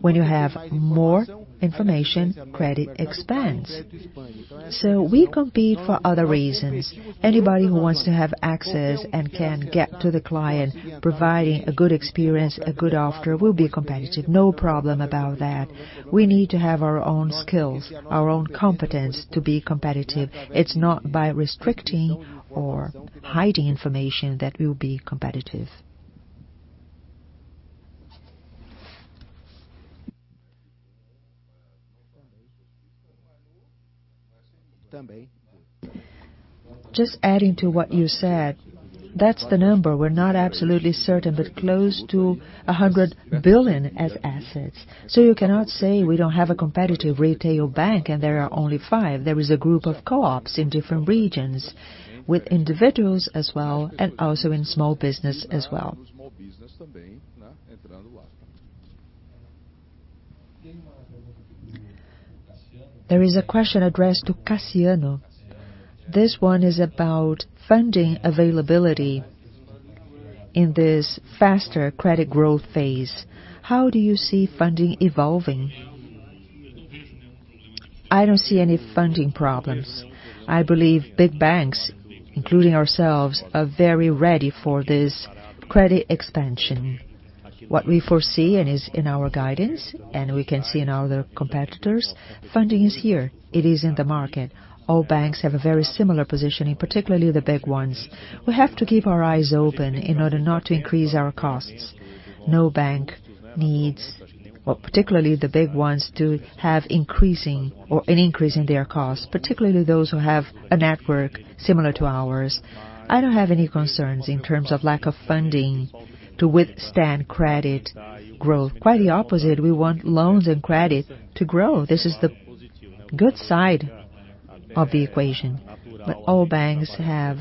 When you have more information, credit expands. We compete for other reasons. Anybody who wants to have access and can get to the client, providing a good experience, a good offer, will be competitive. No problem about that. We need to have our own skills, our own competence to be competitive. It's not by restricting or hiding information that we'll be competitive. Just adding to what you said, that's the number. We're not absolutely certain, but close to 100 billion as assets. You cannot say we don't have a competitive retail bank, there are only five. There is a group of co-ops in different regions with individuals as well, also in small business as well. There is a question addressed to Cassiano. This one is about funding availability in this faster credit growth phase. How do you see funding evolving? I don't see any funding problems. I believe big banks, including ourselves, are very ready for this credit expansion. What we foresee and is in our guidance, we can see in other competitors, funding is here. It is in the market. All banks have a very similar positioning, particularly the big ones. We have to keep our eyes open in order not to increase our costs. No bank needs, particularly the big ones, to have an increase in their costs, particularly those who have a network similar to ours. I don't have any concerns in terms of lack of funding to withstand credit growth. Quite the opposite. We want loans and credit to grow. This is the good side of the equation. All banks have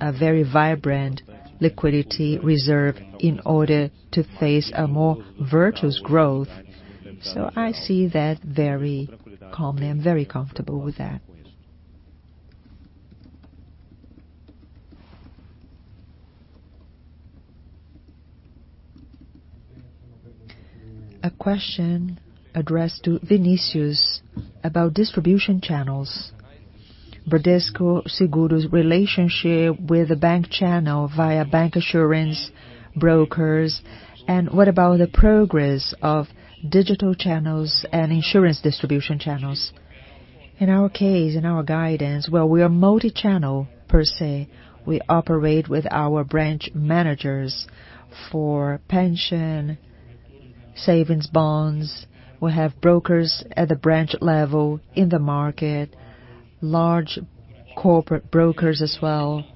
a very vibrant liquidity reserve in order to face a more virtuous growth. I see that very calmly. I'm very comfortable with that. A question addressed to Vinicius about distribution channels. Bradesco Seguros' relationship with the bank channel via bancassurance brokers, what about the progress of digital channels and insurance distribution channels? In our case, in our guidance, we are multi-channel per se. We operate with our branch managers for pension, savings bonds. We have brokers at the branch level in the market, large corporate brokers as well.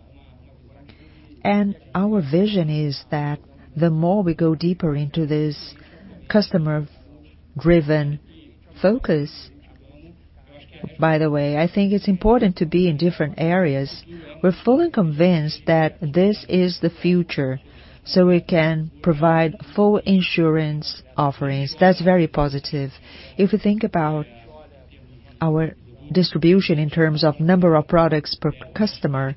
Our vision is that the more we go deeper into this customer-driven focus. By the way, I think it's important to be in different areas. We're fully convinced that this is the future, so we can provide full insurance offerings. That's very positive. If we think about our distribution in terms of number of products per customer,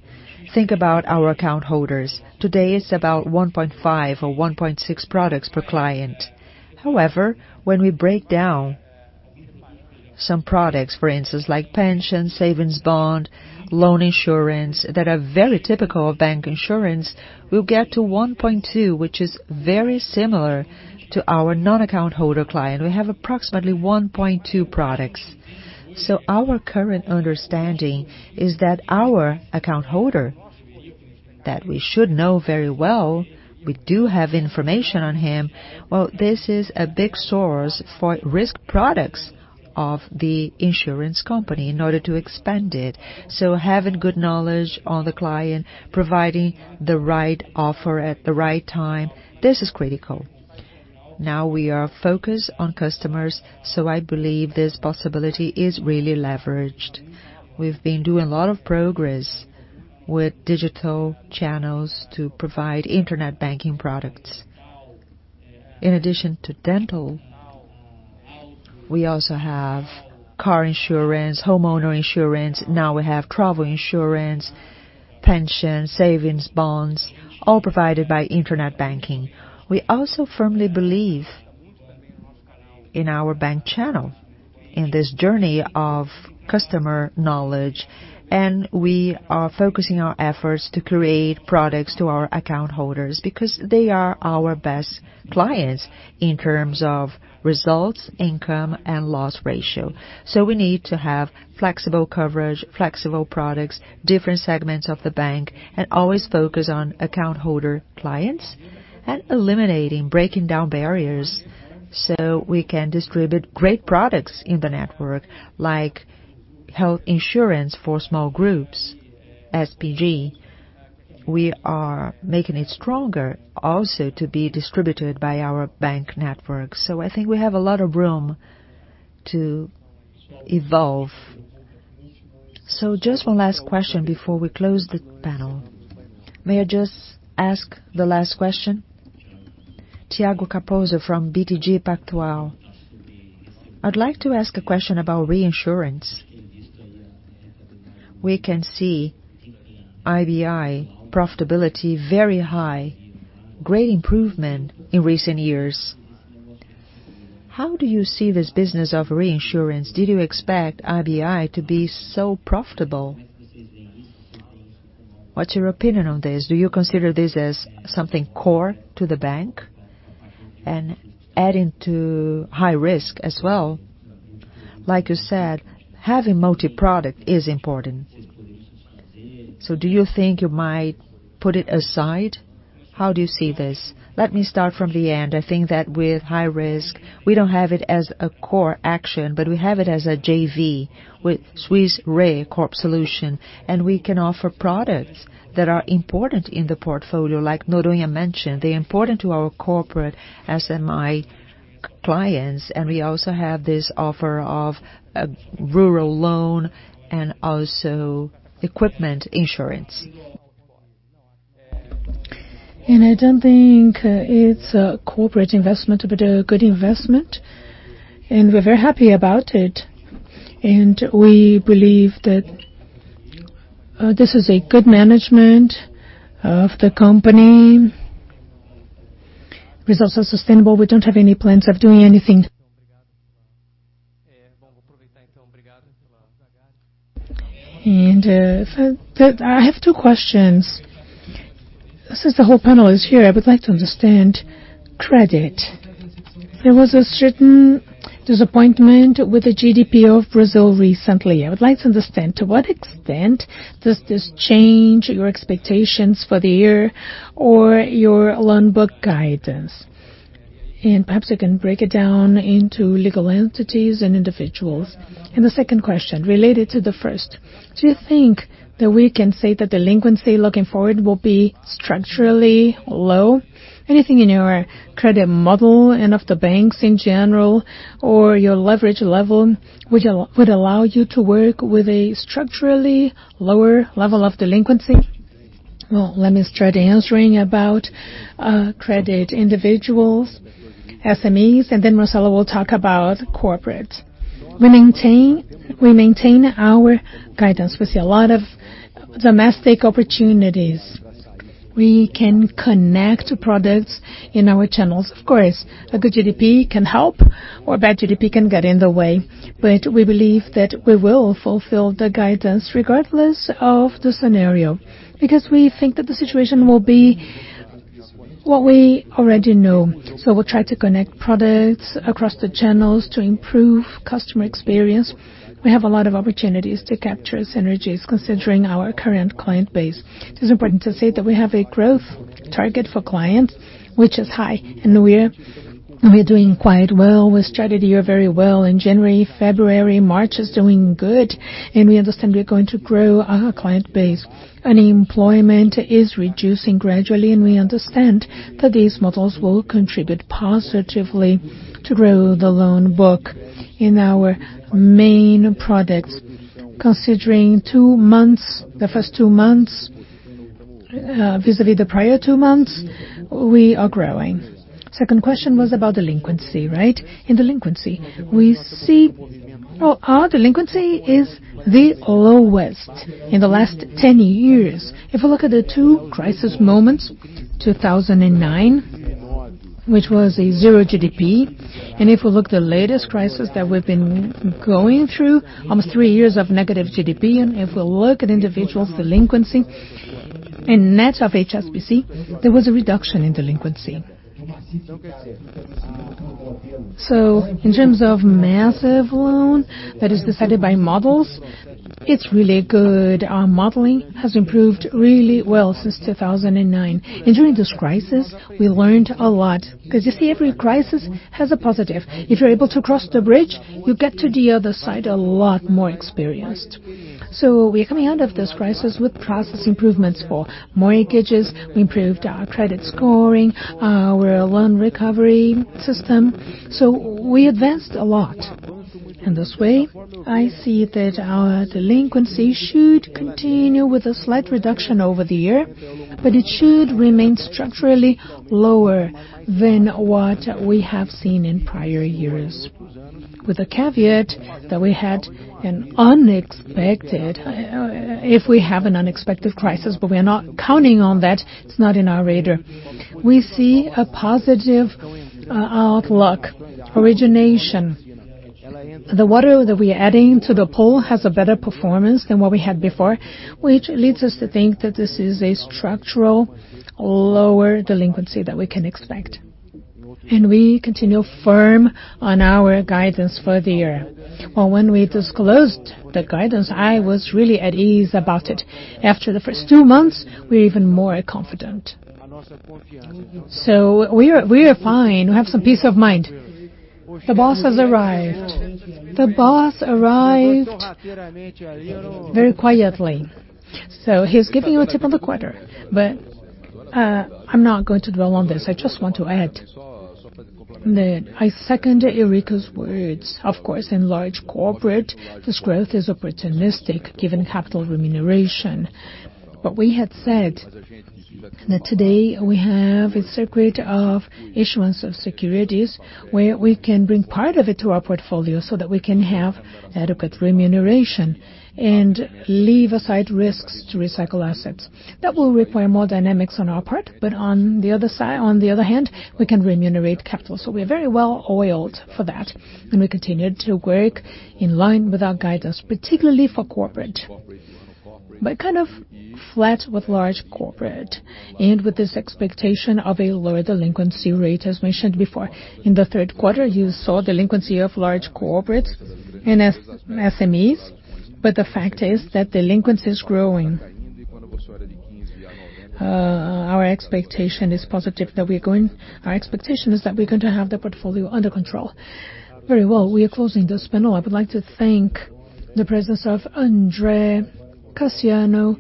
think about our account holders. Today, it's about 1.5 or 1.6 products per client. However, when we break down some products, for instance, like pension, savings bond, loan insurance, that are very typical of bank insurance, we'll get to 1.2, which is very similar to our non-account holder client. We have approximately 1.2 products. Our current understanding is that our account holder, that we should know very well, we do have information on him. Well, this is a big source for risk products of the insurance company in order to expand it. Having good knowledge on the client, providing the right offer at the right time, this is critical. Now we are focused on customers, so I believe this possibility is really leveraged. We've been doing a lot of progress with digital channels to provide internet banking products. In addition to dental, we also have car insurance, homeowner insurance. Now we have travel insurance, pension, savings bonds, all provided by internet banking. We also firmly believe in our bank channel in this journey of customer knowledge, and we are focusing our efforts to create products to our account holders because they are our best clients in terms of results, income, and loss ratio. We need to have flexible coverage, flexible products, different segments of the bank, and always focus on account holder clients and eliminating, breaking down barriers so we can distribute great products in the network, like health insurance for small groups, SPG. We are making it stronger also to be distributed by our bank network. I think we have a lot of room to evolve. Just one last question before we close the panel. May I just ask the last question? Thiago Caposa from BTG Pactual. I'd like to ask a question about reinsurance. We can see IRB profitability very high, great improvement in recent years. How do you see this business of reinsurance? Did you expect IRB to be so profitable? What's your opinion on this? Do you consider this as something core to the bank and adding to high risk as well? Like you said, having multi-product is important. Do you think you might put it aside? How do you see this? Let me start from the end. I think that with high risk, we don't have it as a core action, but we have it as a JV with Swiss Re Corporate Solutions, and we can offer products that are important in the portfolio, like Noronha mentioned. They're important to our corporate SME clients, and we also have this offer of a rural loan and also equipment insurance. I don't think it's a corporate investment, but a good investment, and we're very happy about it. We believe that this is a good management of the company. Results are sustainable. We don't have any plans of doing anything. I have two questions. Since the whole panel is here, I would like to understand credit. There was a certain disappointment with the GDP of Brazil recently. I would like to understand to what extent does this change your expectations for the year or your loan book guidance? Perhaps you can break it down into legal entities and individuals. The second question, related to the first. Do you think that we can say that delinquency looking forward will be structurally low? Anything in your credit model and of the banks in general or your leverage level would allow you to work with a structurally lower level of delinquency? Well, let me start answering about credit individuals, SMEs, and then Marcelo will talk about corporate. We maintain our guidance. We see a lot of domestic opportunities. We can connect products in our channels. Of course, a good GDP can help or bad GDP can get in the way. We believe that we will fulfill the guidance regardless of the scenario, because we think that the situation will be what we already know. We'll try to connect products across the channels to improve customer experience. We have a lot of opportunities to capture synergies considering our current client base. It is important to say that we have a growth target for clients, which is high, and we're doing quite well. We started the year very well in January, February, March is doing good, we understand we're going to grow our client base. Unemployment is reducing gradually, we understand that these models will contribute positively to grow the loan book in our main products. Considering the first two months, vis-a-vis the prior two months, we are growing. Second question was about delinquency, right? In delinquency, we see our delinquency is the lowest in the last 10 years. If we look at the two crisis moments, 2009, which was a zero GDP, and if we look the latest crisis that we've been going through, almost three years of negative GDP, and if we look at individual delinquency, in net of HSBC, there was a reduction in delinquency. In terms of massive loan that is decided by models, it's really good. Our modeling has improved really well since 2009. During this crisis, we learned a lot because you see every crisis has a positive. If you're able to cross the bridge, you get to the other side a lot more experienced. We're coming out of this crisis with process improvements for mortgages. We improved our credit scoring, our loan recovery system. We advanced a lot. In this way, I see that our delinquency should continue with a slight reduction over the year, but it should remain structurally lower than what we have seen in prior years. With a caveat that if we have an unexpected crisis, we're not counting on that, it's not in our radar. We see a positive outlook. Origination. The water that we are adding to the pool has a better performance than what we had before, which leads us to think that this is a structural, lower delinquency that we can expect. We continue firm on our guidance for the year. Well, when we disclosed the guidance, I was really at ease about it. After the first two months, we're even more confident. We are fine. We have some peace of mind. The boss has arrived. The boss arrived very quietly. He's giving you a tip of the quarter. I'm not going to dwell on this. I just want to add that I second Eurico's words, of course, in large corporate, this growth is opportunistic given capital remuneration. We had said that today we have a circuit of issuance of securities where we can bring part of it to our portfolio so that we can have adequate remuneration and leave aside risks to recycle assets. That will require more dynamics on our part, but on the other hand, we can remunerate capital. We're very well oiled for that, we continue to work in line with our guidance, particularly for corporate. Kind of flat with large corporate and with this expectation of a lower delinquency rate as mentioned before. In the third quarter, you saw delinquency of large corporates and SMEs, the fact is that delinquency is growing. Our expectation is that we're going to have the portfolio under control. Very well. We are closing this panel. I would like to thank the presence of Andre, Cassiano,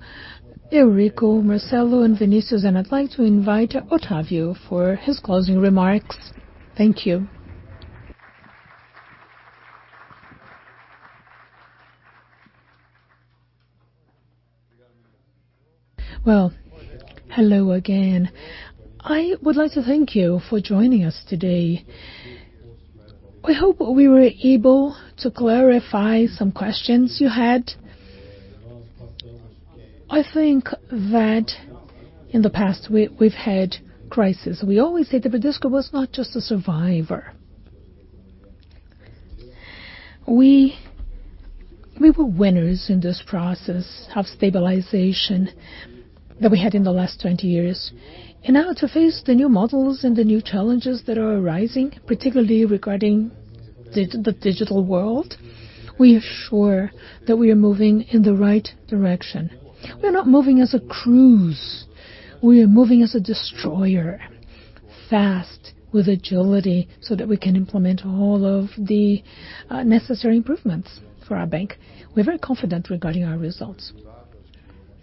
Eurico, Marcelo, and Vinicius, I'd like to invite Octavio for his closing remarks. Thank you. Well, hello again. I would like to thank you for joining us today. I hope we were able to clarify some questions you had. I think that in the past, we've had crisis. We always say that Bradesco was not just a survivor. We were winners in this process of stabilization that we had in the last 20 years. Now to face the new models and the new challenges that are arising, particularly regarding the digital world, we are sure that we are moving in the right direction. We are not moving as a cruise. We are moving as a destroyer, fast, with agility, so that we can implement all of the necessary improvements for our bank. We're very confident regarding our results.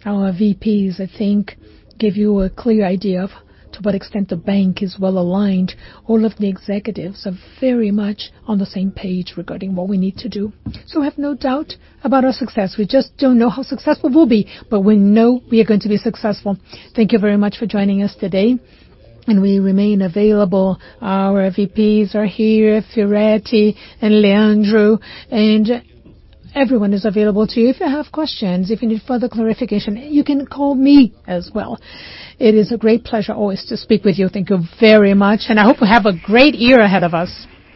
Our VPs, I think, give you a clear idea of to what extent the bank is well-aligned. All of the executives are very much on the same page regarding what we need to do. We have no doubt about our success. We just don't know how successful we'll be, but we know we are going to be successful. Thank you very much for joining us today, and we remain available. Our VPs are here, Firetti and Leandro, and everyone is available to you. If you have questions, if you need further clarification, you can call me as well. It is a great pleasure always to speak with you. Thank you very much, and I hope we have a great year ahead of us.